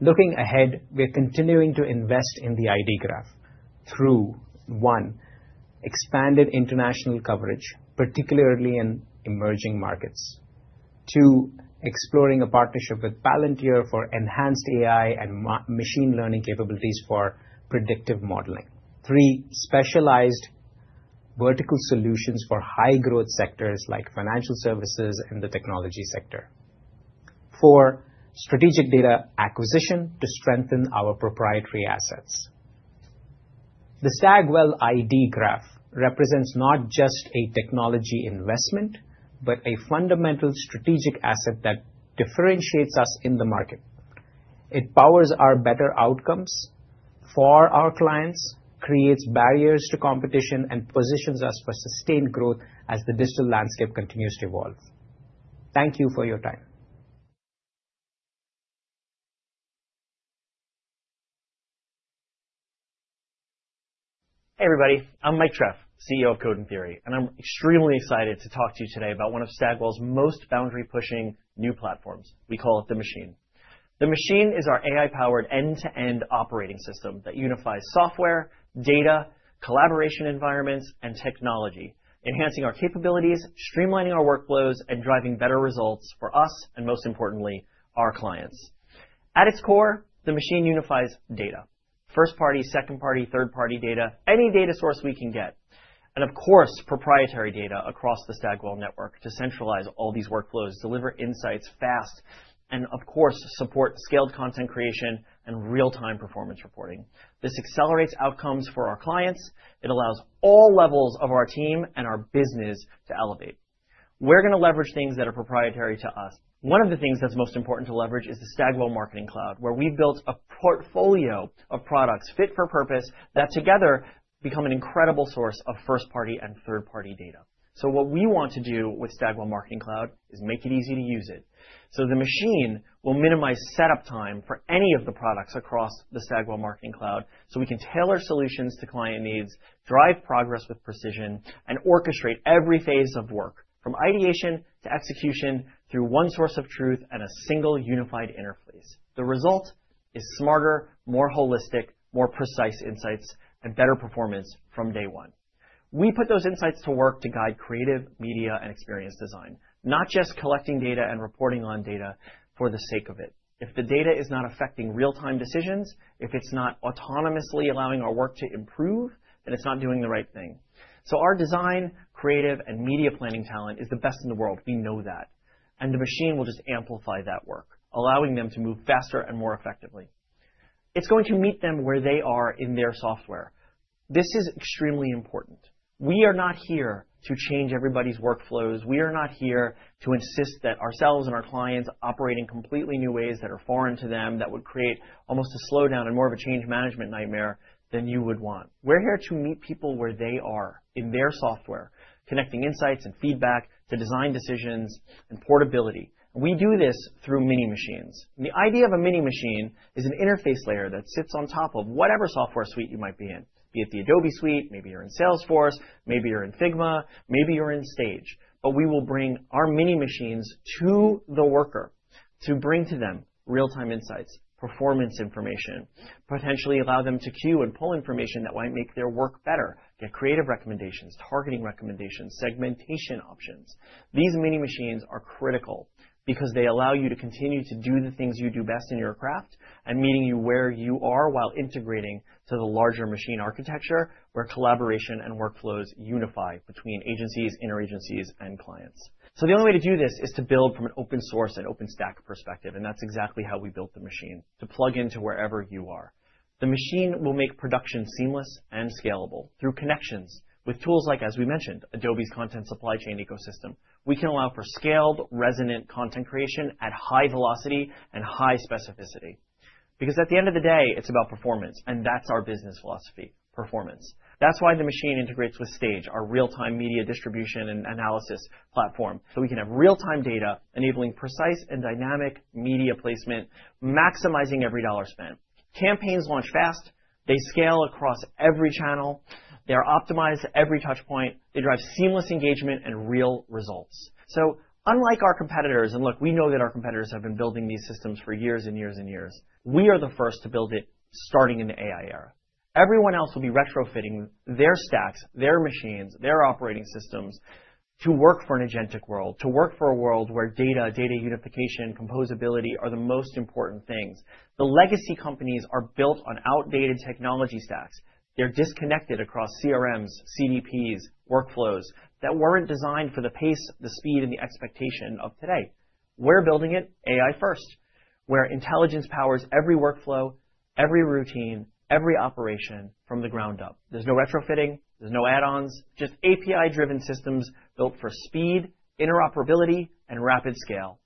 Looking ahead, we're continuing to invest in the ID Graph through, one, expanded international coverage, particularly in emerging markets; two, exploring a partnership with Palantir for enhanced AI and machine learning capabilities for predictive modeling; three, specialized vertical solutions for high-growth sectors like financial services and the technology sector; four, strategic data acquisition to strengthen our proprietary assets. The Stagwell ID Graph represents not just a technology investment, but a fundamental strategic asset that differentiates us in the market. It powers our better outcomes for our clients, creates barriers to competition, and positions us for sustained growth as the digital landscape continues to evolve. Thank you for your time. Hey, everybody. I'm Mike Treff, CEO of Code and Theory, and I'm extremely excited to talk to you today about one of Stagwell's most boundary-pushing new platforms. We call it The Machine. The Machine is our AI-powered end-to-end operating system that unifies software, data, collaboration environments, and technology, enhancing our capabilities, streamlining our workflows, and driving better results for us and, most importantly, our clients. At its core, The Machine unifies data: first-party, second-party, third-party data, any data source we can get, and, of course, proprietary data across the Stagwell network to centralize all these workflows, deliver insights fast, and, of course, support scaled content creation and real-time performance reporting. This accelerates outcomes for our clients. It allows all levels of our team and our business to elevate. We're going to leverage things that are proprietary to us. One of the things that's most important to leverage is the Stagwell Marketing Cloud, where we've built a portfolio of products fit for purpose that together become an incredible source of first-party and third-party data. What we want to do with Stagwell Marketing Cloud is make it easy to use it. The Machine will minimize setup time for any of the products across the Stagwell Marketing Cloud so we can tailor solutions to client needs, drive progress with precision, and orchestrate every phase of work from ideation to execution through one source of truth and a single unified interface. The result is smarter, more holistic, more precise insights, and better performance from day one. We put those insights to work to guide creative media and experience design, not just collecting data and reporting on data for the sake of it. If the data is not affecting real-time decisions, if it's not autonomously allowing our work to improve, then it's not doing the right thing. Our design, creative, and media planning talent is the best in the world. We know that. The Machine will just amplify that work, allowing them to move faster and more effectively. It's going to meet them where they are in their software. This is extremely important. We are not here to change everybody's workflows. We are not here to insist that ourselves and our clients operate in completely new ways that are foreign to them that would create almost a slowdown and more of a change management nightmare than you would want. We're here to meet people where they are in their software, connecting insights and feedback to design decisions and portability. We do this through mini machines. The idea of a mini machine is an interface layer that sits on top of whatever software suite you might be in, be it the Adobe suite, maybe you're in Salesforce, maybe you're in Figma, maybe you're in Stage. We will bring our mini machines to the worker to bring to them real-time insights, performance information, potentially allow them to queue and pull information that might make their work better, get creative recommendations, targeting recommendations, segmentation options. These mini machines are critical because they allow you to continue to do the things you do best in your craft and meeting you where you are while integrating to the larger machine architecture where collaboration and workflows unify between agencies, interagencies, and clients. The only way to do this is to build from an open-source and open-stack perspective, and that's exactly how we built The Machine to plug into wherever you are. The Machine will make production seamless and scalable through connections with tools like, as we mentioned, Adobe's content supply chain ecosystem. We can allow for scaled, resonant content creation at high velocity and high specificity because at the end of the day, it's about performance, and that's our business philosophy: performance. That's why The Machine integrates with Stage, our real-time media distribution and analysis platform, so we can have real-time data enabling precise and dynamic media placement, maximizing every dollar spent. Campaigns launch fast. They scale across every channel. They're optimized to every touchpoint. They drive seamless engagement and real results. Unlike our competitors—and look, we know that our competitors have been building these systems for years and years and years—we are the first to build it starting in the AI era. Everyone else will be retrofitting their stacks, their machines, their operating systems to work for an agentic world, to work for a world where data, data unification, composability are the most important things. The legacy companies are built on outdated technology stacks. They're disconnected across CRMs, CDPs, workflows that weren't designed for the pace, the speed, and the expectation of today. We're building it AI first, where intelligence powers every workflow, every routine, every operation from the ground up. There's no retrofitting. There's no add-ons. Just API-driven systems built for speed, interoperability, and rapid scale.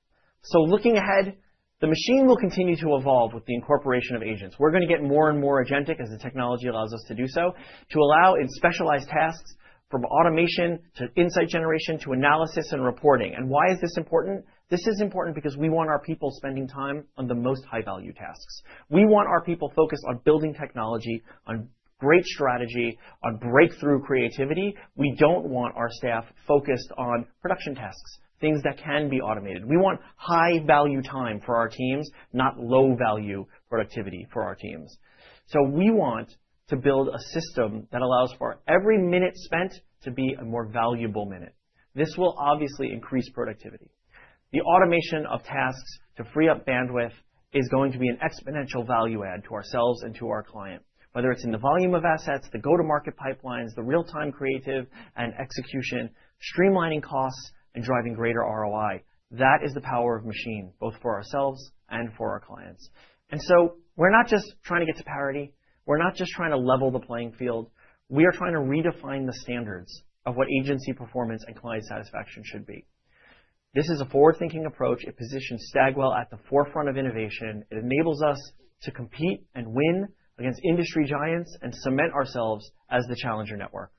Looking ahead, The Machine will continue to evolve with the incorporation of agents. We're going to get more and more agentic as the technology allows us to do so, to allow in specialized tasks from automation to insight generation to analysis and reporting. Why is this important? This is important because we want our people spending time on the most high-value tasks. We want our people focused on building technology, on great strategy, on breakthrough creativity. We don't want our staff focused on production tasks, things that can be automated. We want high-value time for our teams, not low-value productivity for our teams. We want to build a system that allows for every minute spent to be a more valuable minute. This will obviously increase productivity. The automation of tasks to free up bandwidth is going to be an exponential value add to ourselves and to our client, whether it's in the volume of assets, the go-to-market pipelines, the real-time creative and execution, streamlining costs, and driving greater ROI. That is the power of The Machine, both for ourselves and for our clients. We are not just trying to get to parity. We are not just trying to level the playing field. We are trying to redefine the standards of what agency performance and client satisfaction should be. This is a forward-thinking approach. It positions Stagwell at the forefront of innovation. It enables us to compete and win against industry giants and cement ourselves as the challenger network.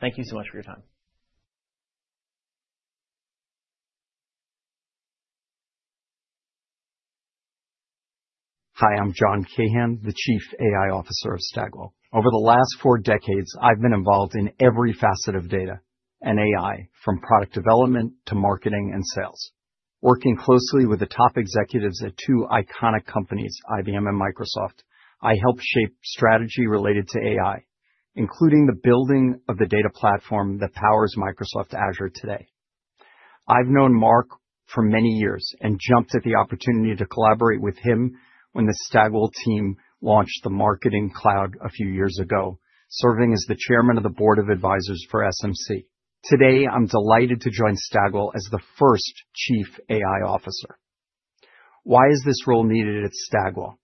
Thank you so much for your time. Hi, I'm John Kahan, the Chief AI Officer of Stagwell. Over the last four decades, I've been involved in every facet of data and AI, from product development to marketing and sales. Working closely with the top executives at two iconic companies, IBM and Microsoft, I helped shape strategy related to AI, including the building of the data platform that powers Microsoft Azure today. I've known Mark for many years and jumped at the opportunity to collaborate with him when the Stagwell team launched the Marketing Cloud a few years ago, serving as the Chairman of the Board of Advisors for SMC. Today, I'm delighted to join Stagwell as the first Chief AI Officer. Why is this role needed at Stagwell?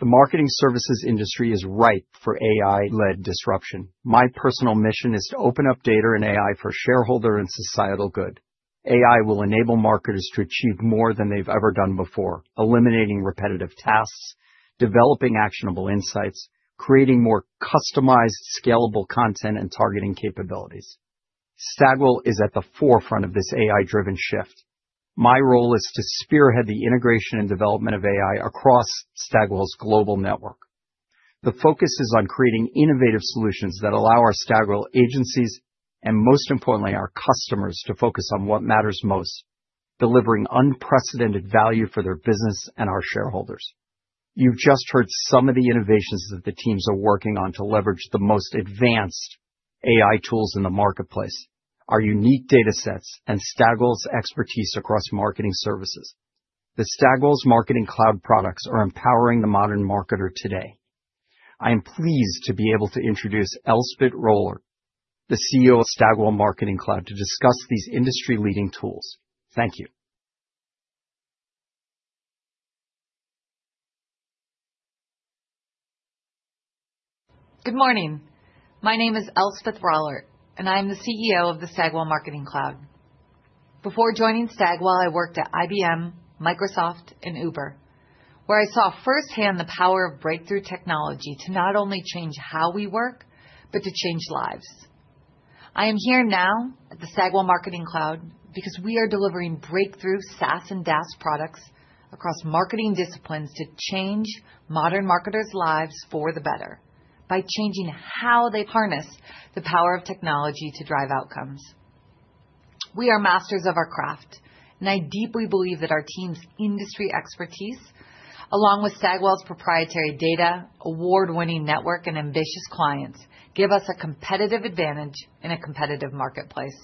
The marketing services industry is ripe for AI-led disruption. My personal mission is to open up data and AI for shareholder and societal good. AI will enable marketers to achieve more than they've ever done before, eliminating repetitive tasks, developing actionable insights, creating more customized, scalable content, and targeting capabilities. Stagwell is at the forefront of this AI-driven shift. My role is to spearhead the integration and development of AI across Stagwell's global network. The focus is on creating innovative solutions that allow our Stagwell agencies and, most importantly, our customers to focus on what matters most: delivering unprecedented value for their business and our shareholders. You've just heard some of the innovations that the teams are working on to leverage the most advanced AI tools in the marketplace, our unique data sets, and Stagwell's expertise across marketing services. The Stagwell Marketing Cloud products are empowering the modern marketer today. I am pleased to be able to introduce Elspeth Rollert, the CEO of Stagwell Marketing Cloud, to discuss these industry-leading tools. Thank you. Good morning. My name is Elspeth Rollert, and I am the CEO of the Stagwell Marketing Cloud. Before joining Stagwell, I worked at IBM, Microsoft, and Uber, where I saw firsthand the power of breakthrough technology to not only change how we work, but to change lives. I am here now at the Stagwell Marketing Cloud because we are delivering breakthrough SaaS and DaaS products across marketing disciplines to change modern marketers' lives for the better by changing how they harness the power of technology to drive outcomes. We are masters of our craft, and I deeply believe that our team's industry expertise, along with Stagwell's proprietary data, award-winning network, and ambitious clients, give us a competitive advantage in a competitive marketplace.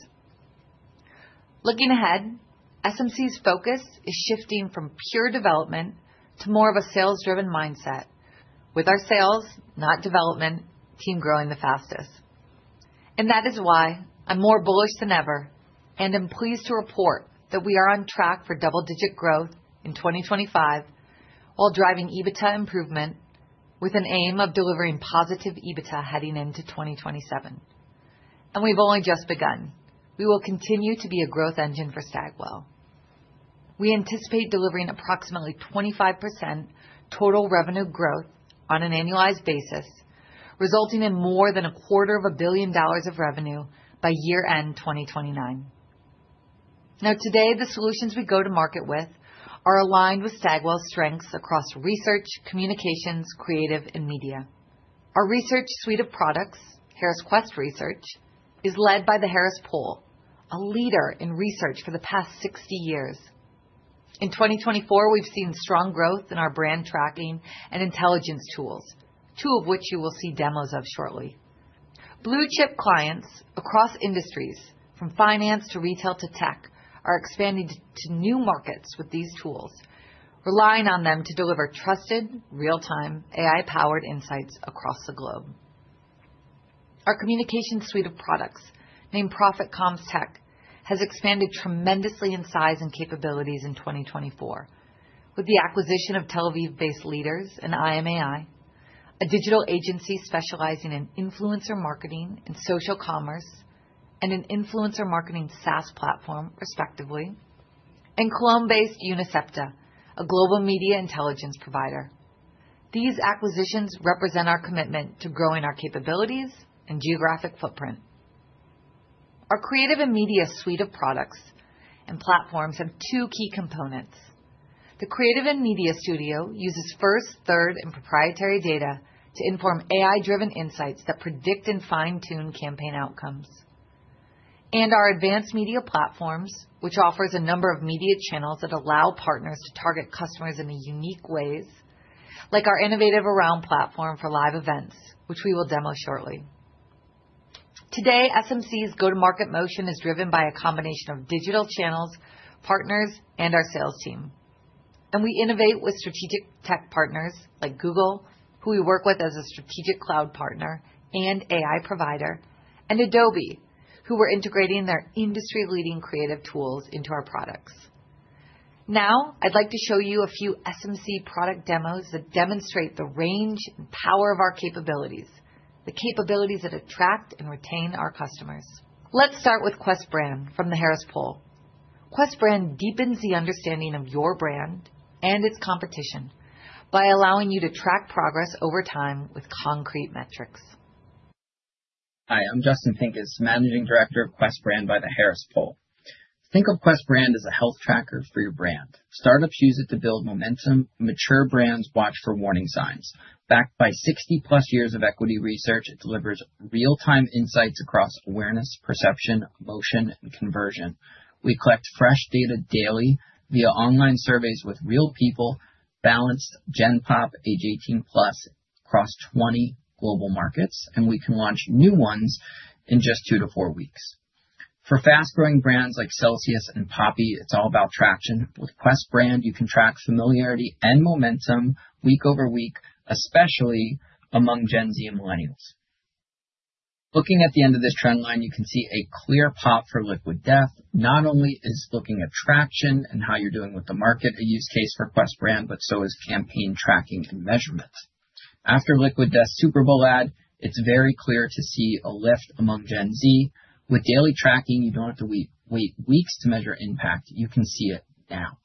Looking ahead, SMC's focus is shifting from pure development to more of a sales-driven mindset, with our sales, not development, team growing the fastest. That is why I'm more bullish than ever and am pleased to report that we are on track for double-digit growth in 2025 while driving EBITDA improvement with an aim of delivering positive EBITDA heading into 2027. We've only just begun. We will continue to be a growth engine for Stagwell. We anticipate delivering approximately 25% total revenue growth on an annualized basis, resulting in more than a quarter of a billion dollars of revenue by year-end 2029. Today, the solutions we go to market with are aligned with Stagwell's strengths across research, communications, creative, and media. Our research suite of products, Harris Quest Research, is led by The Harris Poll, a leader in research for the past 60 years. In 2024, we've seen strong growth in our brand tracking and intelligence tools, two of which you will see demos of shortly. Blue-chip clients across industries, from finance to retail to tech, are expanding to new markets with these tools, relying on them to deliver trusted, real-time AI-powered insights across the globe. Our communication suite of products, named Profit Comms Tech, has expanded tremendously in size and capabilities in 2024 with the acquisition of Tel Aviv-based LEADERS and IMAI, a digital agency specializing in influencer marketing and social commerce and an influencer marketing SaaS platform, respectively, and Cologne-based UNICEPTA, a global media intelligence provider. These acquisitions represent our commitment to growing our capabilities and geographic footprint. Our creative and media suite of products and platforms have two key components. The creative and media studio uses first, third, and proprietary data to inform AI-driven insights that predict and fine-tune campaign outcomes. Our advanced media platforms offer a number of media channels that allow partners to target customers in unique ways, like our innovative ARound platform for live events, which we will demo shortly. Today, SMC's go-to-market motion is driven by a combination of digital channels, partners, and our sales team. We innovate with strategic tech partners like Google, who we work with as a strategic cloud partner and AI provider, and Adobe, who we're integrating their industry-leading creative tools into our products. Now, I'd like to show you a few SMC product demos that demonstrate the range and power of our capabilities, the capabilities that attract and retain our customers. Let's start with QuestBrand from The Harris Poll. QuestBrand deepens the understanding of your brand and its competition by allowing you to track progress over time with concrete metrics. Hi, I'm Justin Pincus, Managing Director of QuestBrand by The Harris Poll. Think of QuestBrand as a health tracker for your brand. Startups use it to build momentum. Mature brands watch for warning signs. Backed by 60-plus years of equity research, it delivers real-time insights across awareness, perception, motion, and conversion. We collect fresh data daily via online surveys with real people, balanced gen pop age 18+ across 20 global markets, and we can launch new ones in just two to four weeks. For fast-growing brands like Celsius and Poppy, it's all about traction. With QuestBrand, you can track familiarity and momentum week over week, especially among Gen Z and millennials. Looking at the end of this trend line, you can see a clear pop for Liquid Death. Not only is looking at traction and how you're doing with the market a use case for QuestBrand, but so is campaign tracking and measurement. After Liquid Death Super Bowl ad, it's very clear to see a lift among Gen Z. With daily tracking, you don't have to wait weeks to measure impact. You can see it now.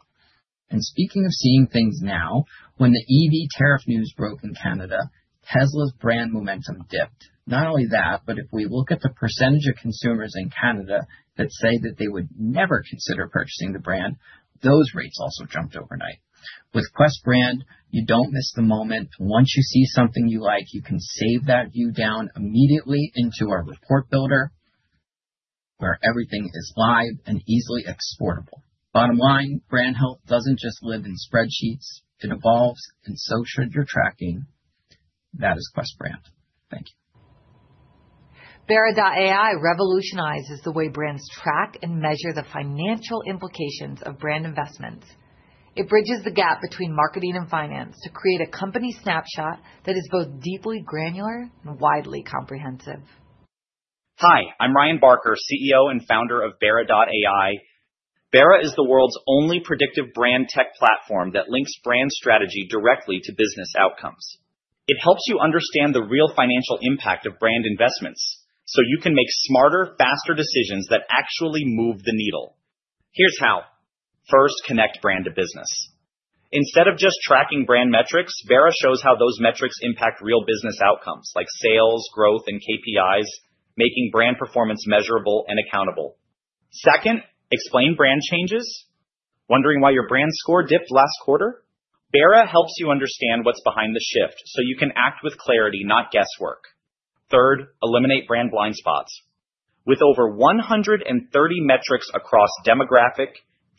Speaking of seeing things now, when the EV tariff news broke in Canada, Tesla's brand momentum dipped. Not only that, but if we look at the percentage of consumers in Canada that say that they would never consider purchasing the brand, those rates also jumped overnight. With QuestBrand, you don't miss the moment. Once you see something you like, you can save that view down immediately into our report builder where everything is live and easily exportable. Bottom line, brand health doesn't just live in spreadsheets. It evolves, and so should your tracking. That is QuestBrand. Thank you. BERA.ai revolutionizes the way brands track and measure the financial implications of brand investments. It bridges the gap between marketing and finance to create a company snapshot that is both deeply granular and widely comprehensive. Hi, I'm Ryan Barker, CEO and founder of BERA.ai. BERA is the world's only predictive brand tech platform that links brand strategy directly to business outcomes. It helps you understand the real financial impact of brand investments so you can make smarter, faster decisions that actually move the needle. Here's how. First, connect brand to business. Instead of just tracking brand metrics, BERA shows how those metrics impact real business outcomes like sales, growth, and KPIs, making brand performance measurable and accountable. Second, explain brand changes. Wondering why your brand score dipped last quarter? BERA helps you understand what's behind the shift so you can act with clarity, not guesswork. Third, eliminate brand blind spots. With over 130 metrics across demographic,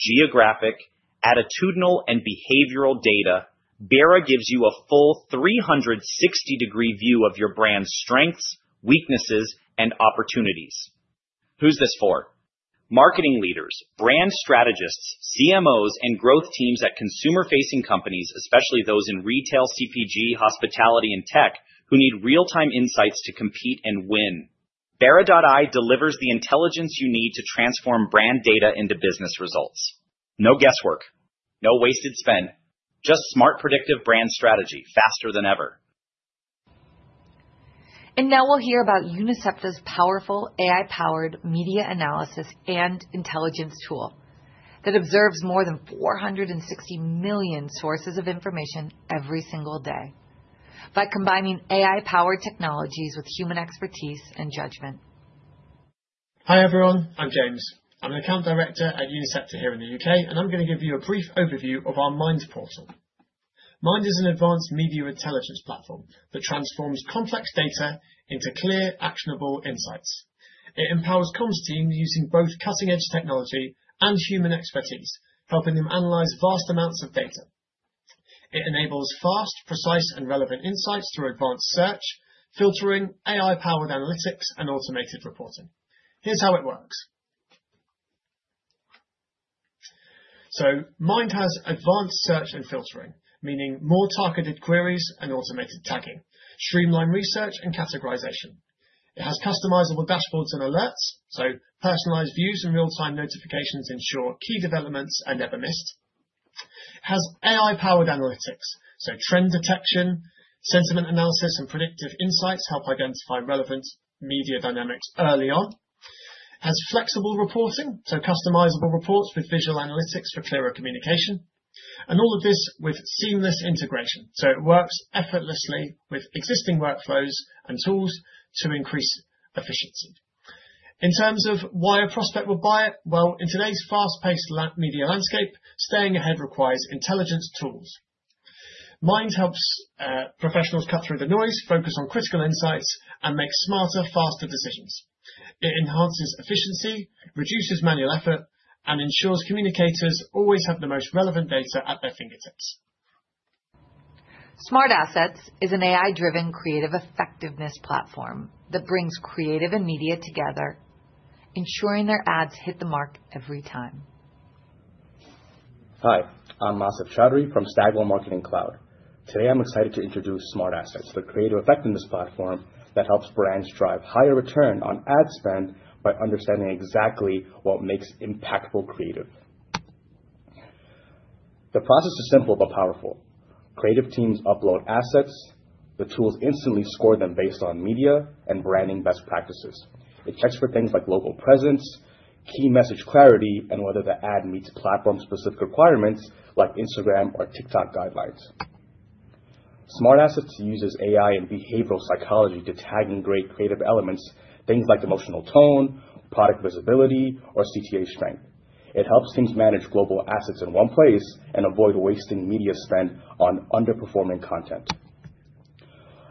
geographic, attitudinal, and behavioral data, BERA gives you a full 360-degree view of your brand's strengths, weaknesses, and opportunities. Who's this for? Marketing leaders, brand strategists, CMOs, and growth teams at consumer-facing companies, especially those in retail, CPG, hospitality, and tech who need real-time insights to compete and win. BERA.ai delivers the intelligence you need to transform brand data into business results. No guesswork. No wasted spend. Just smart, predictive brand strategy faster than ever. Now we'll hear about UNICEPTA's powerful AI-powered media analysis and intelligence tool that observes more than 460 million sources of information every single day by combining AI-powered technologies with human expertise and judgment. Hi everyone. I'm James. I'm an account director at UNICEPTA here in the U.K., and I'm going to give you a brief overview of our Mind portal. Mind is an advanced media intelligence platform that transforms complex data into clear, actionable insights. It empowers comms teams using both cutting-edge technology and human expertise, helping them analyze vast amounts of data. It enables fast, precise, and relevant insights through advanced search, filtering, AI-powered analytics, and automated reporting. Here's how it works. Mind has advanced search and filtering, meaning more targeted queries and automated tagging, streamlined research, and categorization. It has customizable dashboards and alerts, so personalized views and real-time notifications ensure key developments are never missed. It has AI-powered analytics, so trend detection, sentiment analysis, and predictive insights help identify relevant media dynamics early on. It has flexible reporting, so customizable reports with visual analytics for clearer communication. All of this with seamless integration, so it works effortlessly with existing workflows and tools to increase efficiency. In terms of why a prospect will buy it, well, in today's fast-paced media landscape, staying ahead requires intelligent tools. Mind helps professionals cut through the noise, focus on critical insights, and make smarter, faster decisions. It enhances efficiency, reduces manual effort, and ensures communicators always have the most relevant data at their fingertips. SmartAssets is an AI-driven creative effectiveness platform that brings creative and media together, ensuring their ads hit the mark every time. Hi, I'm Asif Chowdhury from Stagwell Marketing Cloud. Today, I'm excited to introduce SmartAssets, the creative effectiveness platform that helps brands drive higher return on ad spend by understanding exactly what makes impactful creative. The process is simple but powerful. Creative teams upload assets. The tools instantly score them based on media and branding best practices. It checks for things like local presence, key message clarity, and whether the ad meets platform-specific requirements like Instagram or TikTok guidelines. SmartAssets uses AI and behavioral psychology to tag and grade creative elements, things like emotional tone, product visibility, or CTA strength. It helps teams manage global assets in one place and avoid wasting media spend on underperforming content.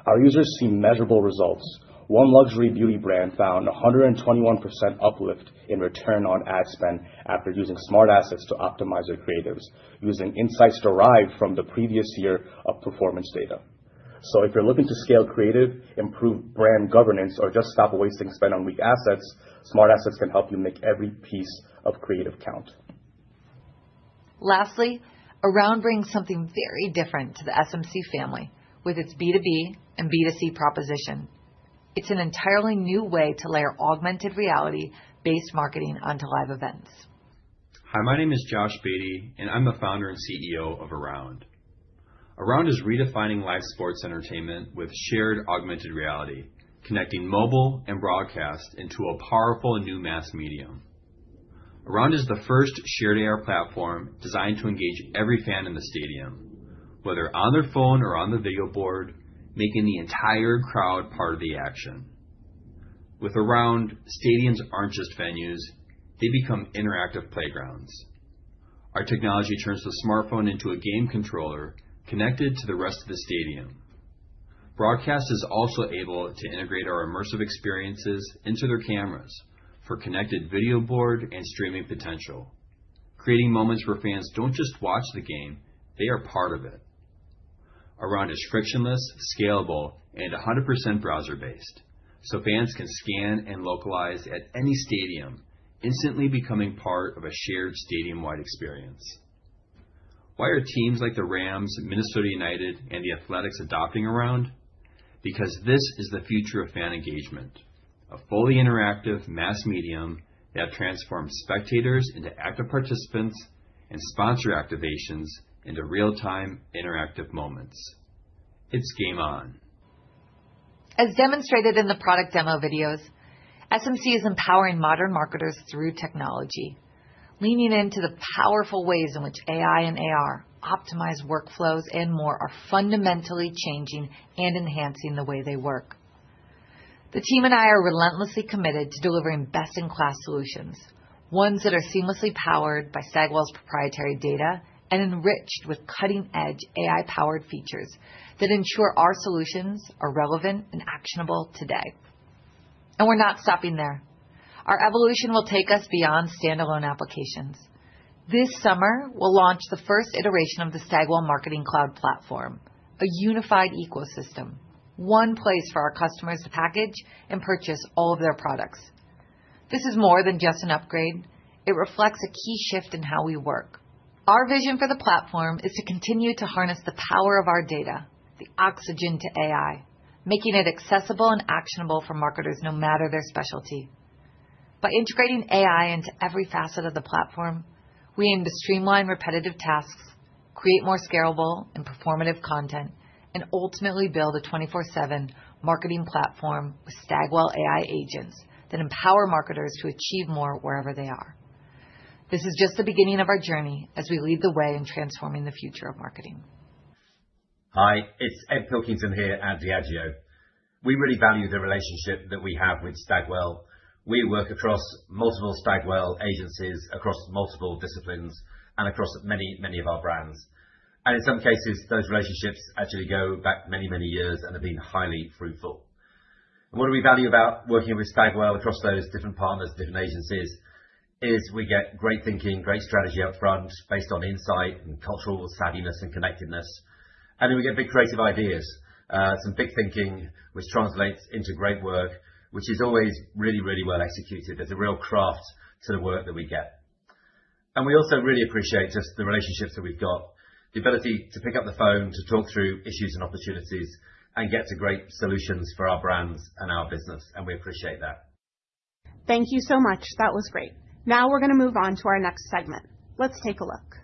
Our users see measurable results. One luxury beauty brand found a 121% uplift in return on ad spend after using SmartAssets to optimize their creatives, using insights derived from the previous year of performance data. If you are looking to scale creative, improve brand governance, or just stop wasting spend on weak assets, SmartAssets can help you make every piece of creative count. Lastly, ARound brings something very different to the SMC family with its B2B and B2C proposition. It's an entirely new way to layer augmented reality-based marketing onto live events. Hi, my name is Josh Beatty, and I'm the founder and CEO of ARound. ARound is redefining live sports entertainment with shared augmented reality, connecting mobile and broadcast into a powerful new mass medium. ARound is the first shared AR platform designed to engage every fan in the stadium, whether on their phone or on the video board, making the entire crowd part of the action. With ARound, stadiums aren't just venues; they become interactive playgrounds. Our technology turns the smartphone into a game controller connected to the rest of the stadium. Broadcast is also able to integrate our immersive experiences into their cameras for connected video board and streaming potential, creating moments where fans do not just watch the game; they are part of it. ARound is frictionless, scalable, and 100% browser-based, so fans can scan and localize at any stadium, instantly becoming part of a shared stadium-wide experience. Why are teams like the Rams, Minnesota United, and the Athletics adopting ARound? Because this is the future of fan engagement, a fully interactive mass medium that transforms spectators into active participants and sponsor activations into real-time interactive moments. It is game on. As demonstrated in the product demo videos, SMC is empowering modern marketers through technology, leaning into the powerful ways in which AI and AR, optimized workflows, and more are fundamentally changing and enhancing the way they work. The team and I are relentlessly committed to delivering best-in-class solutions, ones that are seamlessly powered by Stagwell's proprietary data and enriched with cutting-edge AI-powered features that ensure our solutions are relevant and actionable today. We're not stopping there. Our evolution will take us beyond standalone applications. This summer, we'll launch the first iteration of the Stagwell Marketing Cloud platform, a unified ecosystem, one place for our customers to package and purchase all of their products. This is more than just an upgrade. It reflects a key shift in how we work. Our vision for the platform is to continue to harness the power of our data, the oxygen to AI, making it accessible and actionable for marketers no matter their specialty. By integrating AI into every facet of the platform, we aim to streamline repetitive tasks, create more scalable and performative content, and ultimately build a 24/7 marketing platform with Stagwell AI agents that empower marketers to achieve more wherever they are. This is just the beginning of our journey as we lead the way in transforming the future of marketing. Hi, it's Ed Pilkington here at Diageo. We really value the relationship that we have with Stagwell. We work across multiple Stagwell agencies, across multiple disciplines, and across many, many of our brands. In some cases, those relationships actually go back many, many years and have been highly fruitful. What do we value about working with Stagwell across those different partners, different agencies? We get great thinking, great strategy upfront based on insight and cultural savviness and connectedness. We get big creative ideas, some big thinking, which translates into great work, which is always really, really well executed. There is a real craft to the work that we get. We also really appreciate just the relationships that we have, the ability to pick up the phone to talk through issues and opportunities and get to great solutions for our brands and our business. We appreciate that. Thank you so much. That was great. Now we're going to move on to our next segment. Let's take a look.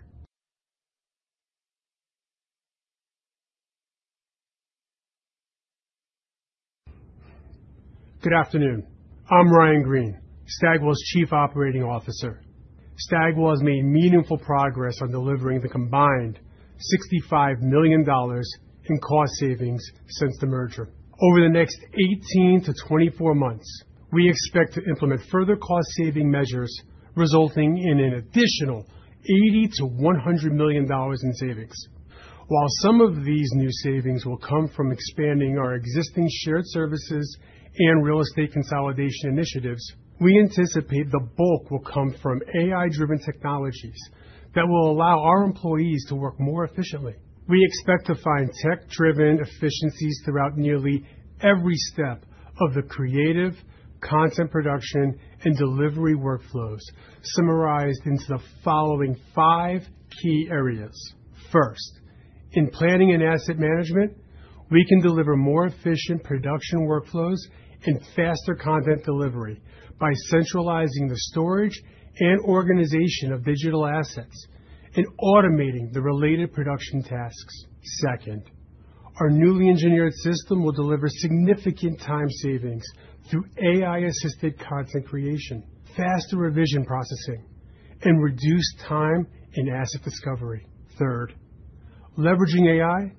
Good afternoon. I'm Ryan Greene, Stagwell's Chief Operating Officer. Stagwell has made meaningful progress on delivering the combined $65 million in cost savings since the merger. Over the next 18-24 months, we expect to implement further cost-saving measures, resulting in an additional $80 million-$100 million in savings. While some of these new savings will come from expanding our existing shared services and real estate consolidation initiatives, we anticipate the bulk will come from AI-driven technologies that will allow our employees to work more efficiently. We expect to find tech-driven efficiencies throughout nearly every step of the creative content production and delivery workflows summarized into the following five key areas. First, in planning and asset management, we can deliver more efficient production workflows and faster content delivery by centralizing the storage and organization of digital assets and automating the related production tasks. Second, our newly engineered system will deliver significant time savings through AI-assisted content creation, faster revision processing, and reduced time in asset discovery. Third, leveraging AI,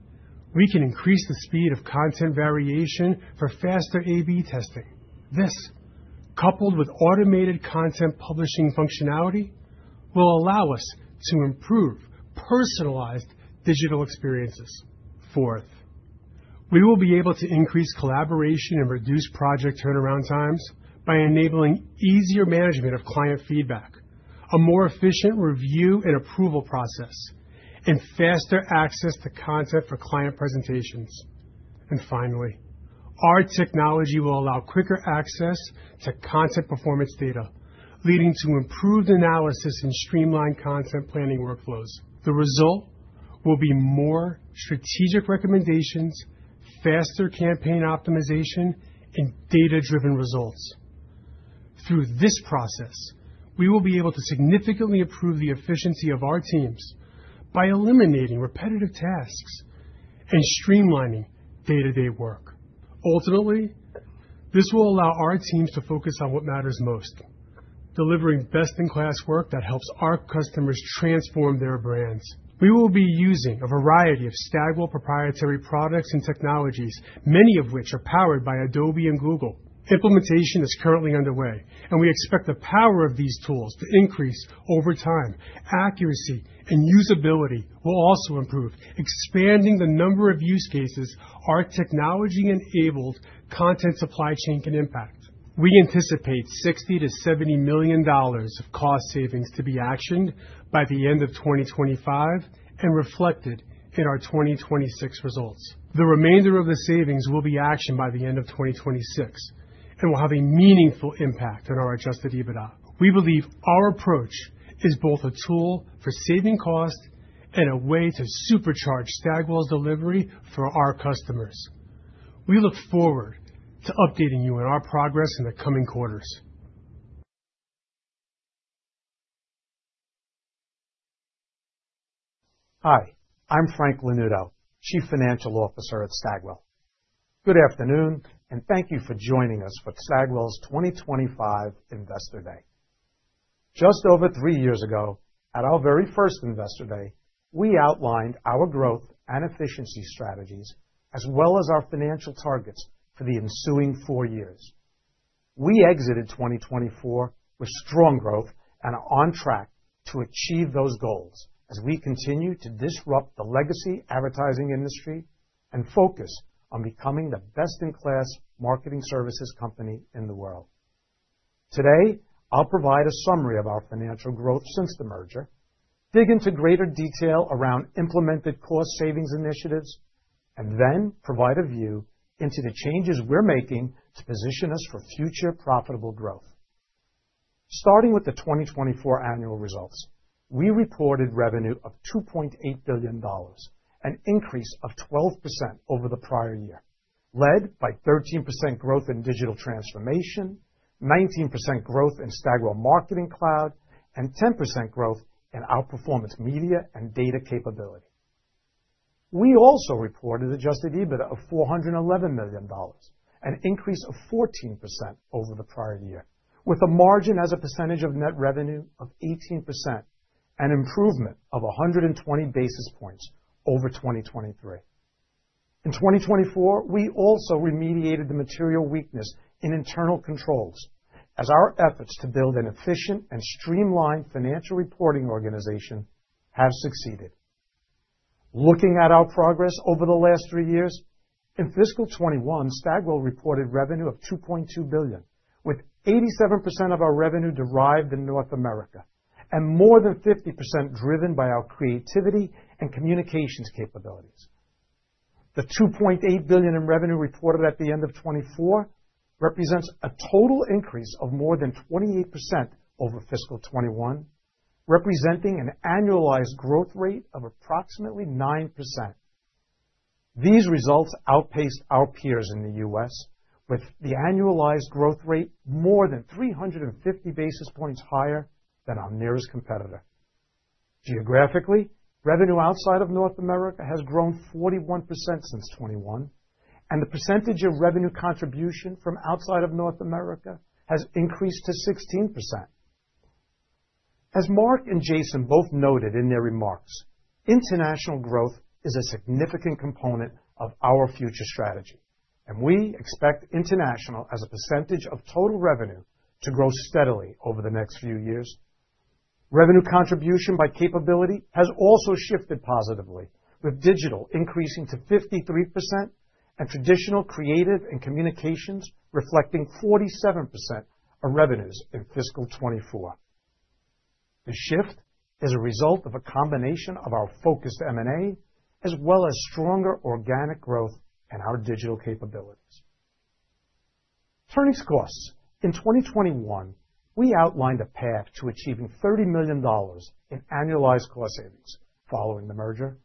we can increase the speed of content variation for faster A/B testing. This, coupled with automated content publishing functionality, will allow us to improve personalized digital experiences. Fourth, we will be able to increase collaboration and reduce project turnaround times by enabling easier management of client feedback, a more efficient review and approval process, and faster access to content for client presentations. Finally, our technology will allow quicker access to content performance data, leading to improved analysis and streamlined content planning workflows. The result will be more strategic recommendations, faster campaign optimization, and data-driven results. Through this process, we will be able to significantly improve the efficiency of our teams by eliminating repetitive tasks and streamlining day-to-day work. Ultimately, this will allow our teams to focus on what matters most: delivering best-in-class work that helps our customers transform their brands. We will be using a variety of Stagwell proprietary products and technologies, many of which are powered by Adobe and Google. Implementation is currently underway, and we expect the power of these tools to increase over time. Accuracy and usability will also improve, expanding the number of use cases our technology-enabled content supply chain can impact. We anticipate $60 million-$70 million of cost savings to be actioned by the end of 2025 and reflected in our 2026 results. The remainder of the savings will be actioned by the end of 2026 and will have a meaningful impact on our adjusted EBITDA. We believe our approach is both a tool for saving cost and a way to supercharge Stagwell's delivery for our customers. We look forward to updating you on our progress in the coming quarters. Hi, I'm Frank Lanuto, Chief Financial Officer at Stagwell. Good afternoon, and thank you for joining us for Stagwell's 2025 Investor Day. Just over three years ago, at our very first Investor Day, we outlined our growth and efficiency strategies, as well as our financial targets for the ensuing four years. We exited 2024 with strong growth and are on track to achieve those goals as we continue to disrupt the legacy advertising industry and focus on becoming the best-in-class marketing services company in the world. Today, I'll provide a summary of our financial growth since the merger, dig into greater detail around implemented cost savings initiatives, and then provide a view into the changes we're making to position us for future profitable growth. Starting with the 2024 annual results, we reported revenue of $2.8 billion, an increase of 12% over the prior year, led by 13% growth in digital transformation, 19% growth in Stagwell Marketing Cloud, and 10% growth in our performance media and data capability. We also reported adjusted EBITDA of $411 million, an increase of 14% over the prior year, with a margin as a percentage of net revenue of 18% and improvement of 120 basis points over 2023. In 2024, we also remediated the material weakness in internal controls as our efforts to build an efficient and streamlined financial reporting organization have succeeded. Looking at our progress over the last three years, in fiscal 2021, Stagwell reported revenue of $2.2 billion, with 87% of our revenue derived in North America and more than 50% driven by our creativity and communications capabilities. The $2.8 billion in revenue reported at the end of 2024 represents a total increase of more than 28% over fiscal 2021, representing an annualized growth rate of approximately 9%. These results outpaced our peers in the U.S., with the annualized growth rate more than 350 basis points higher than our nearest competitor. Geographically, revenue outside of North America has grown 41% since 2021, and the percentage of revenue contribution from outside of North America has increased to 16%. As Mark and Jason both noted in their remarks, international growth is a significant component of our future strategy, and we expect international, as a percentage of total revenue, to grow steadily over the next few years. Revenue contribution by capability has also shifted positively, with digital increasing to 53% and traditional creative and communications reflecting 47% of revenues in fiscal 2024. The shift is a result of a combination of our focused M&A as well as stronger organic growth and our digital capabilities. Turning to costs, in 2021, we outlined a path to achieving $30 million in annualized cost savings following the merger.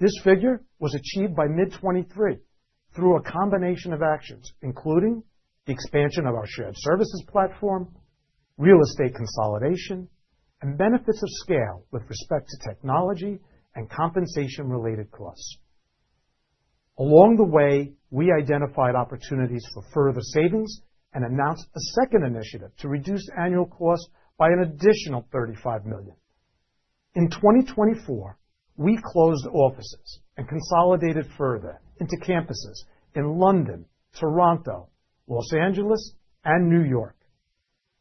This figure was achieved by mid-2023 through a combination of actions, including the expansion of our shared services platform, real estate consolidation, and benefits of scale with respect to technology and compensation-related costs. Along the way, we identified opportunities for further savings and announced a second initiative to reduce annual costs by an additional $35 million. In 2024, we closed offices and consolidated further into campuses in London, Toronto, Los Angeles, and New York.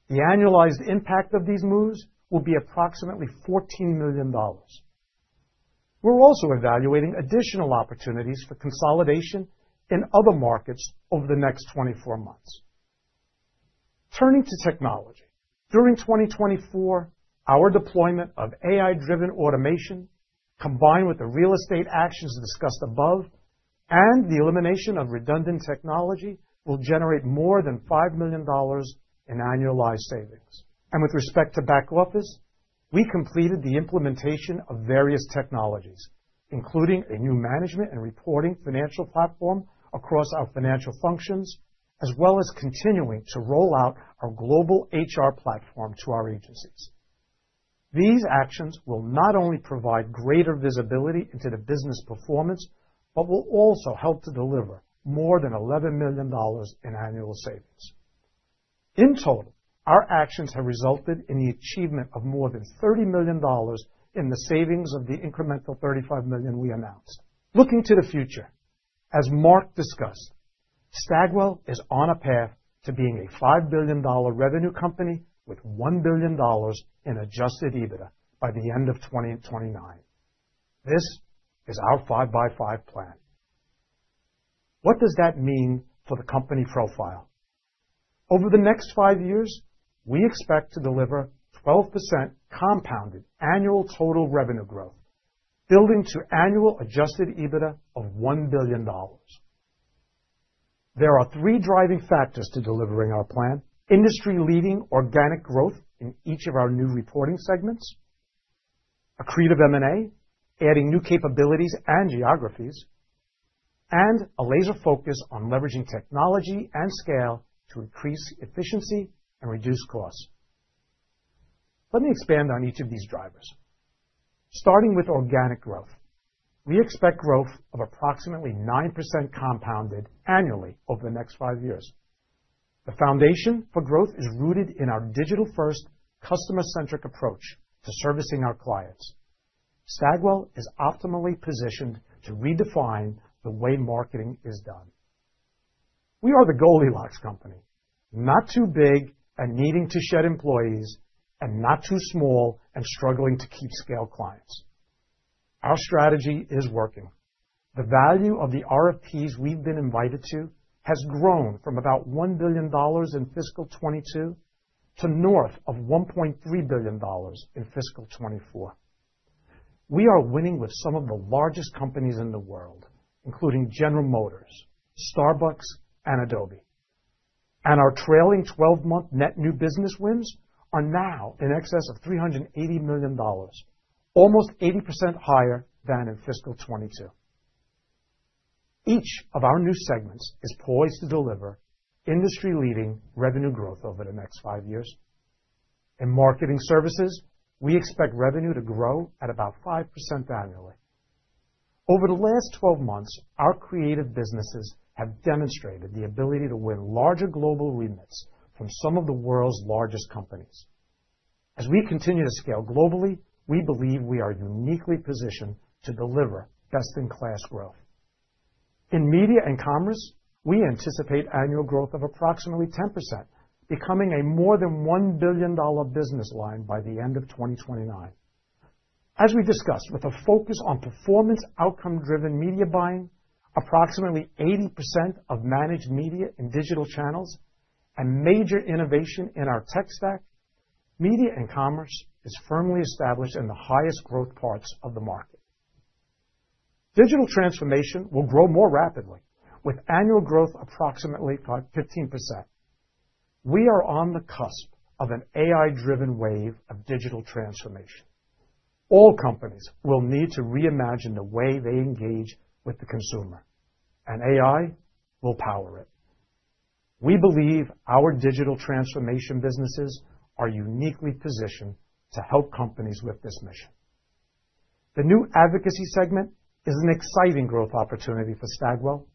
The annualized impact of these moves will be approximately $14 million. We're also evaluating additional opportunities for consolidation in other markets over the next 24 months. Turning to technology, during 2024, our deployment of AI-driven automation, combined with the real estate actions discussed above, and the elimination of redundant technology, will generate more than $5 million in annualized savings. With respect to back office, we completed the implementation of various technologies, including a new management and reporting financial platform across our financial functions, as well as continuing to roll out our global HR platform to our agencies. These actions will not only provide greater visibility into the business performance, but will also help to deliver more than $11 million in annual savings. In total, our actions have resulted in the achievement of more than $30 million in the savings of the incremental $35 million we announced. Looking to the future, as Mark discussed, Stagwell is on a path to being a $5 billion revenue company with $1 billion in adjusted EBITDA by the end of 2029. This is our five by five plan. What does that mean for the company profile? Over the next five years, we expect to deliver 12% compounded annual total revenue growth, building to annual adjusted EBITDA of $1 billion. There are three driving factors to delivering our plan: industry-leading organic growth in each of our new reporting segments, accretive M&A, adding new capabilities and geographies, and a laser focus on leveraging technology and scale to increase efficiency and reduce costs. Let me expand on each of these drivers. Starting with organic growth, we expect growth of approximately 9% compounded annually over the next five years. The foundation for growth is rooted in our digital-first, customer-centric approach to servicing our clients. Stagwell is optimally positioned to redefine the way marketing is done. We are the Goldilocks company: not too big and needing to shed employees, and not too small and struggling to keep scale clients. Our strategy is working. The value of the RFPs we've been invited to has grown from about $1 billion in fiscal 2022 to north of $1.3 billion in fiscal 2024. We are winning with some of the largest companies in the world, including General Motors, Starbucks, and Adobe. Our trailing 12-month net new business wins are now in excess of $380 million, almost 80% higher than in fiscal 2022. Each of our new segments is poised to deliver industry-leading revenue growth over the next five years. In marketing services, we expect revenue to grow at about 5% annually. Over the last 12 months, our creative businesses have demonstrated the ability to win larger global remits from some of the world's largest companies. As we continue to scale globally, we believe we are uniquely positioned to deliver best-in-class growth. In media and commerce, we anticipate annual growth of approximately 10%, becoming a more than $1 billion business line by the end of 2029. As we discussed, with a focus on performance-outcome-driven media buying, approximately 80% of managed media in digital channels, and major innovation in our tech stack, media and commerce is firmly established in the highest growth parts of the market. Digital transformation will grow more rapidly, with annual growth approximately 15%. We are on the cusp of an AI-driven wave of digital transformation. All companies will need to reimagine the way they engage with the consumer, and AI will power it. We believe our digital transformation businesses are uniquely positioned to help companies with this mission. The new advocacy segment is an exciting growth opportunity for Stagwell.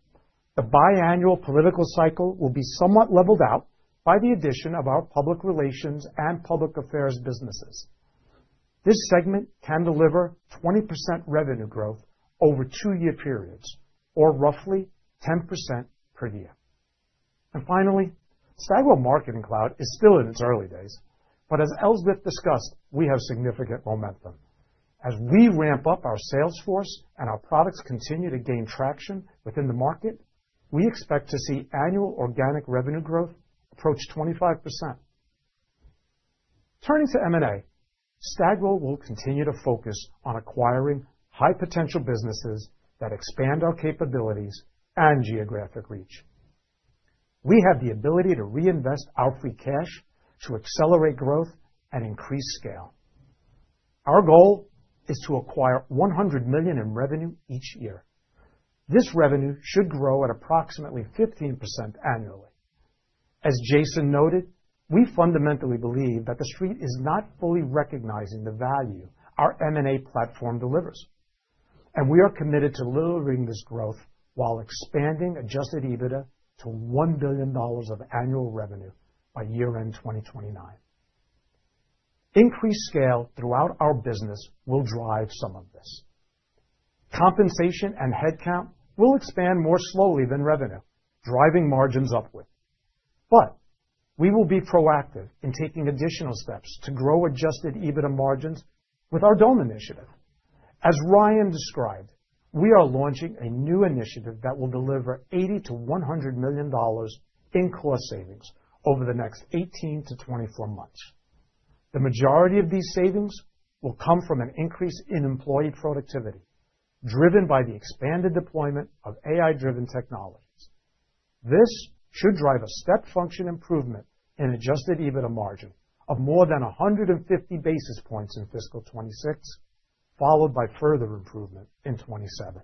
The biannual political cycle will be somewhat leveled out by the addition of our public relations and public affairs businesses. This segment can deliver 20% revenue growth over two-year periods, or roughly 10% per year. Finally, Stagwell Marketing Cloud is still in its early days, but as Elspeth discussed, we have significant momentum. As we ramp up our sales force and our products continue to gain traction within the market, we expect to see annual organic revenue growth approach 25%. Turning to M&A, Stagwell will continue to focus on acquiring high-potential businesses that expand our capabilities and geographic reach. We have the ability to reinvest our free cash to accelerate growth and increase scale. Our goal is to acquire $100 million in revenue each year. This revenue should grow at approximately 15% annually. As Jason noted, we fundamentally believe that the street is not fully recognizing the value our M&A platform delivers, and we are committed to lowering this growth while expanding adjusted EBITDA to $1 billion of annual revenue by year-end 2029. Increased scale throughout our business will drive some of this. Compensation and headcount will expand more slowly than revenue, driving margins upward. We will be proactive in taking additional steps to grow adjusted EBITDA margins with our DOME initiative. As Ryan described, we are launching a new initiative that will deliver $80 million-$100 million in cost savings over the next 18-24 months. The majority of these savings will come from an increase in employee productivity driven by the expanded deployment of AI-driven technologies. This should drive a step function improvement in adjusted EBITDA margin of more than 150 basis points in fiscal 2026, followed by further improvement in 2027.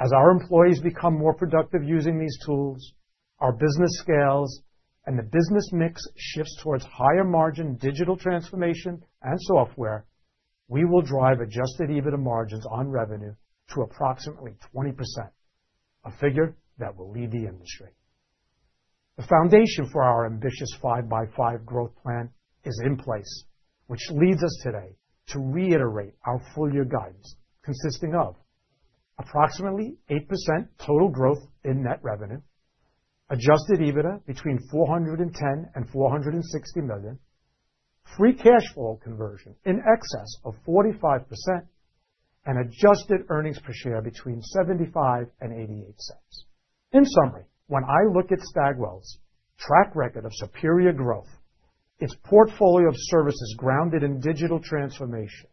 As our employees become more productive using these tools, our business scales, and the business mix shifts towards higher margin digital transformation and software, we will drive adjusted EBITDA margins on revenue to approximately 20%, a figure that will lead the industry. The foundation for our ambitious five by five growth plan is in place, which leads us today to reiterate our full-year guidance consisting of: approximately 8% total growth in net revenue, adjusted EBITDA between $410 million and $460 million, free cash flow conversion in excess of 45%, and adjusted earnings per share between $0.75 and $0.88. In summary, when I look at Stagwell's track record of superior growth, its portfolio of services grounded in digital transformation,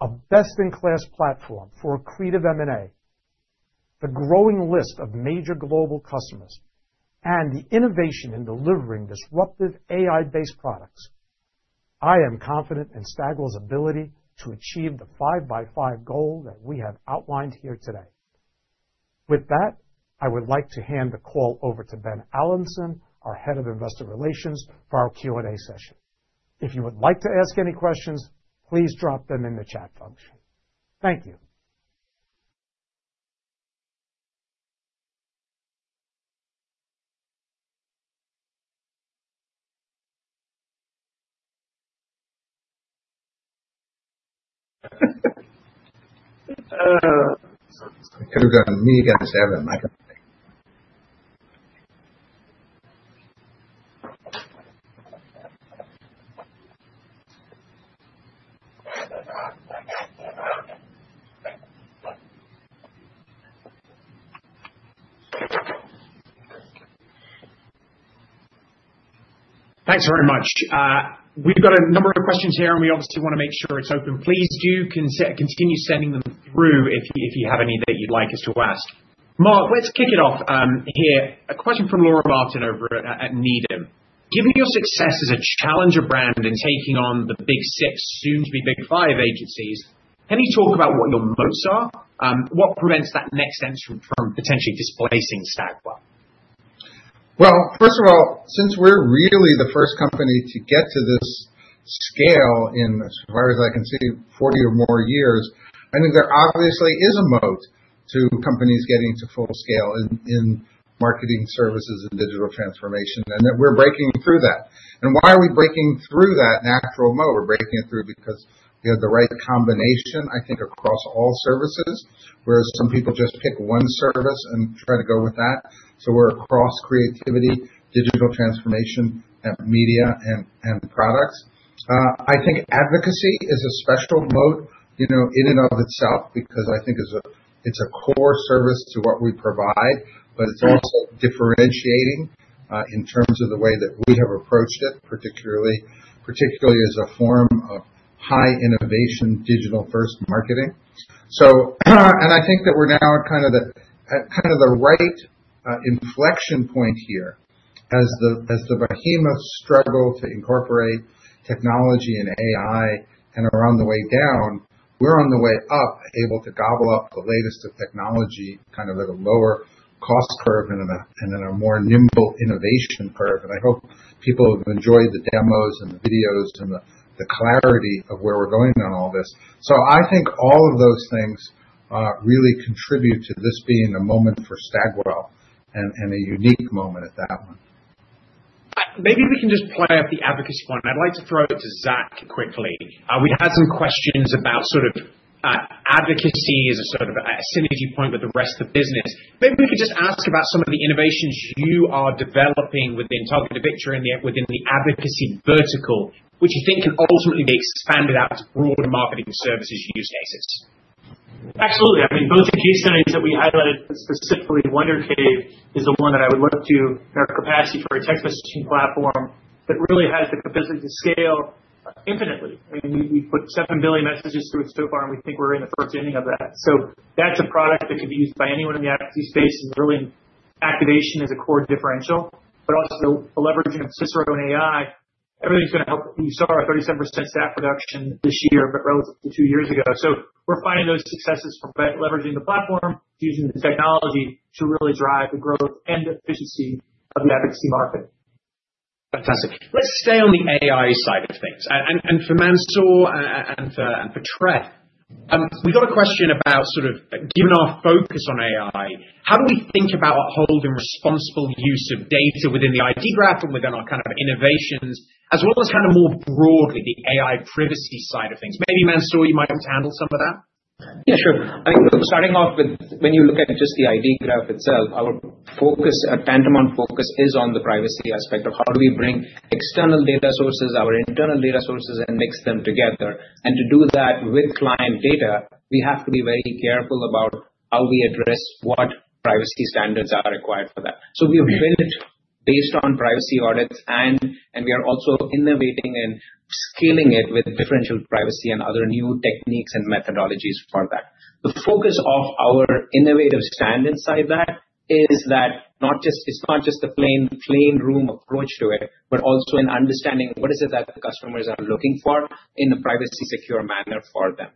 a best-in-class platform for a creative M&A, the growing list of major global customers, and the innovation in delivering disruptive AI-based products, I am confident in Stagwell's ability to achieve the five by five goal that we have outlined here today. With that, I would like to hand the call over to Ben Allanson, our Head of Investor Relations, for our Q&A session. If you would like to ask any questions, please drop them in the chat function. Thank you. Thanks very much. We've got a number of questions here, and we obviously want to make sure it's open. Please do continue sending them through if you have any that you'd like us to ask. Mark, let's kick it off here. A question from Laura Martin over at Needham. Given your success as a challenger brand in taking on the Big Six, soon-to-be Big Five agencies, can you talk about what your moats are? What prevents that next entrant from potentially displacing Stagwell? First of all, since we're really the first company to get to this scale in, as far as I can see, 40 or more years, I think there obviously is a moat to companies getting to full scale in marketing services and digital transformation, and that we're breaking through that. Why are we breaking through that natural moat? We're breaking it through because we have the right combination, I think, across all services, whereas some people just pick one service and try to go with that. We're across creativity, digital transformation, and media and products. I think advocacy is a special moat in and of itself because I think it's a core service to what we provide, but it's also differentiating in terms of the way that we have approached it, particularly as a form of high innovation, digital-first marketing. I think that we're now at kind of the right inflection point here. As the behemoths struggle to incorporate technology and AI and are on the way down, we're on the way up, able to gobble up the latest of technology, kind of at a lower cost curve and in a more nimble innovation curve. I hope people have enjoyed the demos and the videos and the clarity of where we're going on all this. I think all of those things really contribute to this being a moment for Stagwell and a unique moment at that one. Maybe we can just play off the advocacy point. I'd like to throw it to Zac quickly. We had some questions about sort of advocacy as a sort of synergy point with the rest of the business. Maybe we could just ask about some of the innovations you are developing within Targeted Victory and within the advocacy vertical, which you think can ultimately be expanded out to broader marketing services use cases. Absolutely. I mean, both of your key signs that we highlighted, specifically Wonder Cave, is the one that I would look to. Our capacity for a text messaging platform that really has the capacity to scale infinitely. I mean, we've put 7 billion messages through it so far, and we think we're in the first inning of that. That's a product that could be used by anyone in the advocacy space. Really, activation is a core differential, but also the leveraging of Cicero and AI, everything's going to help. You saw our 37% staff reduction this year relative to two years ago. We're finding those successes from leveraging the platform, using the technology to really drive the growth and efficiency of the advocacy market. Fantastic. Let's stay on the AI side of things. For Mansoor and for Treff, we got a question about sort of given our focus on AI, how do we think about our hold and responsible use of data within the ID Graph and within our kind of innovations, as well as kind of more broadly the AI privacy side of things? Maybe Mansoor, you might want to handle some of that. Yeah, sure. I think starting off with, when you look at just the ID Graph itself, our focus, our tantum on focus is on the privacy aspect of how do we bring external data sources, our internal data sources, and mix them together. To do that with client data, we have to be very careful about how we address what privacy standards are required for that. We have built based on privacy audits, and we are also innovating and scaling it with differential privacy and other new techniques and methodologies for that. The focus of our innovative stand inside that is that it's not just the plain room approach to it, but also in understanding what is it that the customers are looking for in a privacy-secure manner for them.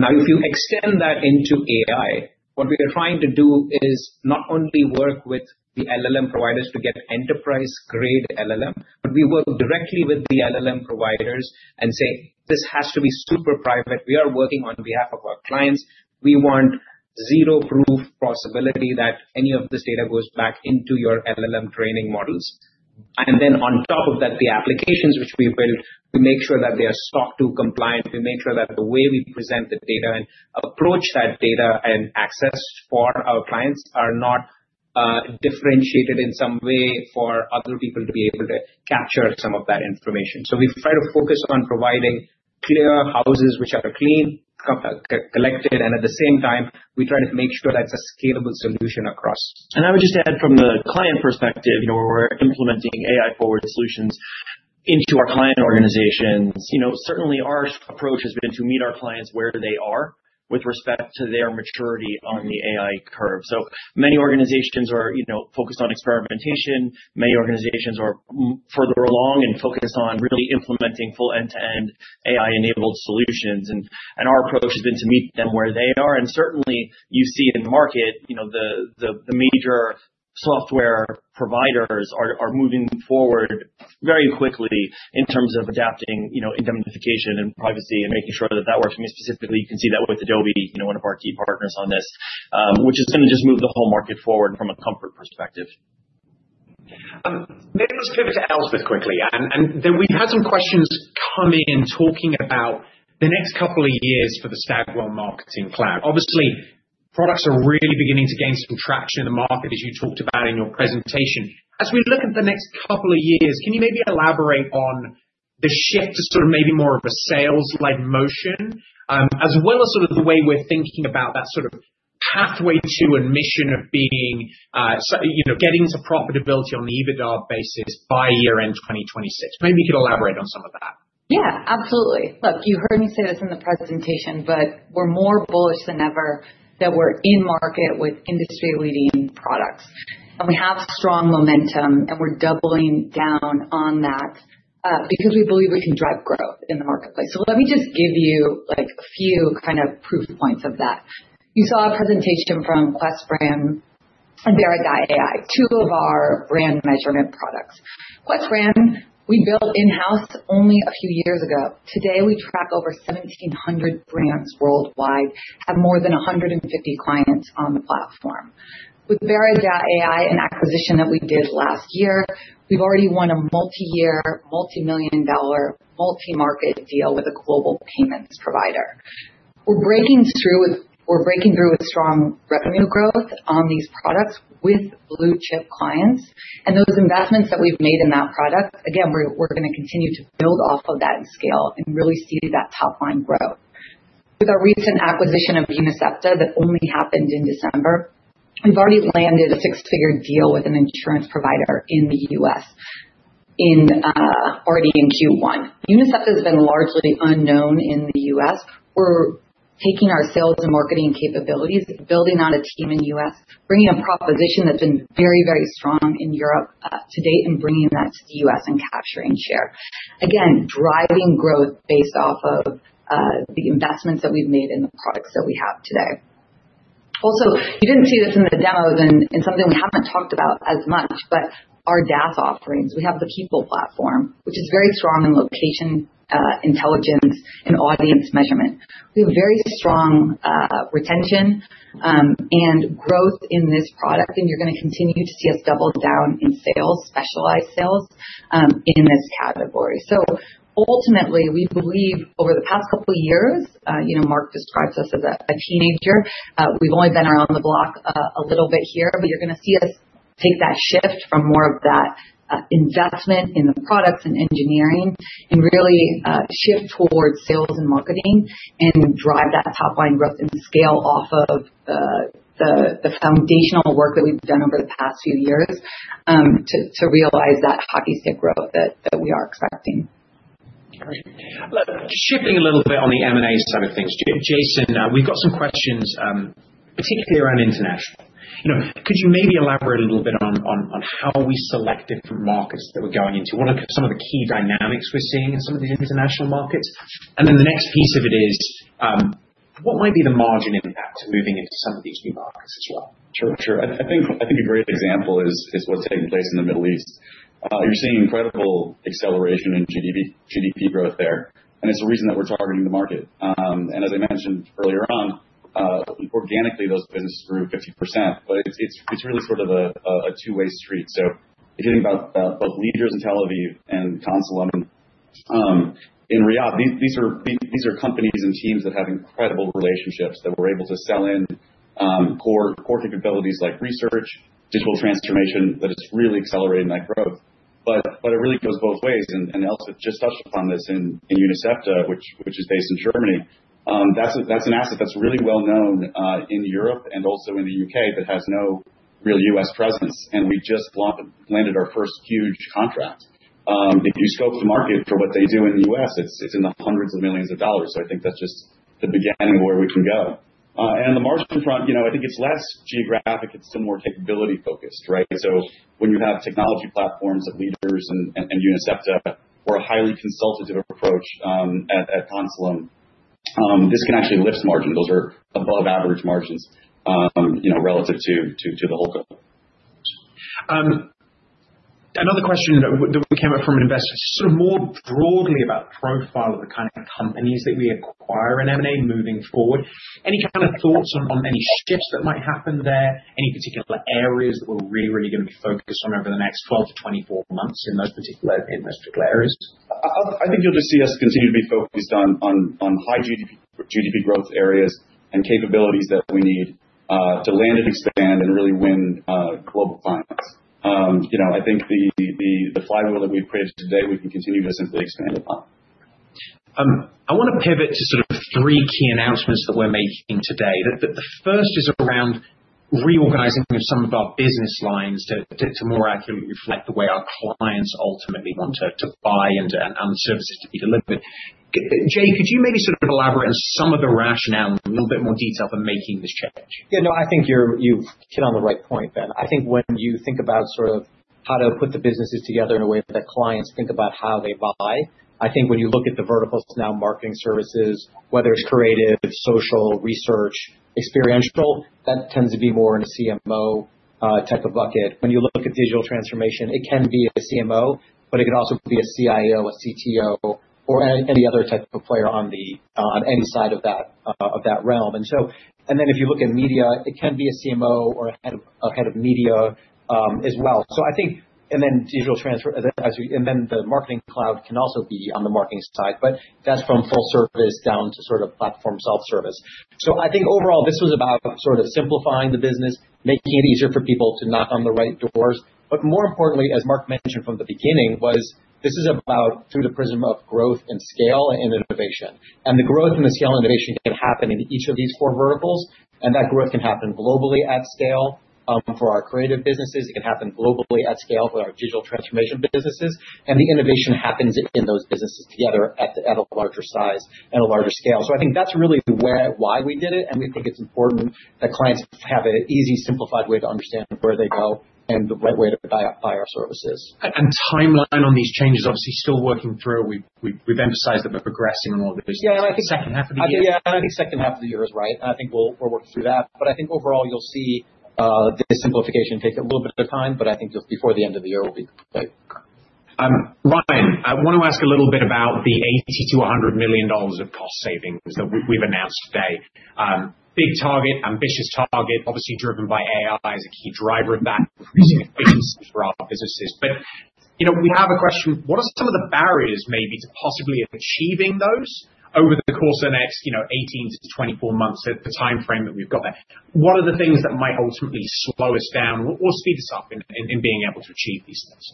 Now, if you extend that into AI, what we are trying to do is not only work with the LLM providers to get enterprise-grade LLM, but we work directly with the LLM providers and say, "This has to be super private. We are working on behalf of our clients. We want zero proof possibility that any of this data goes back into your LLM training models." On top of that, the applications which we build, we make sure that they are SOC 2 compliant. We make sure that the way we present the data and approach that data and access for our clients are not differentiated in some way for other people to be able to capture some of that information. We try to focus on providing clear houses which are clean, collected, and at the same time, we try to make sure that it's a scalable solution across. I would just add from the client perspective, where we're implementing AI-forward solutions into our client organizations, certainly our approach has been to meet our clients where they are with respect to their maturity on the AI curve. Many organizations are focused on experimentation. Many organizations are further along and focused on really implementing full end-to-end AI-enabled solutions. Our approach has been to meet them where they are. Certainly, you see in the market, the major software providers are moving forward very quickly in terms of adapting indemnification and privacy and making sure that that works. I mean, specifically, you can see that with Adobe, one of our key partners on this, which is going to just move the whole market forward from a comfort perspective. Maybe let's pivot to Elspeth quickly. And then we've had some questions come in talking about the next couple of years for the Stagwell Marketing Cloud. Obviously, products are really beginning to gain some traction in the market, as you talked about in your presentation. As we look at the next couple of years, can you maybe elaborate on the shift to sort of maybe more of a sales-like motion, as well as sort of the way we're thinking about that sort of pathway to admission of being getting to profitability on the EBITDA basis by year-end 2026? Maybe you could elaborate on some of that. Yeah, absolutely. Look, you heard me say this in the presentation, but we're more bullish than ever that we're in market with industry-leading products. We have strong momentum, and we're doubling down on that because we believe we can drive growth in the marketplace. Let me just give you a few kind of proof points of that. You saw a presentation from QuestBrand and BERA.ai, two of our brand measurement products. QuestBrand, we built in-house only a few years ago. Today, we track over 1,700 brands worldwide, have more than 150 clients on the platform. With BERA.ai, an acquisition that we did last year, we've already won a multi-year, multi-million dollar, multi-market deal with a global payments provider. We're breaking through with strong revenue growth on these products with blue-chip clients. Those investments that we've made in that product, again, we're going to continue to build off of that and scale and really see that top-line grow. With our recent acquisition of UNICEPTA that only happened in December, we've already landed a six-figure deal with an insurance provider in the U.S. already in Q1. UNICEPTA has been largely unknown in the U.S. We're taking our sales and marketing capabilities, building on a team in the U.S., bringing a proposition that's been very, very strong in Europe to date, and bringing that to the U.S. and capturing share. Again, driving growth based off of the investments that we've made in the products that we have today. Also, you didn't see this in the demos and something we haven't talked about as much, but our DaaS offerings. We have the People platform, which is very strong in location, intelligence, and audience measurement. We have very strong retention and growth in this product, and you're going to continue to see us double down in sales, specialized sales in this category. Ultimately, we believe over the past couple of years, Mark describes us as a teenager. We've only been around the block a little bit here, but you're going to see us take that shift from more of that investment in the products and engineering and really shift towards sales and marketing and drive that top-line growth and scale off of the foundational work that we've done over the past few years to realize that hockey stick growth that we are expecting. Shifting a little bit on the M&A side of things, Jason, we've got some questions, particularly around international. Could you maybe elaborate a little bit on how we select different markets that we're going into? What are some of the key dynamics we're seeing in some of these international markets? And then the next piece of it is, what might be the margin impact moving into some of these new markets as well? Sure. I think a great example is what's taking place in the Middle East. You're seeing incredible acceleration in GDP growth there, and it's a reason that we're targeting the market. And as I mentioned earlier on, organically, those businesses grew 50%, but it's really sort of a two-way street. If you think about both LEADERS in Tel Aviv and Consulum in Riyadh, these are companies and teams that have incredible relationships that we're able to sell in core capabilities like research, digital transformation that is really accelerating that growth. It really goes both ways. Elspeth just touched upon this in UNICEPTA, which is based in Germany. That's an asset that's really well-known in Europe and also in the U.K. that has no real US presence, and we just landed our first huge contract. If you scope the market for what they do in the US, it's in the hundreds of millions of dollars. I think that's just the beginning of where we can go. On the margin front, I think it's less geographic. It's still more capability-focused, right? When you have technology platforms at LEADERS and UNICEPTA or a highly consultative approach at Consulum, this can actually lift margins. Those are above-average margins relative to the whole company. Another question that we came up from an investor is sort of more broadly about the profile of the kind of companies that we acquire in M&A moving forward. Any kind of thoughts on any shifts that might happen there? Any particular areas that we're really, really going to be focused on over the next 12-24 months in those particular areas? I think you'll just see us continue to be focused on high GDP growth areas and capabilities that we need to land and expand and really win global clients. I think the flywheel that we've created today, we can continue to simply expand upon. I want to pivot to sort of three key announcements that we're making today. The first is around reorganizing some of our business lines to more accurately reflect the way our clients ultimately want to buy and the services to be delivered. Jay, could you maybe sort of elaborate on some of the rationale in a little bit more detail for making this change? Yeah, no, I think you've hit on the right point, Ben. I think when you think about sort of how to put the businesses together in a way that clients think about how they buy, I think when you look at the verticals now, marketing services, whether it's creative, social, research, experiential, that tends to be more in a CMO type of bucket. When you look at digital transformation, it can be a CMO, but it can also be a CIO, a CTO, or any other type of player on any side of that realm. If you look at media, it can be a CMO or a head of media as well. Then the marketing cloud can also be on the marketing side, but that's from full service down to sort of platform self-service. I think overall, this was about sort of simplifying the business, making it easier for people to knock on the right doors. More importantly, as Mark mentioned from the beginning, this is about through the prism of growth and scale and innovation. The growth and the scale innovation can happen in each of these four verticals, and that growth can happen globally at scale. For our creative businesses, it can happen globally at scale for our digital transformation businesses. The innovation happens in those businesses together at a larger size and a larger scale. I think that's really why we did it. We think it's important that clients have an easy, simplified way to understand where they go and the right way to buy our services. Timeline on these changes, obviously, still working through. We've emphasized that we're progressing on all of these in the second half of the year. Yeah, and I think second half of the year is right. I think we're working through that. I think overall, you'll see this simplification take a little bit of time, but I think before the end of the year, we'll be complete. Ryan, I want to ask a little bit about the $80 million-$100 million of cost savings that we've announced today. Big target, ambitious target, obviously driven by AI as a key driver of that, increasing efficiency for our businesses. We have a question. What are some of the barriers maybe to possibly achieving those over the course of the next 18-24 months at the timeframe that we've got there? What are the things that might ultimately slow us down or speed us up in being able to achieve these things?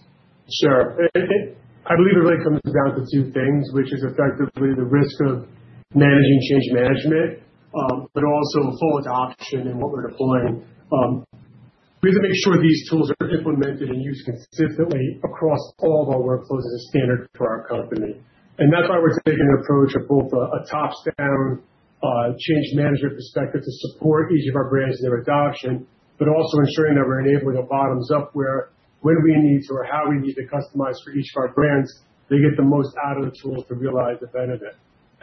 Sure. I believe it really comes down to two things, which is effectively the risk of managing change management, but also full adoption and what we're deploying. We have to make sure these tools are implemented and used consistently across all of our workflows as a standard for our company. That's why we're taking an approach of both a top-down change management perspective to support each of our brands in their adoption, but also ensuring that we're enabling a bottoms-up where when we need to or how we need to customize for each of our brands, they get the most out of the tools to realize the benefit.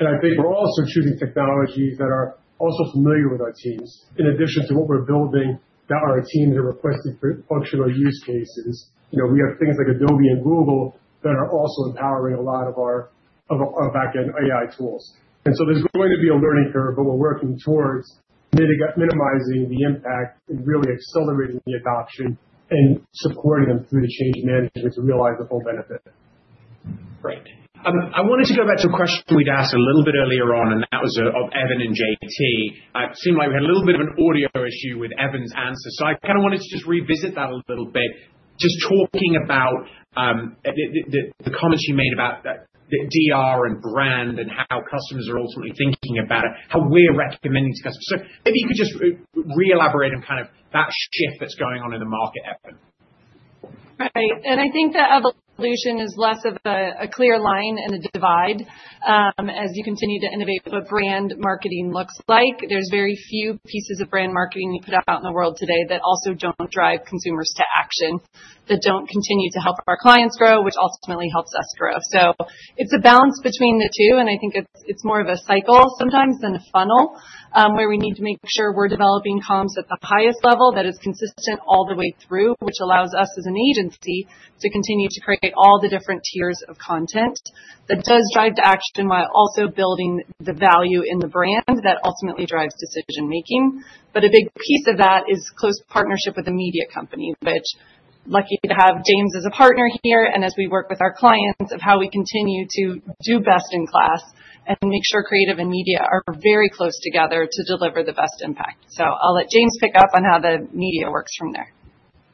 I think we're also choosing technologies that are also familiar with our teams. In addition to what we're building, there are teams that are requesting functional use cases. We have things like Adobe and Google that are also empowering a lot of our back-end AI tools. There is going to be a learning curve, but we're working towards minimizing the impact and really accelerating the adoption and supporting them through the change management to realize the full benefit. Great. I wanted to go back to a question we'd asked a little bit earlier on, and that was of Evin and J.T.. It seemed like we had a little bit of an audio issue with Evin's answer. I kind of wanted to just revisit that a little bit, just talking about the comments you made about the DR and brand and how customers are ultimately thinking about it, how we're recommending to customers. Maybe you could just re-elaborate on kind of that shift that's going on in the market, Evin. Right. I think that evolution is less of a clear line and a divide as you continue to innovate what brand marketing looks like. There's very few pieces of brand marketing you put out in the world today that also don't drive consumers to action, that don't continue to help our clients grow, which ultimately helps us grow. It's a balance between the two, and I think it's more of a cycle sometimes than a funnel where we need to make sure we're developing comms at the highest level that is consistent all the way through, which allows us as an agency to continue to create all the different tiers of content that does drive to action while also building the value in the brand that ultimately drives decision-making. A big piece of that is close partnership with a media company, which is lucky to have James as a partner here and as we work with our clients of how we continue to do best in class and make sure creative and media are very close together to deliver the best impact. I'll let James pick up on how the media works from there.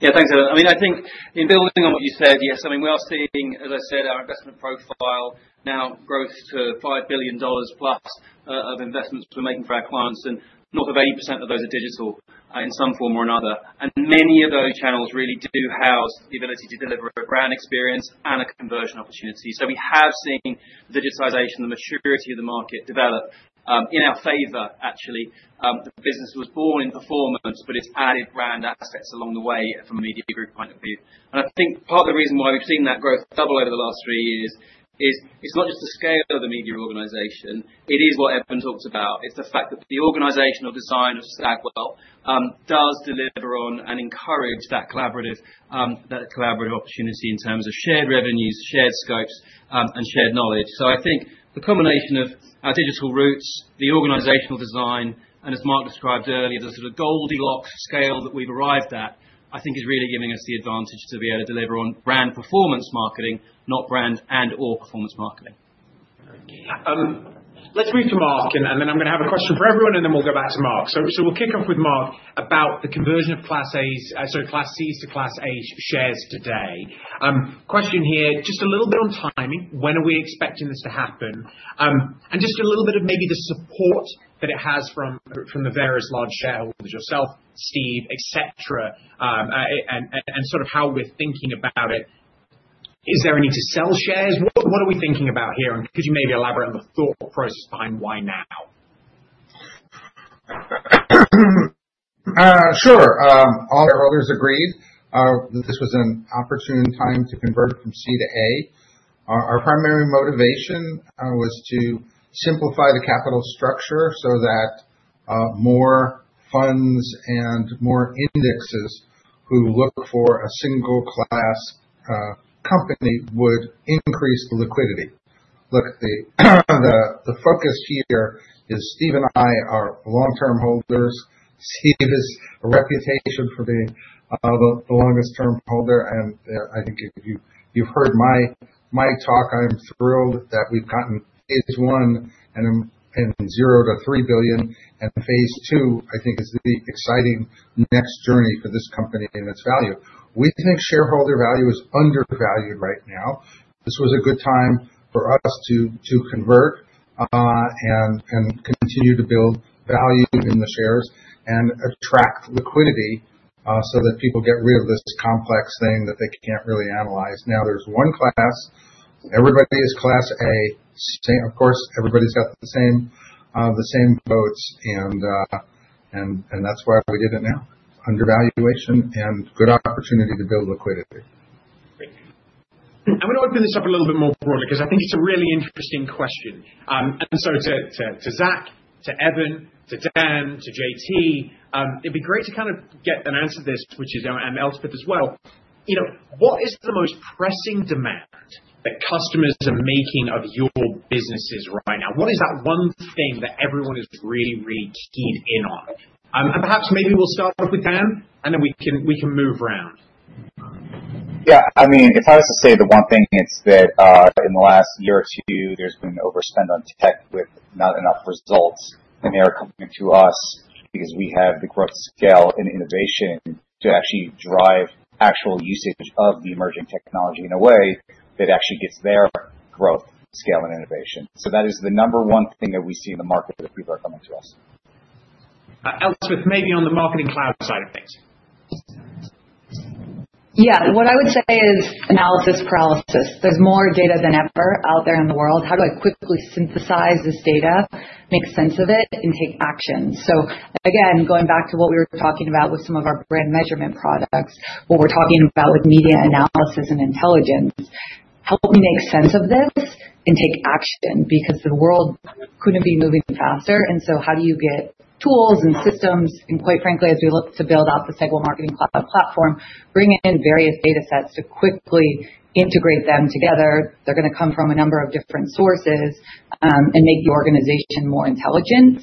Yeah, thanks, Evin. I mean, I think in building on what you said, yes, I mean, we are seeing, as I said, our investment profile now grows to $5 billion plus of investments we're making for our clients, and north of 80% of those are digital in some form or another. Many of those channels really do house the ability to deliver a brand experience and a conversion opportunity. We have seen digitization, the maturity of the market develop in our favor, actually. The business was born in performance, but it's added brand assets along the way from a media group point of view. I think part of the reason why we've seen that growth double over the last three years is it's not just the scale of the media organization. It is what Evin talks about. It's the fact that the organizational design of Stagwell does deliver on and encourage that collaborative opportunity in terms of shared revenues, shared scopes, and shared knowledge. I think the combination of our digital roots, the organizational design, and as Mark described earlier, the sort of Goldilocks scale that we've arrived at, I think is really giving us the advantage to be able to deliver on brand performance marketing, not brand and/or performance marketing. Let's move to Mark, and then I'm going to have a question for everyone, and then we'll go back to Mark. We'll kick off with Mark about the conversion of Class Cs to Class As shares today. Question here, just a little bit on timing. When are we expecting this to happen? And just a little bit of maybe the support that it has from the various large shareholders, yourself, Steve, etc., and sort of how we're thinking about it. Is there a need to sell shares? What are we thinking about here? Could you maybe elaborate on the thought process behind why now? Sure. All our rollers agreed. This was an opportune time to convert from C to A. Our primary motivation was to simplify the capital structure so that more funds and more indexes who look for a single-class company would increase the liquidity. Look, the focus here is Steve and I are long-term holders. Steve has a reputation for being the longest-term holder, and I think if you've heard my talk, I'm thrilled that we've gotten phase I and zero to $3 billion, and phase II, I think, is the exciting next journey for this company and its value. We think shareholder value is undervalued right now. This was a good time for us to convert and continue to build value in the shares and attract liquidity so that people get rid of this complex thing that they can't really analyze. Now there's one class. Everybody is Class A. Of course, everybody's got the same votes, and that's why we did it now. Undervaluation and good opportunity to build liquidity. Great. I'm going to open this up a little bit more broadly because I think it's a really interesting question. To Zac, to Evin, to Dan, to J.T., it'd be great to kind of get an answer to this, which is Elspeth as well. What is the most pressing demand that customers are making of your businesses right now? What is that one thing that everyone is really, really keyed in on? Perhaps maybe we'll start off with Dan, and then we can move around. Yeah. I mean, if I was to say the one thing, it's that in the last year or two, there's been overspend on tech with not enough results. They are coming to us because we have the growth scale and innovation to actually drive actual usage of the emerging technology in a way that actually gets their growth, scale, and innovation. That is the number one thing that we see in the market that people are coming to us. Elspeth, maybe on the marketing cloud side of things. Yeah. What I would say is analysis paralysis. There's more data than ever out there in the world. How do I quickly synthesize this data, make sense of it, and take action? Again, going back to what we were talking about with some of our brand measurement products, what we're talking about with media analysis and intelligence, help me make sense of this and take action because the world couldn't be moving faster. How do you get tools and systems? Quite frankly, as we look to build out the Stagwell Marketing Cloud platform, bring in various data sets to quickly integrate them together. They're going to come from a number of different sources and make the organization more intelligent,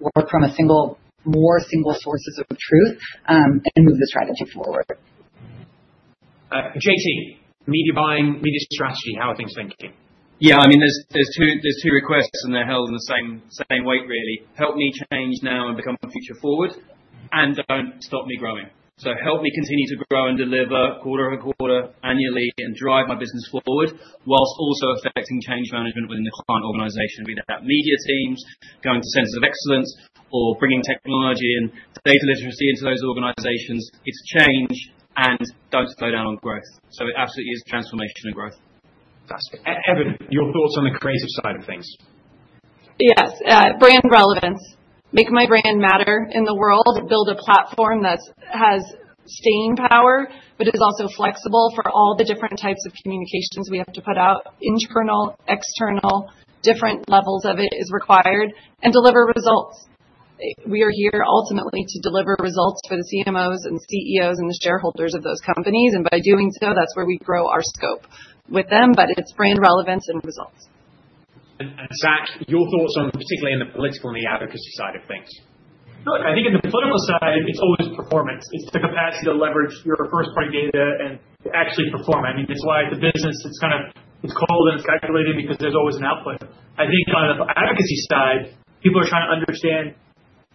work from more single sources of truth, and move the strategy forward. J.T., media buying, media strategy, how are things thinking? Yeah. I mean, there's two requests, and they're held in the same weight, really. Help me change now and become future forward, and don't stop me growing. Help me continue to grow and deliver quarter on quarter, annually, and drive my business forward whilst also affecting change management within the client organization, be that media teams, going to centers of excellence, or bringing technology and data literacy into those organizations. It is to change and don't slow down on growth. It absolutely is transformation and growth. Fantastic. Evin, your thoughts on the creative side of things? Yes. Brand relevance. Make my brand matter in the world. Build a platform that has staying power but is also flexible for all the different types of communications we have to put out, internal, external, different levels of it is required, and deliver results. We are here ultimately to deliver results for the CMOs and CEOs and the shareholders of those companies. By doing so, that's where we grow our scope with them, but it's brand relevance and results. Zac, your thoughts on particularly in the political and the advocacy side of things? Look, I think in the political side, it's always performance. It's the capacity to leverage your first-party data and actually perform. I mean, that's why the business, it's kind of it's called and it's calculated because there's always an output. I think on the advocacy side, people are trying to understand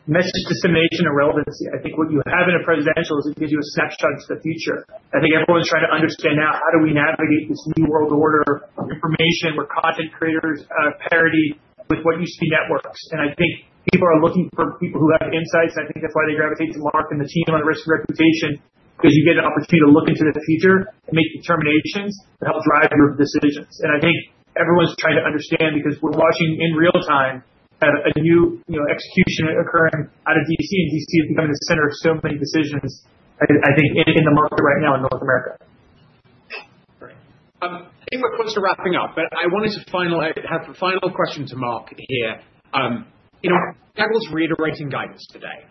message dissemination and relevancy. I think what you have in a presidential is it gives you a snapshot into the future. I think everyone's trying to understand now, how do we navigate this new world order of information where content creators parody with what used to be networks? I think people are looking for people who have insights. I think that's why they gravitate to Mark and the team on risk and reputation because you get an opportunity to look into the future and make determinations that help drive your decisions. I think everyone's trying to understand because we're watching in real time a new execution occurring out of D.C., and D.C. is becoming the center of so many decisions, I think, in the market right now in North America. Great. I think we're close to wrapping up, but I wanted to have a final question to Mark here. Stagwell's reiterating guidance today.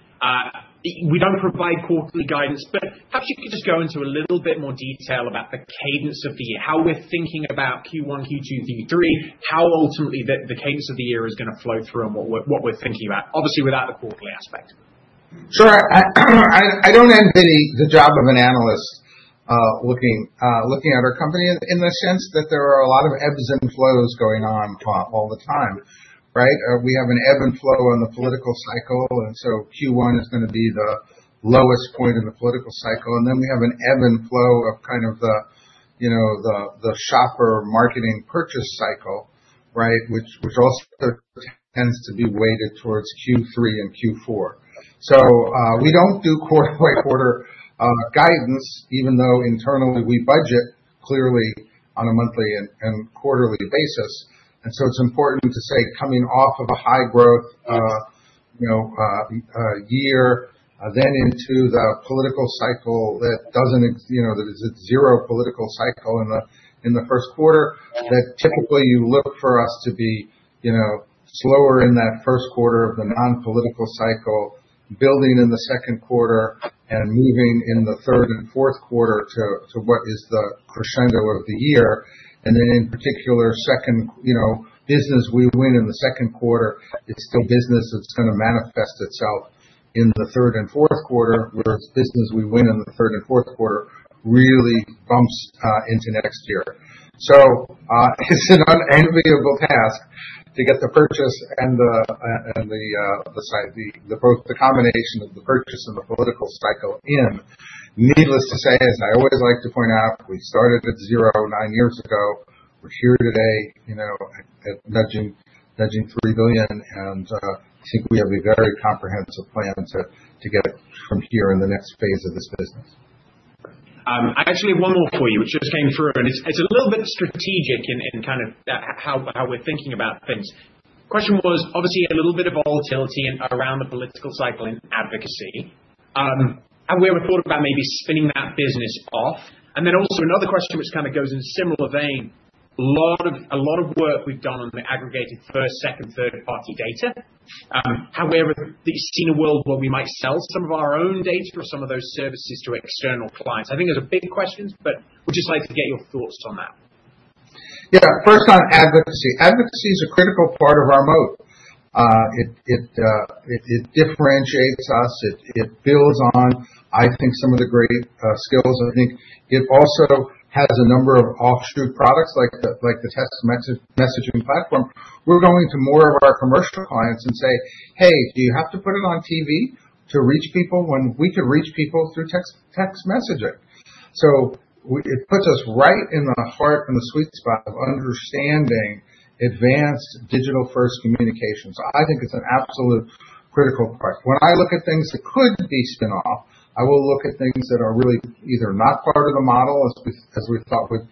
We don't provide quarterly guidance, but perhaps you could just go into a little bit more detail about the cadence of the year, how we're thinking about Q1, Q2, Q3, how ultimately the cadence of the year is going to flow through and what we're thinking about, obviously without the quarterly aspect. Sure. I don't envy the job of an analyst looking at our company in the sense that there are a lot of ebbs and flows going on all the time, right? We have an ebb and flow on the political cycle, and so Q1 is going to be the lowest point in the political cycle. We have an ebb and flow of kind of the shopper marketing purchase cycle, right, which also tends to be weighted towards Q3 and Q4. We do not do quarter-by-quarter guidance, even though internally we budget clearly on a monthly and quarterly basis. It is important to say coming off of a high-growth year, then into the political cycle that is a zero political cycle in the first quarter, that typically you look for us to be slower in that first quarter of the non-political cycle, building in the second quarter and moving in the third and fourth quarter to what is the crescendo of the year. In particular, business we win in the second quarter is still business that is going to manifest itself in the third and fourth quarter, whereas business we win in the third and fourth quarter really bumps into next year. It is an unenviable task to get the purchase and the combination of the purchase and the political cycle in. Needless to say, as I always like to point out, we started at zero nine years ago. We're here today nudging $3 billion, and I think we have a very comprehensive plan to get from here in the next phase of this business. I actually have one more for you, which just came through, and it's a little bit strategic in kind of how we're thinking about things. Question was, obviously, a little bit of volatility around the political cycle in advocacy. Have we ever thought about maybe spinning that business off? Also, another question which kind of goes in a similar vein, a lot of work we've done on the aggregated first, second, third-party data. Have we ever seen a world where we might sell some of our own data or some of those services to external clients? I think those are big questions, but we'd just like to get your thoughts on that. Yeah. First on advocacy. Advocacy is a critical part of our moat. It differentiates us. It builds on, I think, some of the great skills. I think it also has a number of offshoot products like the text messaging platform. We're going to more of our commercial clients and say, "Hey, do you have to put it on TV to reach people when we could reach people through text messaging?" It puts us right in the heart and the sweet spot of understanding advanced digital-first communications. I think it's an absolute critical part. When I look at things that could be spin-off, I will look at things that are really either not part of the model as we thought with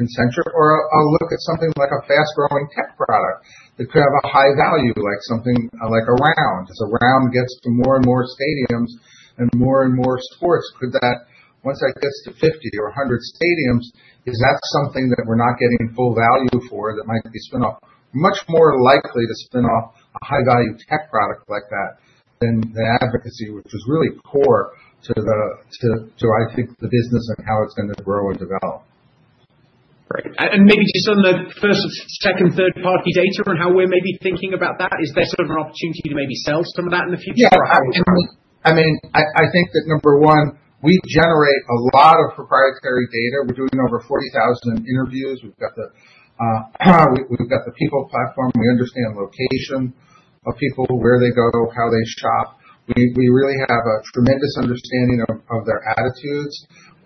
Concentric, or I'll look at something like a fast-growing tech product that could have a high value like something like ARound. As ARound gets to more and more stadiums and more and more sports, once that gets to 50 or 100 stadiums, is that something that we're not getting full value for that might be spin-off? Much more likely to spin off a high-value tech product like that than advocacy, which is really core to, I think, the business and how it's going to grow and develop. Great. Maybe just on the first, second, third-party data and how we're maybe thinking about that, is there sort of an opportunity to maybe sell some of that in the future? Yeah. I mean, I think that number one, we generate a lot of proprietary data. We're doing over 40,000 interviews. We've got the people platform. We understand location of people, where they go, how they shop. We really have a tremendous understanding of their attitudes.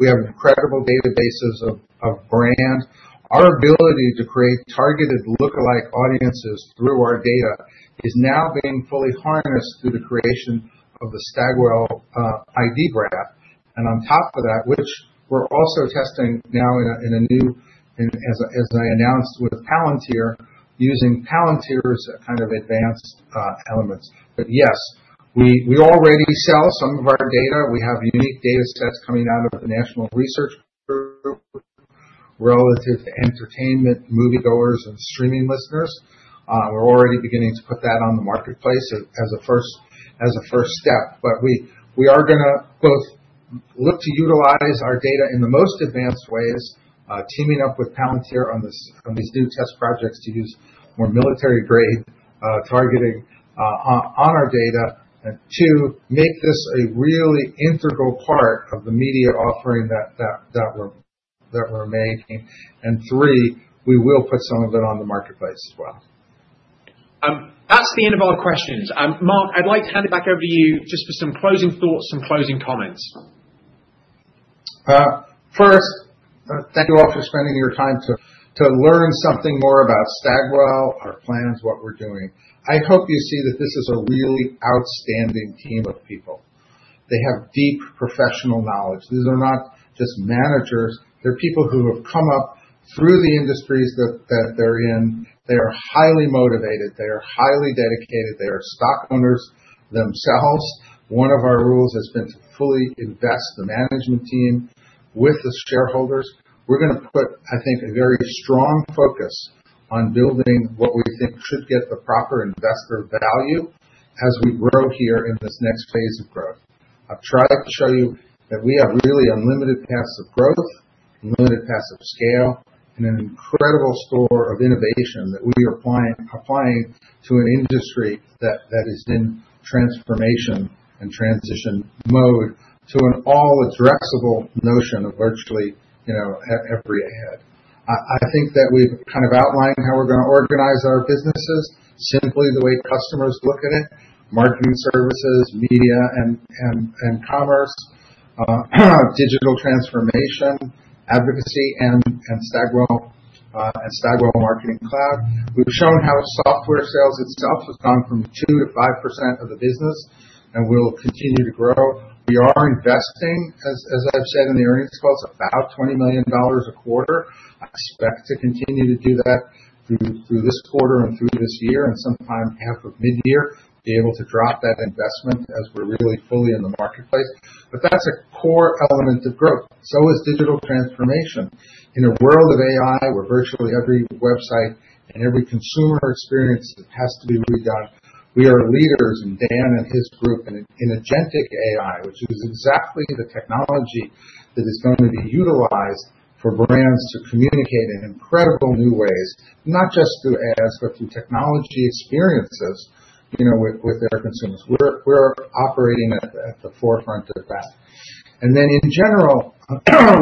We have incredible databases of brand. Our ability to create targeted lookalike audiences through our data is now being fully harnessed through the creation of the Stagwell ID Graph. On top of that, we're also testing now in a new, as I announced, with Palantir, using Palantir's kind of advanced elements. Yes, we already sell some of our data. We have unique data sets coming out of the National Research Group relative to entertainment, moviegoers, and streaming listeners. We're already beginning to put that on the marketplace as a first step. We are going to both look to utilize our data in the most advanced ways, teaming up with Palantir on these new test projects to use more military-grade targeting on our data to make this a really integral part of the media offering that we're making. Three, we will put some of it on the marketplace as well. That's the end of our questions. Mark, I'd like to hand it back over to you just for some closing thoughts, some closing comments. First, thank you all for spending your time to learn something more about Stagwell, our plans, what we're doing. I hope you see that this is a really outstanding team of people. They have deep professional knowledge. These are not just managers. They're people who have come up through the industries that they're in. They are highly motivated. They are highly dedicated. They are stock owners themselves. One of our rules has been to fully invest the management team with the shareholders. We're going to put, I think, a very strong focus on building what we think should get the proper investor value as we grow here in this next phase of growth. I've tried to show you that we have really unlimited paths of growth, unlimited paths of scale, and an incredible store of innovation that we are applying to an industry that is in transformation and transition mode to an all-addressable notion of virtually every ad. I think that we've kind of outlined how we're going to organize our businesses, simply the way customers look at it, marketing services, media and commerce, digital transformation, advocacy, and Stagwell Marketing Cloud. We've shown how software sales itself has gone from 2% to 5% of the business, and we'll continue to grow. We are investing, as I've said in the earnings calls, about $20 million a quarter. I expect to continue to do that through this quarter and through this year and sometime half of midyear, be able to drop that investment as we're really fully in the marketplace. That is a core element of growth. Digital transformation is as well. In a world of AI where virtually every website and every consumer experience has to be redone, we are leaders and Dan and his group in agentic AI, which is exactly the technology that is going to be utilized for brands to communicate in incredible new ways, not just through ads, but through technology experiences with their consumers. We are operating at the forefront of that. In general,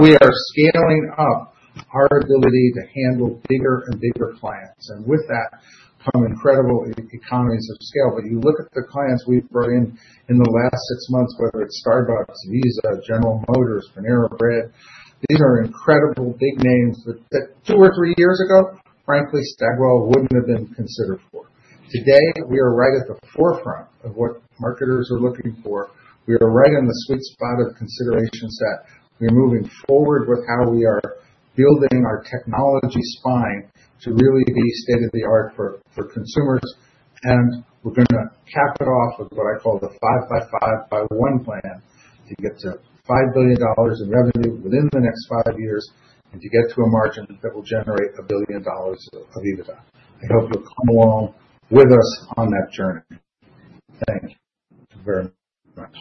we are scaling up our ability to handle bigger and bigger clients. With that come incredible economies of scale. You look at the clients we've brought in in the last six months, whether it's Starbucks, Visa, General Motors, Panera Bread, these are incredible big names that two or three years ago, frankly, Stagwell wouldn't have been considered for. Today, we are right at the forefront of what marketers are looking for. We are right on the sweet spot of considerations that we're moving forward with how we are building our technology spine to really be state-of-the-art for consumers. We're going to cap it off with what I call the five-by-five-by-one plan to get to $5 billion in revenue within the next five years and to get to a margin that will generate a billion dollars of EBITDA. I hope you'll come along with us on that journey. Thank you very much.